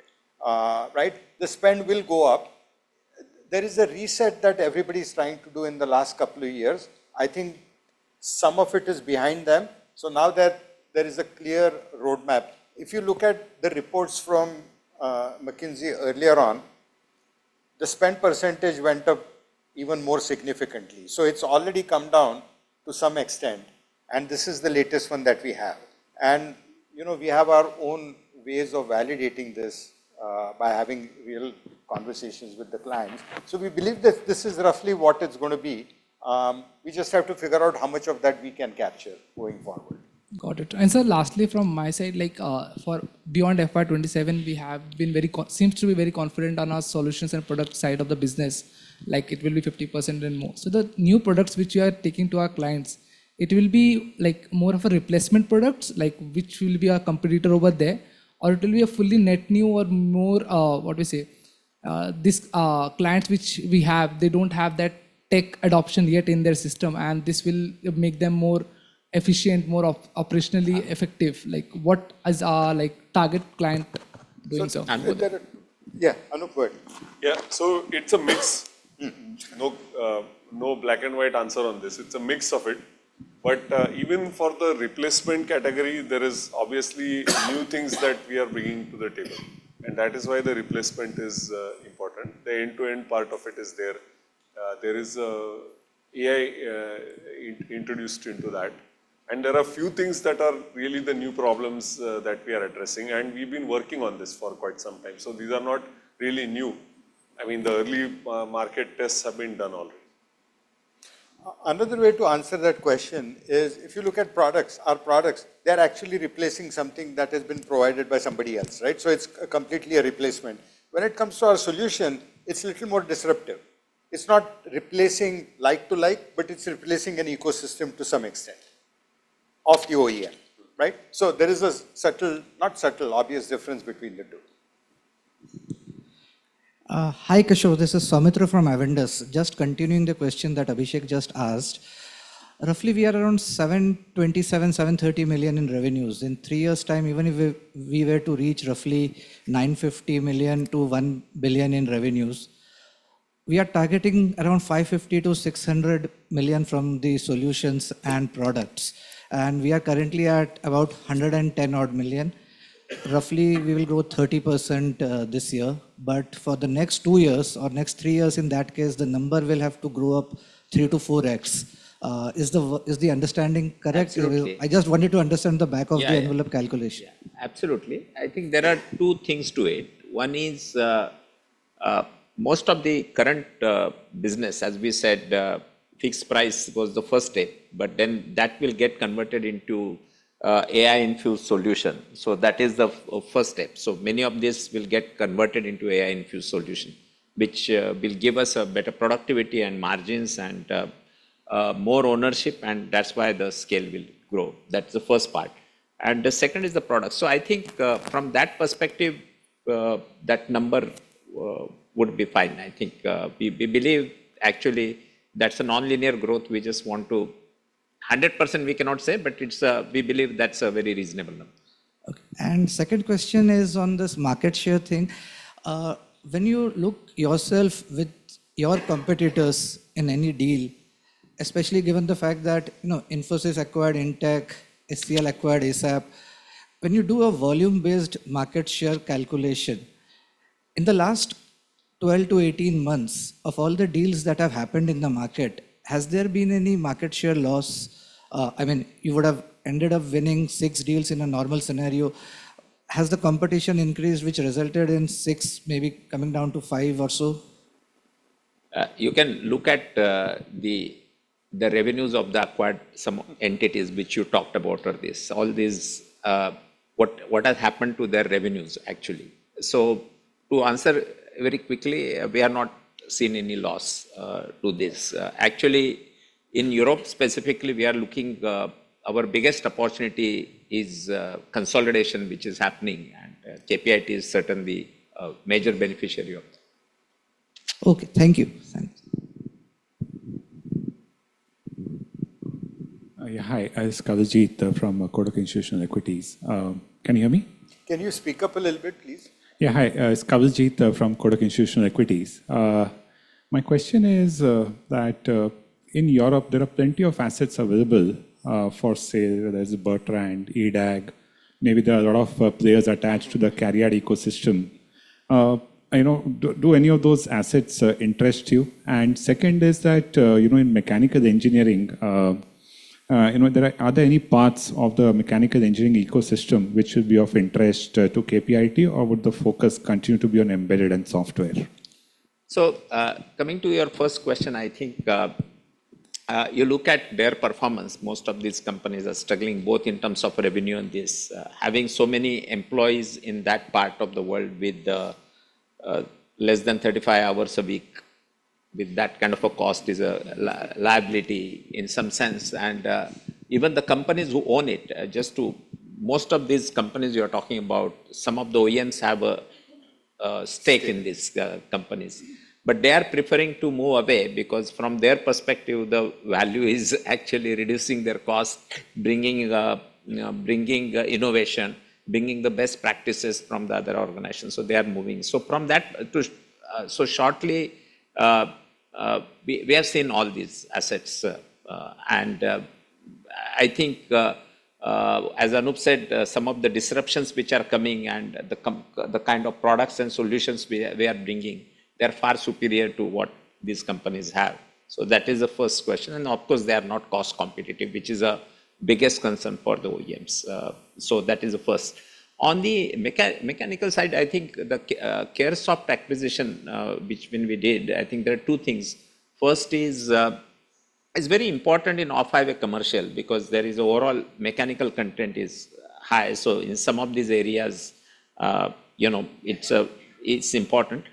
Speaker 5: Right. The spend will go up. There is a reset that everybody's trying to do in the last couple of years. I think some of it is behind them. Now that there is a clear roadmap. If you look at the reports from McKinsey earlier on, the spend percentage went up even more significantly. It's already come down to some extent, and this is the latest one that we have. You know, we have our own ways of validating this by having real conversations with the clients. We believe that this is roughly what it's gonna be. We just have to figure out how much of that we can capture going forward.
Speaker 12: Got it. Sir, lastly from my side, like, for beyond FY 2027, we have been very confident on our solutions and product side of the business. Like it will be 50% and more. The new products which we are taking to our clients, it will be like more of a replacement products like which will be our competitor over there or it will be a fully net new or more, what do you say? This, clients which we have, they don't have that tech adoption yet in their system, and this will make them more efficient, more operationally effective. Like what is our, like target client doing so?
Speaker 5: Yeah. Anup, go ahead.
Speaker 4: Yeah. It's a mix. No, no black and white answer on this. It's a mix of it. Even for the replacement category, there is obviously new things that we are bringing to the table, and that is why the replacement is important. The end-to-end part of it is there. There is AI introduced into that. There are few things that are really the new problems that we are addressing, and we've been working on this for quite some time. These are not really new. I mean, the early market tests have been done already.
Speaker 5: Another way to answer that question is, if you look at products, our products, they're actually replacing something that has been provided by somebody else, right? So it's completely a replacement. When it comes to our solution, it's a little more disruptive. It's not replacing like to like, but it's replacing an ecosystem to some extent of the OEM, right? So there is a subtle, not subtle, obvious difference between the two.
Speaker 14: Hi, Kishor. This is Sumitra from Avendus. Just continuing the question that Abhishek just asked. Roughly we are around $727 million-$730 million in revenues. In three years' time, even if we were to reach roughly $950 million-$1 billion in revenues, we are targeting around $550 million-$600 million from the solutions and products. We are currently at about $110 odd million. Roughly, we will grow 30% this year. For the next two years or next three years, in that case, the number will have to grow up 3x- 4x. Is the understanding correct?
Speaker 3: Absolutely.
Speaker 14: I just wanted to understand the back of-
Speaker 3: Yeah, yeah.
Speaker 14: -denvelope calculation.
Speaker 3: Yeah, absolutely. I think there are two things to it. One is, most of the current business, as we said, fixed price was the first step, but then that will get converted into AI-infused solution. That is the first step. Many of this will get converted into AI-infused solution, which will give us a better productivity and margins and more ownership, and that's why the scale will grow. That's the first part. The second is the product. I think, from that perspective, that number would be fine. I think, we believe actually that's a nonlinear growth. We just want to 100% we cannot say, but it's, we believe that's a very reasonable number.
Speaker 14: Okay. Second question is on this market share thing. When you look yourself with your competitors in any deal, especially given the fact that, you know, Infosys acquired in-tech, HCL acquired ASAP, when you do a volume-based market share calculation, in the last 12 to 18 months, of all the deals that have happened in the market, has there been any market share loss? I mean, you would have ended up winning six deals in a normal scenario. Has the competition increased, which resulted in six maybe coming down to five or so?
Speaker 3: You can look at, the revenues of the acquired, some entities which you talked about or this, all these, what has happened to their revenues actually. To answer very quickly, we have not seen any loss to this. Actually, in Europe specifically, we are looking. Our biggest opportunity is consolidation, which is happening, and KPIT is certainly a major beneficiary of this.
Speaker 14: Okay. Thank you. Thanks.
Speaker 15: Yeah, hi. It's Kawaljeet from Kotak Institutional Equities. Can you hear me?
Speaker 5: Can you speak up a little bit, please?
Speaker 15: Hi, it's Kawaljeet Saluja from Kotak Institutional Equities. My question is, in Europe there are plenty of assets available for sale. There's Bertrandt, EDAG, maybe there are a lot of players attached to the CARIAD ecosystem. You know, do any of those assets interest you? Second is, you know, in mechanical engineering, you know, are there any parts of the mechanical engineering ecosystem which will be of interest to KPIT, or would the focus continue to be on embedded and software?
Speaker 3: Coming to your first question, I think, you look at their performance, most of these companies are struggling both in terms of revenue and this, having so many employees in that part of the world with less than 35 hours a week. With that kind of a cost is a liability in some sense. Even the companies who own it, just to Most of these companies you're talking about, some of the OEMs have a stake in these companies. They are preferring to move away because from their perspective the value is actually reducing their cost, bringing, you know, bringing innovation, bringing the best practices from the other organizations, so they are moving. From that to, so shortly, we have seen all these assets. I think, as Anup said, some of the disruptions which are coming and the kind of products and solutions we are, we are bringing, they're far superior to what these companies have. That is the first question. Of course, they are not cost competitive, which is a biggest concern for the OEMs. That is the first. On the mechanical side, I think the Caresoft acquisition, which when we did, I think there are two things. First is, it's very important in off-highway commercial because there is overall mechanical content is high. In some of these areas, you know, it's important.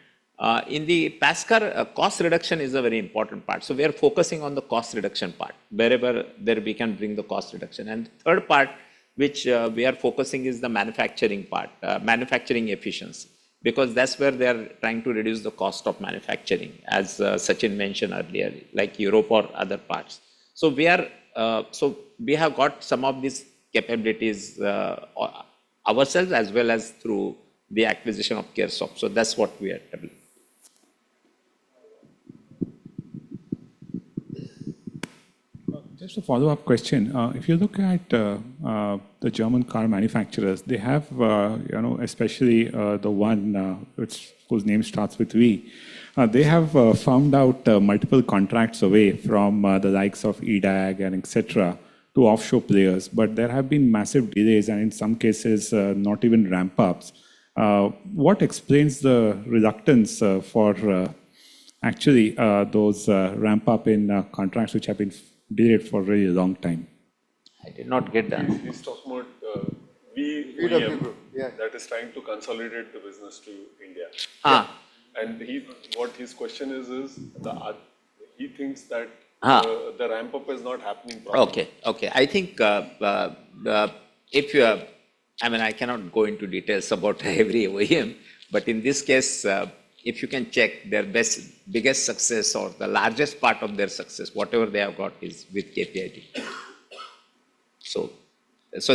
Speaker 3: In the passenger car, cost reduction is a very important part, we are focusing on the cost reduction part, wherever there we can bring the cost reduction. Third part which we are focusing is the manufacturing part. Manufacturing efficiency, because that's where they are trying to reduce the cost of manufacturing, as Sachin mentioned earlier, like Europe or other parts. We have got some of these capabilities, ourselves as well as through the acquisition of Caresoft. That's what we are doing.
Speaker 15: Just a follow-up question. If you look at the German car manufacturers, they have, you know, especially the one whose name starts with V, they have farmed out multiple contracts away from the likes of EDAG and et cetera, to offshore players. There have been massive delays and in some cases, not even ramp-ups. What explains the reluctance for actually those ramp-up in contracts which have been delayed for a very long time?
Speaker 3: I did not get that.
Speaker 4: He talked about.
Speaker 5: VW Group. Yeah.
Speaker 4: That is trying to consolidate the business to India. What his question is. The ramp-up is not happening properly.
Speaker 3: Okay. Okay. I think, I mean, I cannot go into details about every OEM, but in this case, if you can check their biggest success or the largest part of their success, whatever they have got is with KPIT.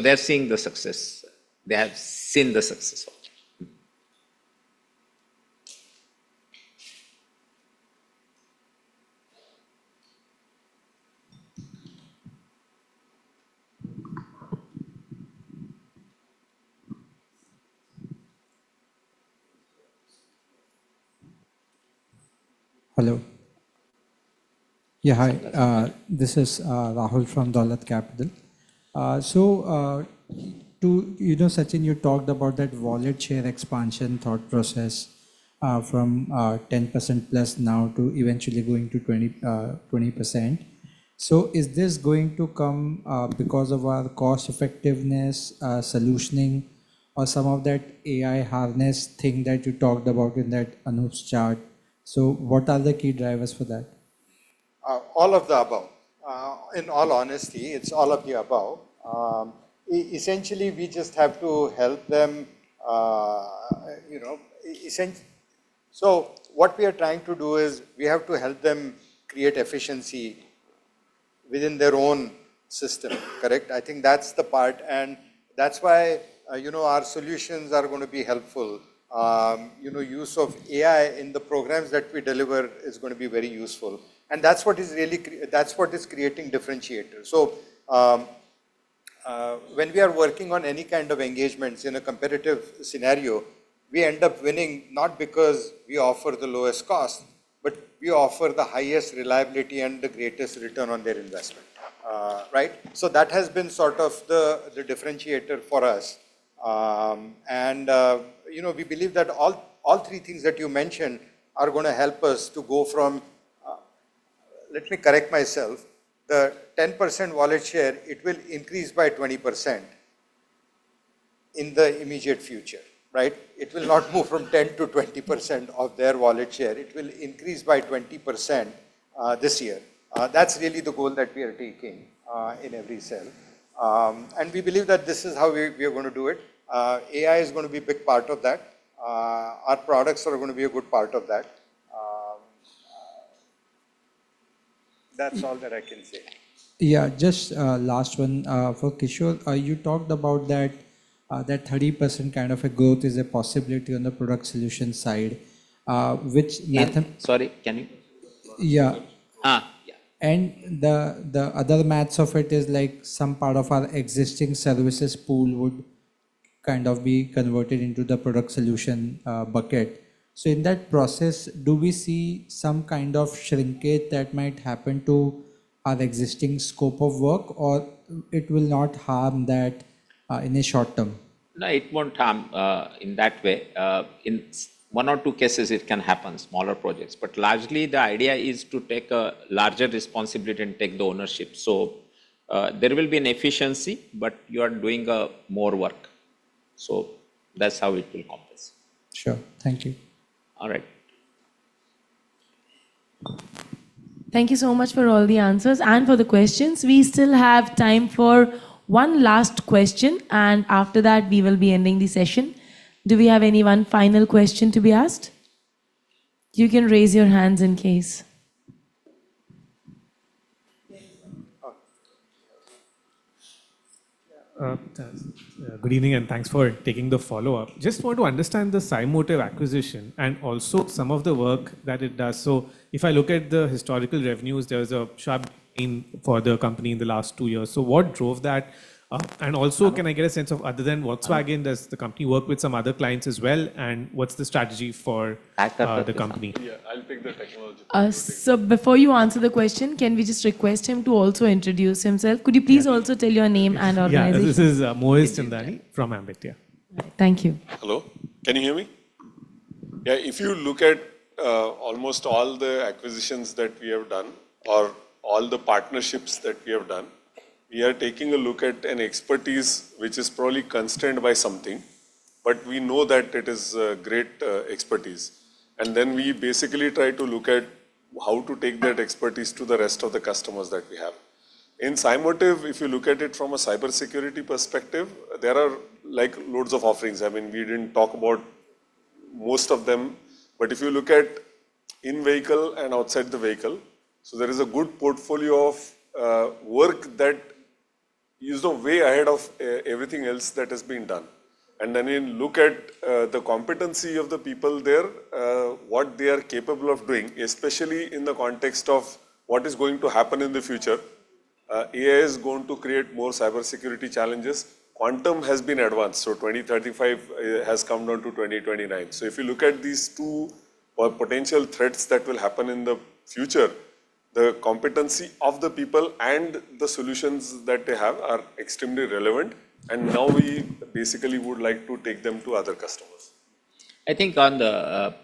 Speaker 3: They're seeing the success. They have seen the success of it.
Speaker 16: Hello. Yeah, hi. This is Rahul from Dolat Capital. You know, Sachin, you talked about that wallet share expansion thought process, from 10%+ now to eventually going to 20%. Is this going to come because of our cost effectiveness, solutioning, or some of that AI harness thing that you talked about in that Anup chart? What are the key drivers for that?
Speaker 5: All of the above. In all honesty, it's all of the above. Essentially, we just have to help them, you know, what we are trying to do is we have to help them create efficiency within their own system, correct? I think that's the part, and that's why, you know, our solutions are gonna be helpful. You know, use of AI in the programs that we deliver is gonna be very useful, and that's what is really creating differentiator. When we are working on any kind of engagements in a competitive scenario, we end up winning, not because we offer the lowest cost, but we offer the highest reliability and the greatest return on their investment. Right? That has been sort of the differentiator for us. you know, we believe that all three things that you mentioned are gonna help us to go from Let me correct myself. The 10% wallet share, it will increase by 20% in the immediate future, right? It will not move from 10%-20% of their wallet share. It will increase by 20% this year. That's really the goal that we are taking in every sale. We believe that this is how we are gonna do it. AI is gonna be a big part of that. Our products are gonna be a good part of that. That's all that I can say.
Speaker 16: Yeah. Just, last one, for Kishor. You talked about that 30% kind of a growth is a possibility on the product solution side, which Nathan.
Speaker 3: Sorry. Can you-
Speaker 16: Yeah.
Speaker 3: Yeah.
Speaker 16: The other math of it is, like, some part of our existing services pool would kind of be converted into the product solution bucket. In that process, do we see some kind of shrinkage that might happen to our existing scope of work, or it will not harm that in the short term?
Speaker 3: No, it won't harm in that way. In one or two cases it can happen, smaller projects. Largely, the idea is to take a larger responsibility and take the ownership. There will be an efficiency, but you are doing more work. That's how it will compensate.
Speaker 16: Sure. Thank you.
Speaker 3: All right.
Speaker 6: Thank you so much for all the answers and for the questions. We still have time for one last question, and after that we will be ending the session. Do we have any one final question to be asked? You can raise your hands in case.
Speaker 11: Good evening, thanks for taking the follow-up. Just want to understand the Cymotive acquisition and also some of the work that it does. If I look at the historical revenues, there was a sharp gain for the company in the last 2 years. What drove that? Also can I get a sense of, other than Volkswagen, does the company work with some other clients as well, what's the strategy for?
Speaker 3: As per the-
Speaker 11: The company?
Speaker 4: Yeah. I'll take the technological-
Speaker 6: Before you answer the question, can we just request him to also introduce himself? Could you please also tell your name and organization?
Speaker 11: Yeah. This is Moez Chandani from Ambit. Yeah.
Speaker 6: Thank you.
Speaker 4: Hello. Can you hear me? If you look at almost all the acquisitions that we have done or all the partnerships that we have done, we are taking a look at an expertise which is probably constrained by something, but we know that it is great expertise. We basically try to look at how to take that expertise to the rest of the customers that we have. In Cymotive, if you look at it from a cybersecurity perspective, there are, like, loads of offerings. I mean, we didn't talk about most of them. If you look at in-vehicle and outside the vehicle, there is a good portfolio of work that is way ahead of everything else that has been done. Then you look at the competency of the people there, what they are capable of doing, especially in the context of what is going to happen in the future. AI is going to create more cybersecurity challenges. Quantum has been advanced, so 2035 has come down to 2029. If you look at these two potential threats that will happen in the future, the competency of the people and the solutions that they have are extremely relevant. Now we basically would like to take them to other customers.
Speaker 3: I think on the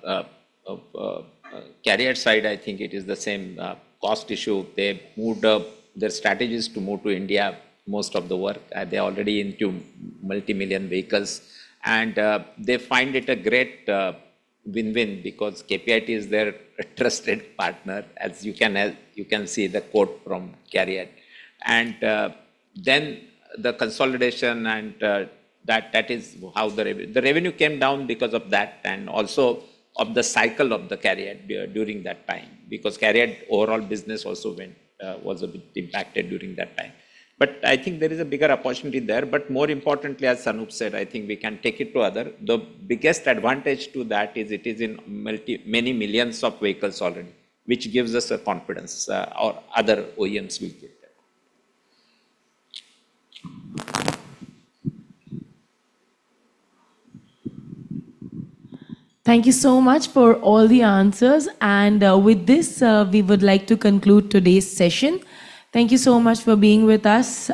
Speaker 3: CARIAD side, I think it is the same cost issue. They moved their strategies to move to India most of the work. They're already into multi-million vehicles. They find it a great win-win because KPIT is their trusted partner, as you can see the quote from CARIAD. Then the consolidation and that is how the revenue came down because of that and also of the cycle of the CARIAD during that time, because CARIAD overall business also was a bit impacted during that time. I think there is a bigger opportunity there. More importantly, as Anup said, I think we can take it to other. The biggest advantage to that is it is in many millions of vehicles already, which gives us the confidence, or other OEMs will get there.
Speaker 6: Thank you so much for all the answers. With this, we would like to conclude today's session. Thank you so much for being with us.